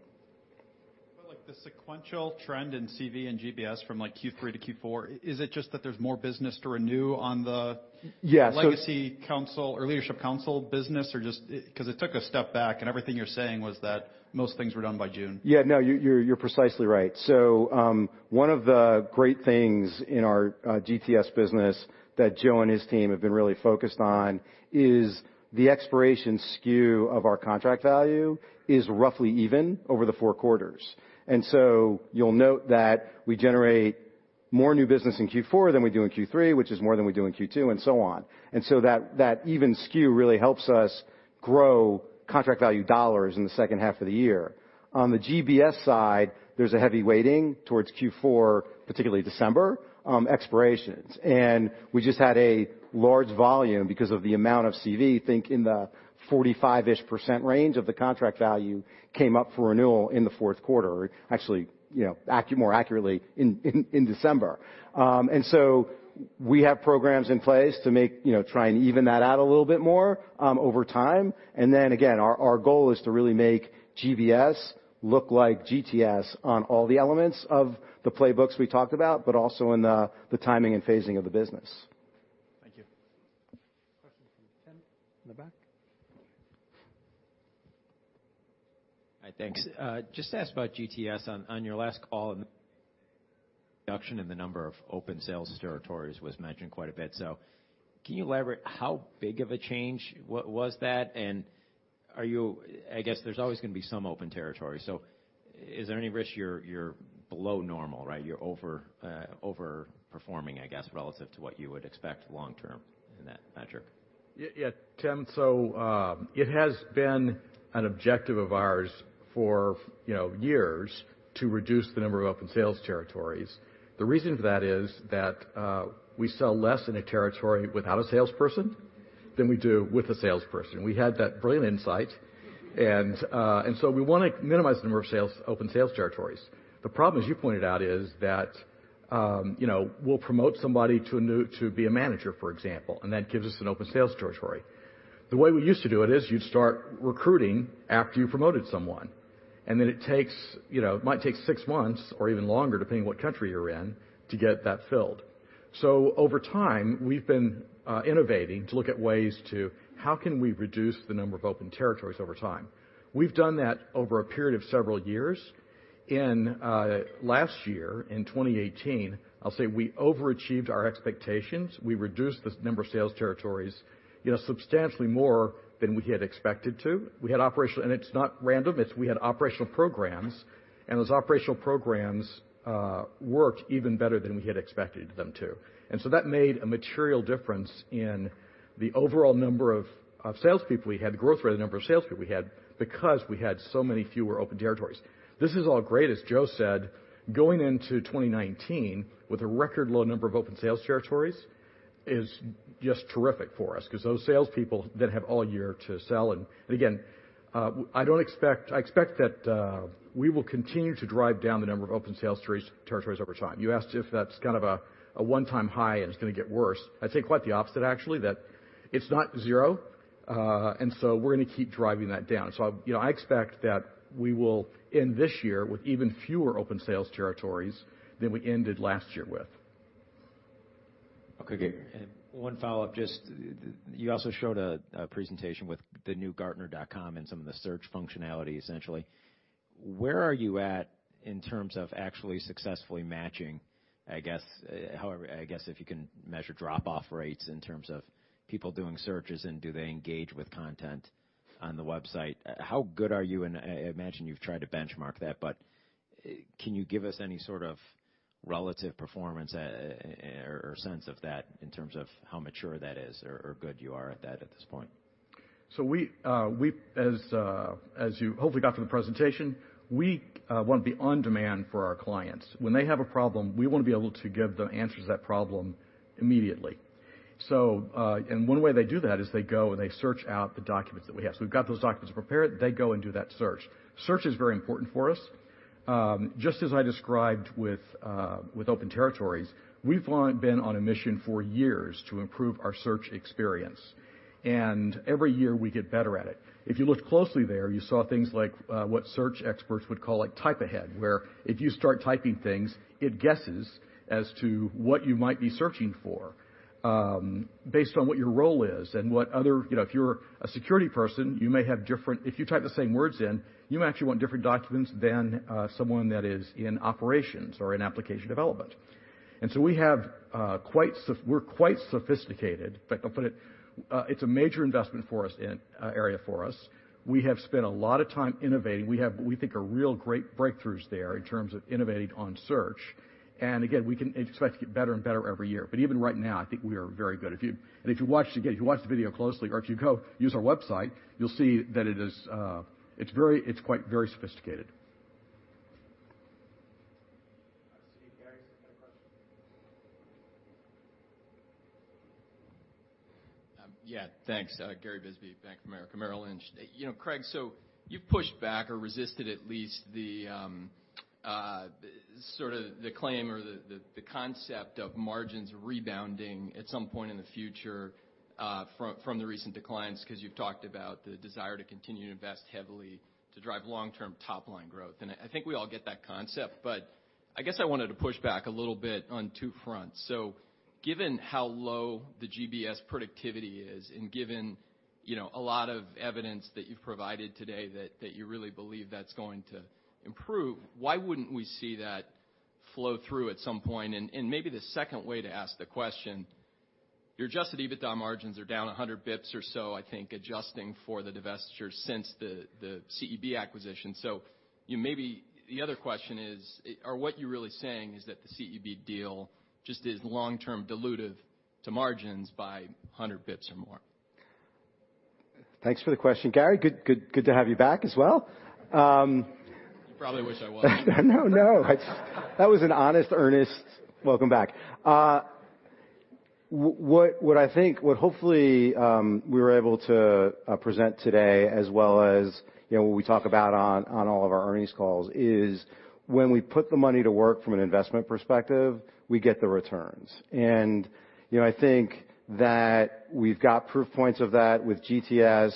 The sequential trend in CV and GBS from Q3 to Q4, is it just that there's more business to renew on the Yeah Legacy Council or Leadership Council business? Just because it took a step back and everything you're saying was that most things were done by June. Yeah, no, you're precisely right. One of the great things in our GTS business that Joe and his team have been really focused on is the expiration SKU of our contract value is roughly even over the 4 quarters. You'll note that we generate more new business in Q4 than we do in Q3, which is more than we do in Q2 and so on. That even SKU really helps us grow contract value dollars in the second half of the year. On the GBS side, there's a heavy weighting towards Q4, particularly December, expirations. We just had a large volume because of the amount of CV, think in the 45%-ish range of the contract value came up for renewal in the fourth quarter. Actually, more accurately in December. We have programs in place to try and even that out a little bit more over time. Again, our goal is to really make GBS look like GTS on all the elements of the playbooks we talked about, but also in the timing and phasing of the business. Thank you. Question from Tim in the back. Hi, thanks. Just to ask about GTS. On your last call, reduction in the number of open sales territories was mentioned quite a bit. Can you elaborate how big of a change was that? I guess there's always going to be some open territory, is there any risk you're below normal, right? You're over-performing, I guess, relative to what you would expect long term in that metric? Yeah, Tim. It has been an objective of ours for years to reduce the number of open sales territories. The reason for that is that we sell less in a territory without a salesperson than we do with a salesperson. We had that brilliant insight. We want to minimize the number of open sales territories. The problem, as you pointed out, is that we'll promote somebody to be a manager, for example, and that gives us an open sales territory. The way we used to do it is you'd start recruiting after you promoted someone, and then it might take six months or even longer, depending on what country you're in, to get that filled. Over time, we've been innovating to look at ways to how can we reduce the number of open territories over time. We've done that over a period of several years. In last year, in 2018, I'll say we overachieved our expectations. We reduced the number of sales territories substantially more than we had expected to. It's not random. We had operational programs, and those operational programs worked even better than we had expected them to. That made a material difference in the overall number of salespeople we had, the growth rate of the number of salespeople we had, because we had so many fewer open territories. This is all great. As Joe said, going into 2019 with a record low number of open sales territories is just terrific for us because those salespeople then have all year to sell. Again, I expect that we will continue to drive down the number of open sales territories over time. You asked if that's kind of a one-time high and it's going to get worse. I'd say quite the opposite, actually, that it's not zero, we're going to keep driving that down. I expect that we will end this year with even fewer open sales territories than we ended last year with. Okay. One follow-up, you also showed a presentation with the new gartner.com and some of the search functionality, essentially. Where are you at in terms of actually successfully matching, I guess, if you can measure drop-off rates in terms of people doing searches and do they engage with content on the website? How good are you, I imagine you've tried to benchmark that, can you give us any sort of relative performance or sense of that in terms of how mature that is or good you are at that at this point? As you hopefully got from the presentation, we want to be on demand for our clients. When they have a problem, we want to be able to give them answers to that problem immediately. One way they do that is they go and they search out the documents that we have. We've got those documents prepared. They go and do that search. Search is very important for us. Just as I described with open territories, we've been on a mission for years to improve our search experience, every year we get better at it. If you looked closely there, you saw things like what search experts would call type ahead, where if you start typing things, it guesses as to what you might be searching for based on what your role is and If you're a security person, if you type the same words in, you might actually want different documents than someone that is in operations or in application development. We're quite sophisticated, if I can put it. It's a major investment area for us. We have spent a lot of time innovating. We have what we think are real great breakthroughs there in terms of innovating on search. Again, you can expect to get better and better every year. Even right now, I think we are very good. If you watch the video closely, or if you go use our website, you'll see that it's quite very sophisticated. I see Gary's got a question. Yeah, thanks. Gary Bisbee, Bank of America Merrill Lynch. Craig, you've pushed back or resisted at least the claim or the concept of margins rebounding at some point in the future from the recent declines, because you've talked about the desire to continue to invest heavily to drive long-term top-line growth. I think we all get that concept, I guess I wanted to push back a little bit on two fronts. Given how low the GBS productivity is, and given a lot of evidence that you've provided today that you really believe that's going to improve, why wouldn't we see that flow through at some point? Maybe the second way to ask the question, your adjusted EBITDA margins are down 100 basis points or so, I think, adjusting for the divestiture since the CEB acquisition. Maybe the other question is, are what you're really saying is that the CEB deal just is long-term dilutive to margins by 100 basis points or more? Thanks for the question, Gary. Good to have you back as well. You probably wish I wasn't. No, that was an honest, earnest welcome back. What hopefully we were able to present today, as well as what we talk about on all of our earnings calls, is when we put the money to work from an investment perspective, we get the returns. I think that we've got proof points of that with GTS.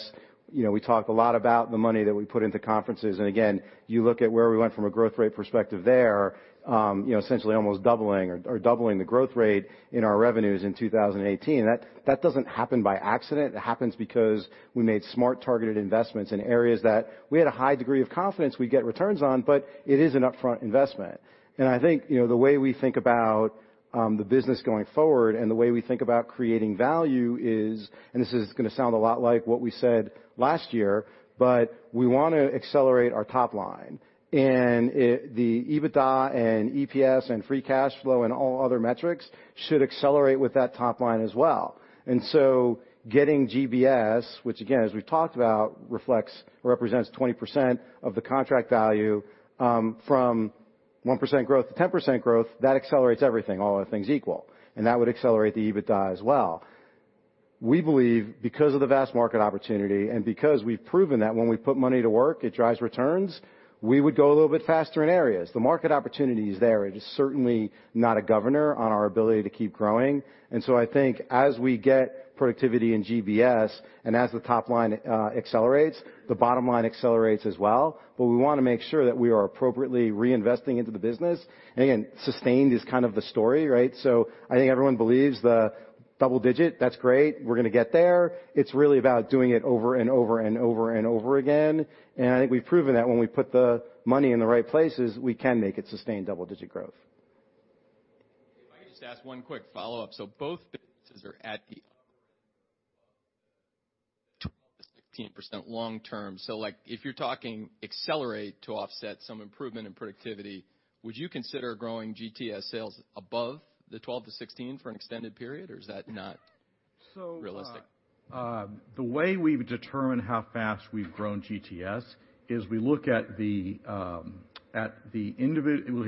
We talk a lot about the money that we put into conferences. Again, you look at where we went from a growth rate perspective there, essentially almost doubling or doubling the growth rate in our revenues in 2018. That doesn't happen by accident. It happens because we made smart, targeted investments in areas that we had a high degree of confidence we'd get returns on, but it is an upfront investment. I think, the way we think about the business going forward and the way we think about creating value is, this is going to sound a lot like what we said last year, we want to accelerate our top line. The EBITDA and EPS and free cash flow and all other metrics should accelerate with that top line as well. Getting GBS, which again, as we've talked about, represents 20% of the contract value from 1% growth to 10% growth, that accelerates everything, all other things equal. That would accelerate the EBITDA as well. We believe because of the vast market opportunity and because we've proven that when we put money to work, it drives returns, we would go a little bit faster in areas. The market opportunity is there. It is certainly not a governor on our ability to keep growing. I think as we get productivity in GBS and as the top line accelerates, the bottom line accelerates as well. We want to make sure that we are appropriately reinvesting into the business. Again, sustained is kind of the story, right? I think everyone believes the double-digit. That's great. We're going to get there. It's really about doing it over and over and over and over again. We've proven that when we put the money in the right places, we can make it sustained double-digit growth. If I could just ask one quick follow-up. Both businesses are at the 12%-16% long term. If you're talking accelerate to offset some improvement in productivity, would you consider growing GTS sales above the 12%-16% for an extended period? Is that not realistic? The way we determine how fast we've grown GTS is we look at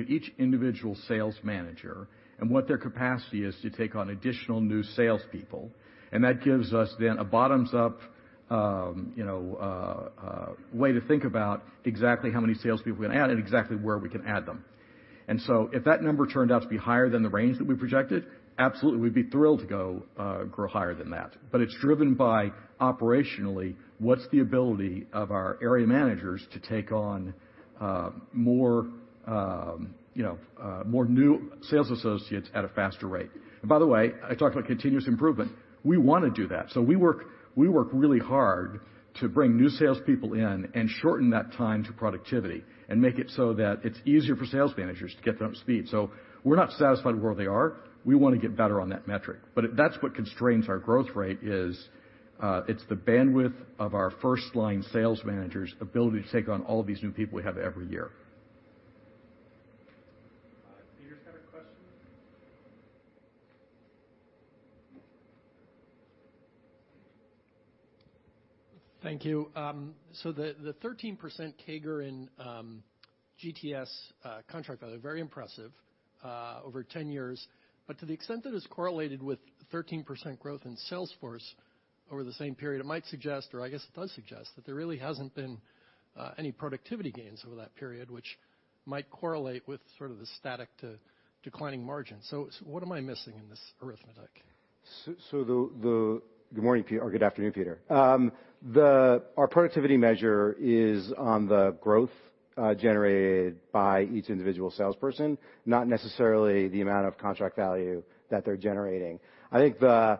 each individual sales manager and what their capacity is to take on additional new salespeople. That gives us then a bottoms-up way to think about exactly how many salespeople we can add and exactly where we can add them. If that number turned out to be higher than the range that we projected, absolutely, we'd be thrilled to grow higher than that. It's driven by operationally, what's the ability of our area managers to take on more new sales associates at a faster rate. By the way, I talked about continuous improvement. We want to do that. We work really hard to bring new salespeople in and shorten that time to productivity and make it so that it's easier for sales managers to get them up to speed. We're not satisfied where they are. We want to get better on that metric. That's what constrains our growth rate is, it's the bandwidth of our first-line sales managers' ability to take on all of these new people we have every year. Peter's got a question. Thank you. The 13% CAGR in GTS contract value, very impressive over 10 years. To the extent that it's correlated with 13% growth in sales force over the same period, it might suggest, or I guess it does suggest, that there really hasn't been any productivity gains over that period, which might correlate with sort of the static to declining margin. What am I missing in this arithmetic? Good morning, or good afternoon, Peter. Our productivity measure is on the growth generated by each individual salesperson, not necessarily the amount of contract value that they're generating. I think the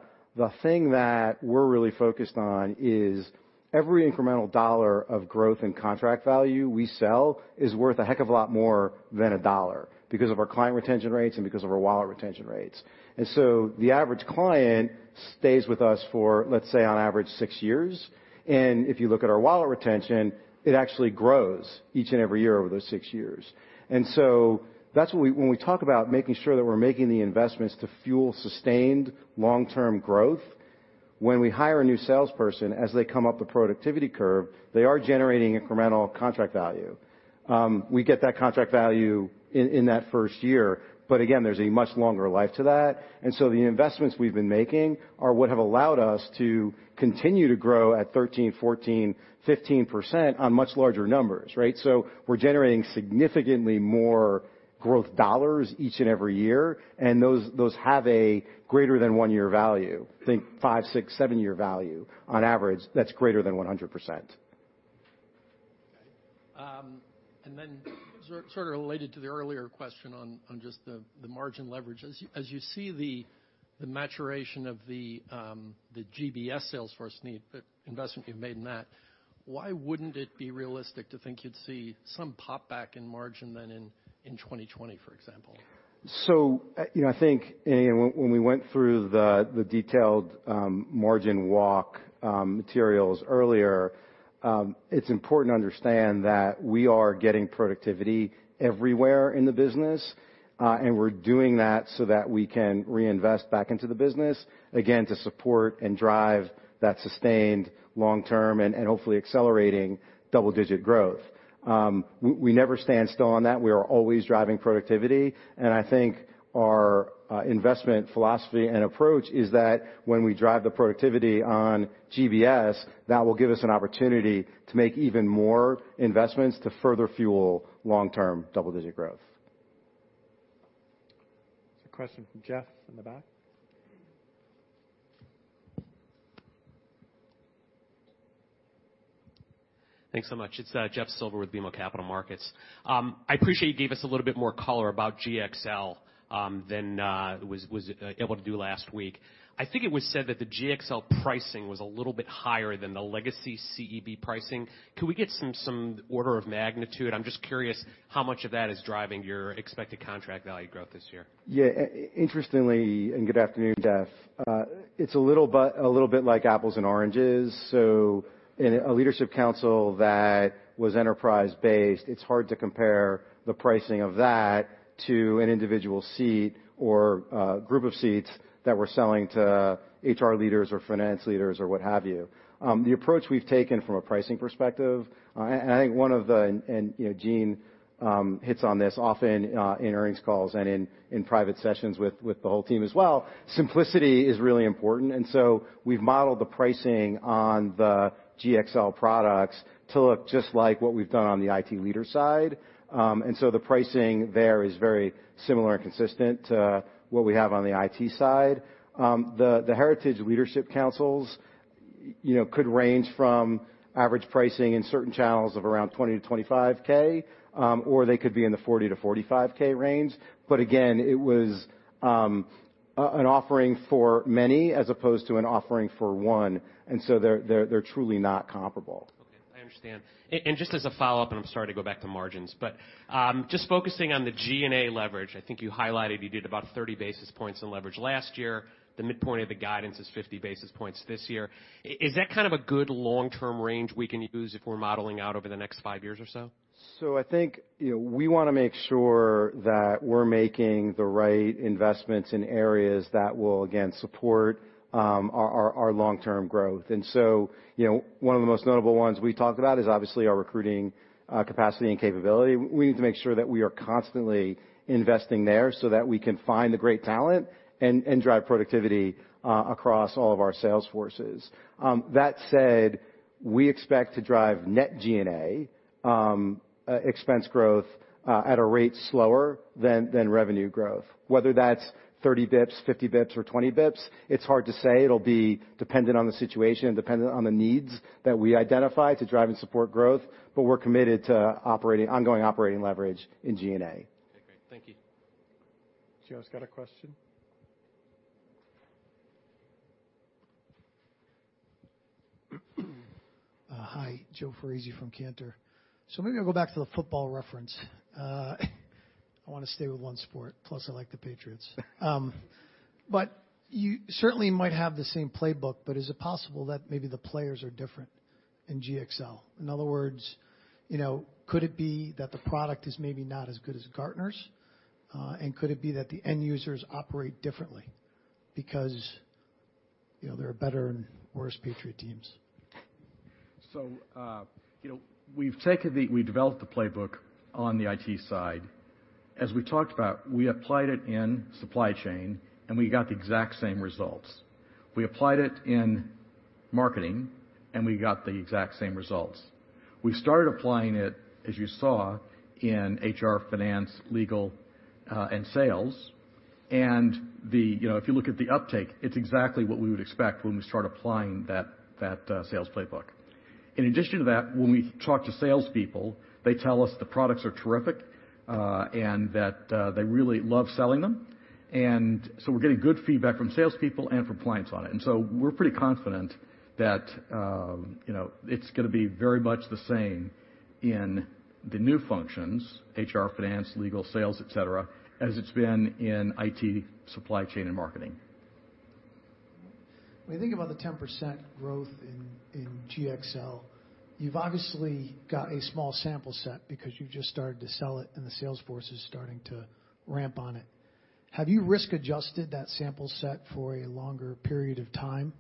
thing that we're really focused on is every incremental dollar of growth and contract value we sell is worth a heck of a lot more than $1 because of our client retention rates and because of our wallet retention rates. The average client stays with us for, let's say, on average, six years. If you look at our wallet retention, it actually grows each and every year over those six years. When we talk about making sure that we're making the investments to fuel sustained long-term growth, when we hire a new salesperson, as they come up the productivity curve, they are generating incremental contract value. We get that contract value in that first year, again, there's a much longer life to that. The investments we've been making are what have allowed us to continue to grow at 13%, 14%, 15% on much larger numbers, right? We're generating significantly more growth dollars each and every year, and those have a greater than one-year value. Think five, six, seven-year value on average, that's greater than 100%. Okay. Then sort of related to the earlier question on just the margin leverage. As you see the maturation of the GBS sales force investment you've made in that, why wouldn't it be realistic to think you'd see some pop back in margin then in 2020, for example? I think when we went through the detailed margin walk materials earlier, it's important to understand that we are getting productivity everywhere in the business, and we're doing that so that we can reinvest back into the business, again, to support and drive that sustained long-term and hopefully accelerating double-digit growth. We never stand still on that. We are always driving productivity, and I think our investment philosophy and approach is that when we drive the productivity on GBS, that will give us an opportunity to make even more investments to further fuel long-term double-digit growth. There's a question from Jeff in the back. Thanks so much. It's Jeffrey Silber with BMO Capital Markets. I appreciate you gave us a little bit more color about GXL than was able to do last week. I think it was said that the GXL pricing was a little bit higher than the legacy CEB pricing. Could we get some order of magnitude? I'm just curious how much of that is driving your expected contract value growth this year. Yeah. Good afternoon, Jeff. It's a little bit like apples and oranges. In a leadership council that was enterprise based, it's hard to compare the pricing of that to an individual seat or a group of seats that we're selling to HR leaders or finance leaders or what have you. The approach we've taken from a pricing perspective, and I think one of the and Gene hits on this often in earnings calls and in private sessions with the whole team as well, simplicity is really important. We've modeled the pricing on the GXL products to look just like what we've done on the IT leader side. The pricing there is very similar and consistent to what we have on the IT side. The Heritage leadership councils could range from average pricing in certain channels of around $20K-$25K, or they could be in the $40K-$45K range. Again, it was an offering for many as opposed to an offering for one, they're truly not comparable. Okay. I understand. Just as a follow-up, I'm sorry to go back to margins, just focusing on the G&A leverage, I think you highlighted you did about 30 basis points in leverage last year. The midpoint of the guidance is 50 basis points this year. Is that kind of a good long-term range we can use if we're modeling out over the next five years or so? I think we want to make sure that we're making the right investments in areas that will, again, support our long-term growth. One of the most notable ones we talked about is obviously our recruiting capacity and capability. We need to make sure that we are constantly investing there so that we can find the great talent and drive productivity across all of our sales forces. That said, we expect to drive net G&A expense growth at a rate slower than revenue growth. Whether that's 30 basis points, 50 basis points, or 20 basis points, it's hard to say. It'll be dependent on the situation, dependent on the needs that we identify to drive and support growth, but we're committed to ongoing operating leverage in G&A. Okay, great. Thank you. Joe's got a question. Hi, Joe Foresi from Cantor. Maybe I'll go back to the football reference. I want to stay with one sport, plus I like the Patriots. You certainly might have the same playbook, but is it possible that maybe the players are different in GXL? In other words, could it be that the product is maybe not as good as Gartner's? Could it be that the end users operate differently because there are better and worse Patriot teams? We developed the playbook on the IT side. As we talked about, we applied it in supply chain, and we got the exact same results. We applied it in marketing, and we got the exact same results. We started applying it, as you saw, in HR, finance, legal, and sales. If you look at the uptake, it's exactly what we would expect when we start applying that sales playbook. In addition to that, when we talk to salespeople, they tell us the products are terrific, and that they really love selling them. We're getting good feedback from salespeople and from clients on it. We're pretty confident that it's going to be very much the same in the new functions, HR, finance, legal, sales, et cetera, as it's been in IT, supply chain, and marketing. When you think about the 10% growth in GXL, you've obviously got a small sample set because you just started to sell it and the sales force is starting to ramp on it. Have you risk-adjusted that sample set for a longer period of time,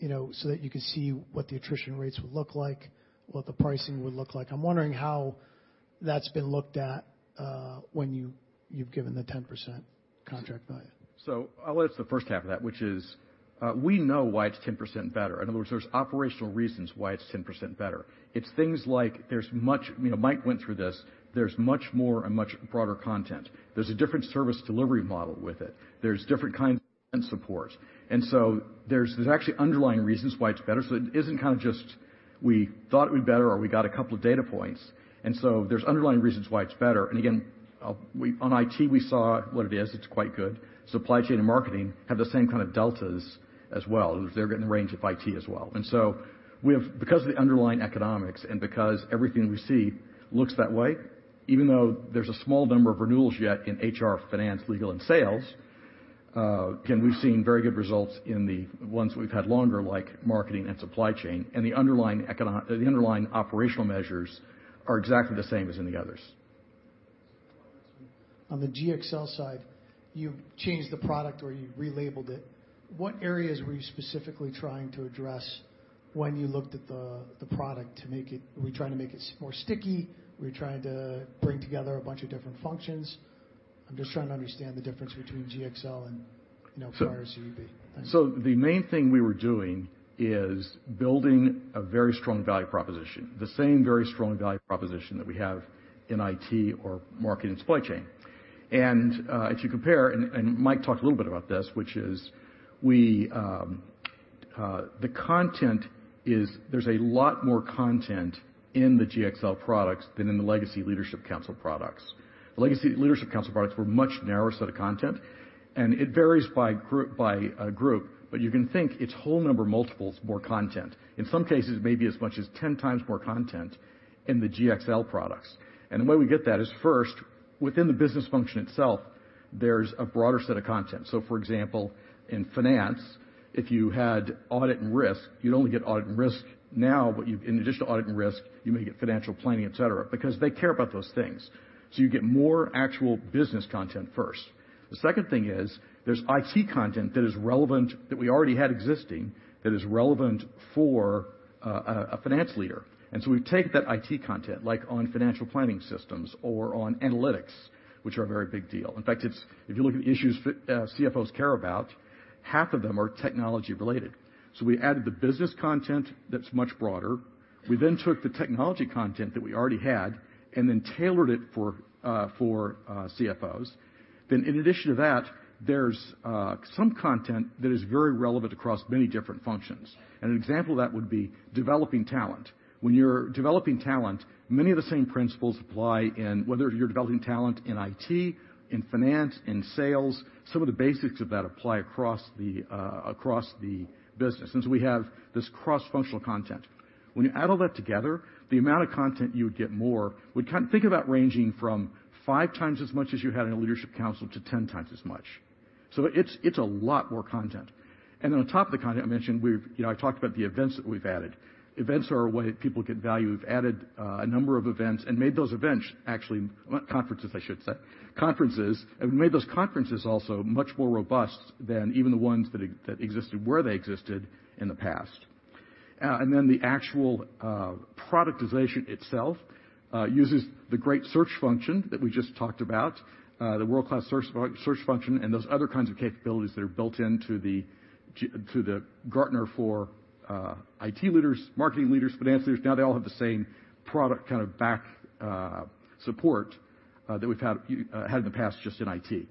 so that you could see what the attrition rates would look like, what the pricing would look like? I'm wondering how that's been looked at, when you've given the 10% contract value. I'll answer the first half of that, which is, we know why it's 10% better. In other words, there's operational reasons why it's 10% better. It's things like, Mike went through this, there's much more and much broader content. There's a different service delivery model with it. There's different kinds of support. There's actually underlying reasons why it's better. It isn't just we thought it would be better or we got a couple of data points. There's underlying reasons why it's better. Again, on IT, we saw what it is. It's quite good. Supply chain and marketing have the same kind of deltas as well. In other words, they're getting the range of IT as well. Because of the underlying economics and because everything we see looks that way, even though there's a small number of renewals yet in HR, finance, legal, and sales, again, we've seen very good results in the ones we've had longer, like marketing and supply chain. The underlying operational measures are exactly the same as in the others. On the GXL side, you've changed the product or you've relabeled it. What areas were you specifically trying to address when you looked at the product? Were you trying to make it more sticky? Were you trying to bring together a bunch of different functions? I'm just trying to understand the difference between GXL and prior CEB. Thanks. The main thing we were doing is building a very strong value proposition, the same very strong value proposition that we have in IT, Marketing, and Supply Chain. If you compare, and Mike talked a little bit about this, which is there's a lot more content in the GXL products than in the legacy Gartner Leadership Council products. The legacy Gartner Leadership Council products were a much narrower set of content, and it varies by group, but you can think it's whole number multiples more content. In some cases, maybe as much as 10 times more content in the GXL products. The way we get that is first, within the business function itself, there's a broader set of content. For example, in finance, if you had audit and risk, you'd only get audit and risk. In addition to audit and risk, you may get financial planning, et cetera, because they care about those things. You get more actual business content first. The second thing is there's IT content that we already had existing that is relevant for a finance leader. We take that IT content, like on financial planning systems or on analytics, which are a very big deal. In fact, if you look at the issues CFOs care about, half of them are technology related. We added the business content that's much broader. We took the technology content that we already had and then tailored it for CFOs. In addition to that, there's some content that is very relevant across many different functions. An example of that would be developing talent. When you're developing talent, many of the same principles apply, whether you're developing talent in IT, in finance, in sales, some of the basics of that apply across the business. We have this cross-functional content. When you add all that together, the amount of content you would get more, think about ranging from five times as much as you had in a Gartner Leadership Council to 10 times as much. It's a lot more content. On top of the content, I mentioned, I talked about the events that we've added. Events are a way that people get value. We've added a number of events and made those events actually Conferences, I should say. We made those conferences also much more robust than even the ones that existed where they existed in the past. The actual productization itself, uses the great search function that we just talked about, the world-class search function, and those other kinds of capabilities that are built into the Gartner for IT Leaders, Gartner for Marketing Leaders, Gartner for Finance Leaders. They all have the same product back support, that we've had in the past just in IT.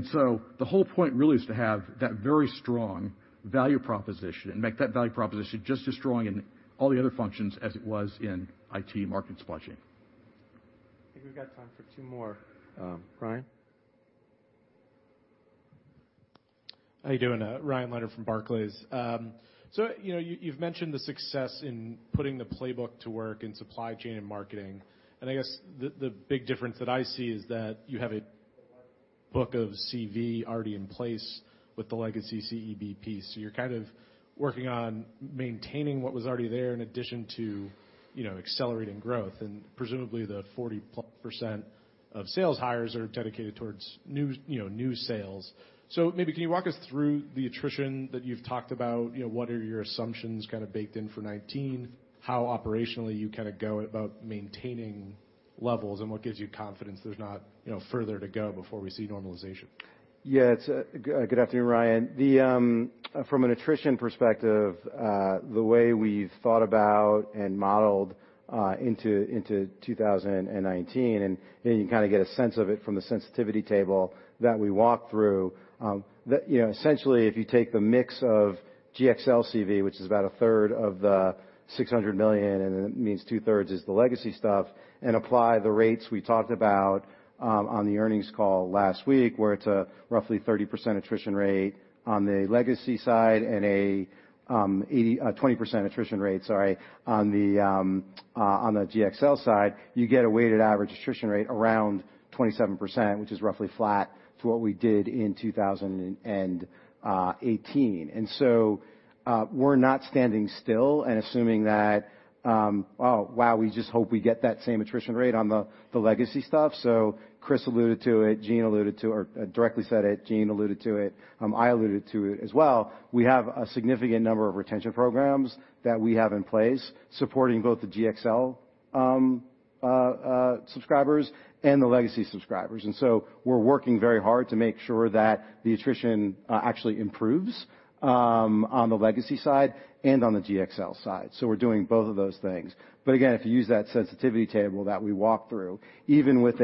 The whole point really is to have that very strong value proposition and make that value proposition just as strong in all the other functions as it was in IT, Marketing, and Supply Chain. I think we've got time for two more. Ryan? How you doing? Ryan Leonard from Barclays. You've mentioned the success in putting the playbook to work in supply chain and marketing, and I guess the big difference that I see is that you have a book of CV already in place with the legacy CEB piece. You're working on maintaining what was already there in addition to accelerating growth, and presumably the 40+% of sales hires are dedicated towards new sales. Maybe can you walk us through the attrition that you've talked about? What are your assumptions baked in for 2019? How operationally you go about maintaining levels, and what gives you confidence there's not further to go before we see normalization? Yeah. Good afternoon, Ryan. From an attrition perspective, the way we've thought about and modeled into 2019, and you can get a sense of it from the sensitivity table that we walked through. Essentially, if you take the mix of GXL CV, which is about a third of the $600 million, and then it means two-thirds is the legacy stuff, and apply the rates we talked about on the earnings call last week, where it's a roughly 30% attrition rate on the legacy side and a 20% attrition rate on the GXL side, you get a weighted average attrition rate around 27%, which is roughly flat to what we did in 2018. We're not standing still and assuming that, wow, we just hope we get that same attrition rate on the legacy stuff. Chris alluded to it, Gene alluded to, or directly said it, Gene alluded to it, I alluded to it as well. We have a significant number of retention programs that we have in place supporting both the GXL subscribers and the legacy subscribers. We're working very hard to make sure that the attrition actually improves on the legacy side and on the GXL side. We're doing both of those things. Again, if you use that sensitivity table that we walked through, even with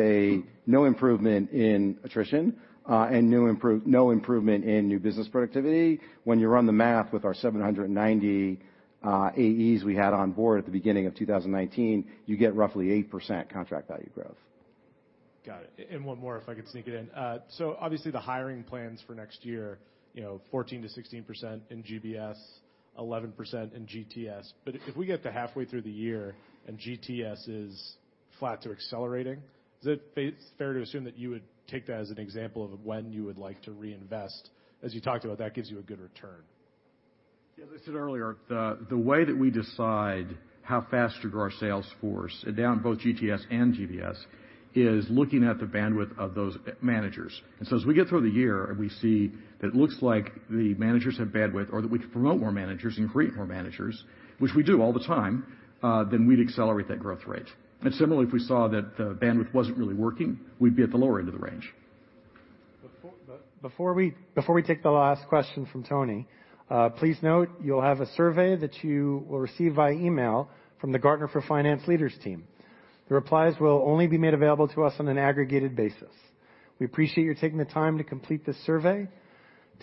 no improvement in attrition, and no improvement in new business productivity, when you run the math with our 790 AEs we had on board at the beginning of 2019, you get roughly 8% contract value growth. Got it. One more if I could sneak it in. Obviously the hiring plans for next year, 14%-16% in GBS, 11% in GTS. But if we get to halfway through the year and GTS is flat to accelerating, is it fair to assume that you would take that as an example of when you would like to reinvest? As you talked about, that gives you a good return. As I said earlier, the way that we decide how fast to grow our sales force down both GTS and GBS is looking at the bandwidth of those managers. As we get through the year and we see that it looks like the managers have bandwidth or that we can promote more managers and create more managers, which we do all the time, we'd accelerate that growth rate. Similarly, if we saw that the bandwidth wasn't really working, we'd be at the lower end of the range. Before we take the last question from Toni, please note you'll have a survey that you will receive via email from the Gartner for Finance Leaders team. The replies will only be made available to us on an aggregated basis. We appreciate you taking the time to complete this survey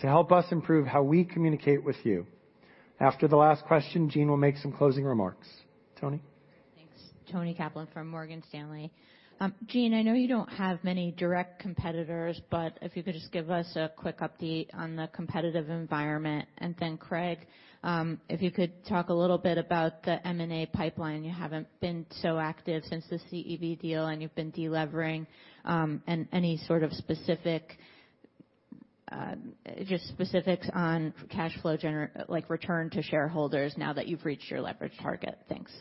to help us improve how we communicate with you. After the last question, Gene will make some closing remarks. Toni? Thanks. Toni Kaplan from Morgan Stanley. Gene, I know you don't have many direct competitors, if you could just give us a quick update on the competitive environment. Craig, if you could talk a little bit about the M&A pipeline. You haven't been so active since the CEB deal, you've been de-levering. Any sort of specifics on cash flow like return to shareholders now that you've reached your leverage target. Thanks.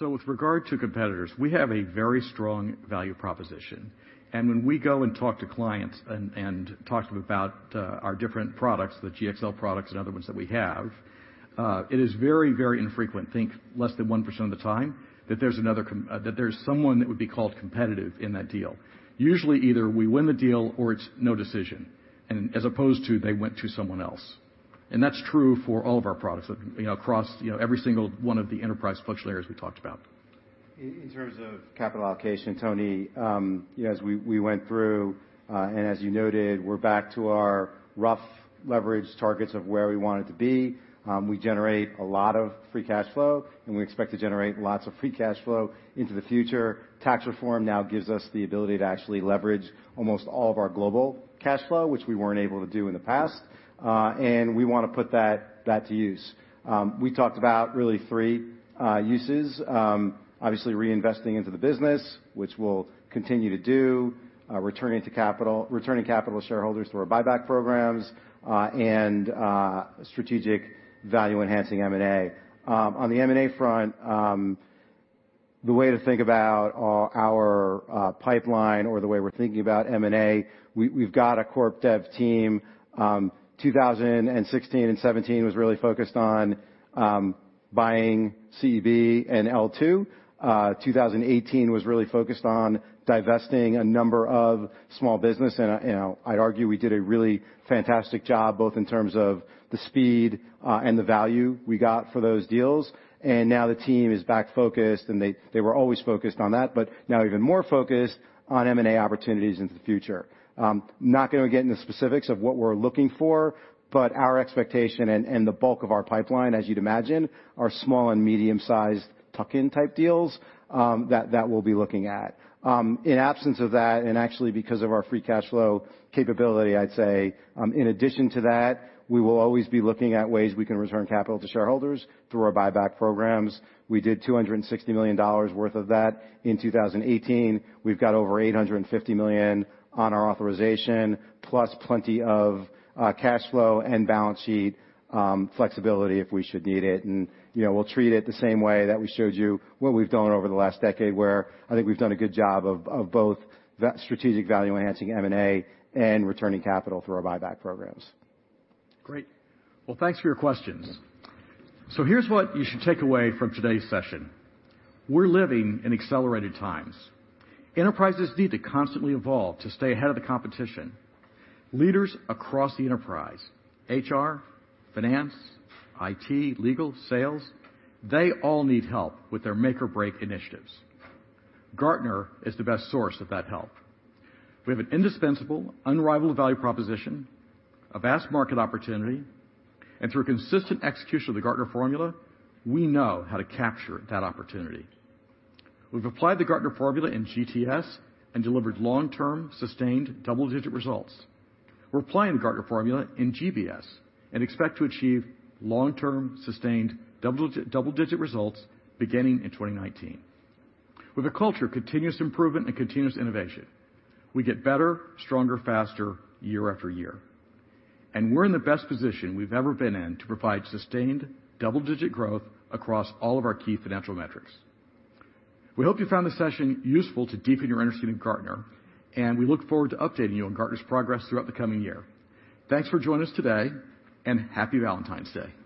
With regard to competitors, we have a very strong value proposition. When we go and talk to clients and talk to them about our different products, the GXL products and other ones that we have, it is very infrequent, think less than 1% of the time, that there's someone that would be called competitive in that deal. Usually either we win the deal or it's no decision, as opposed to they went to someone else. That's true for all of our products across every single one of the enterprise functional areas we talked about. In terms of capital allocation, Toni, as we went through, and as you noted, we're back to our rough leverage targets of where we wanted to be. We generate a lot of free cash flow, and we expect to generate lots of free cash flow into the future. Tax reform now gives us the ability to actually leverage almost all of our global cash flow, which we weren't able to do in the past. We want to put that to use. We talked about really three uses. Obviously, reinvesting into the business, which we'll continue to do, returning capital to shareholders through our buyback programs, and strategic value-enhancing M&A. On the M&A front, the way to think about our pipeline or the way we're thinking about M&A, we've got a corp dev team. 2016 and 2017 was really focused on buying CEB and L2. 2018 was really focused on divesting a number of small business, and I'd argue we did a really fantastic job, both in terms of the speed and the value we got for those deals. Now the team is back focused, and they were always focused on that, but now even more focused on M&A opportunities into the future. Not going to get into specifics of what we're looking for, but our expectation and the bulk of our pipeline, as you'd imagine, are small and medium-sized tuck-in type deals that we'll be looking at. In absence of that, and actually because of our free cash flow capability, I'd say, in addition to that, we will always be looking at ways we can return capital to shareholders through our buyback programs. We did $260 million worth of that in 2018. We've got over $850 million on our authorization, plus plenty of cash flow and balance sheet flexibility if we should need it. We'll treat it the same way that we showed you what we've done over the last decade, where I think we've done a good job of both strategic value-enhancing M&A and returning capital through our buyback programs. Great. Well, thanks for your questions. Here's what you should take away from today's session. We're living in accelerated times. Enterprises need to constantly evolve to stay ahead of the competition. Leaders across the enterprise, HR, finance, IT, legal, sales, they all need help with their make or break initiatives. Gartner is the best source of that help. We have an indispensable, unrivaled value proposition, a vast market opportunity, and through consistent execution of the Gartner Formula, we know how to capture that opportunity. We've applied the Gartner Formula in GTS and delivered long-term, sustained double-digit results. We're applying the Gartner Formula in GBS and expect to achieve long-term, sustained double-digit results beginning in 2019. With a culture of continuous improvement and continuous innovation, we get better, stronger, faster year after year. We're in the best position we've ever been in to provide sustained double-digit growth across all of our key financial metrics. We hope you found this session useful to deepen your understanding of Gartner. We look forward to updating you on Gartner's progress throughout the coming year. Thanks for joining us today. Happy Valentine's Day.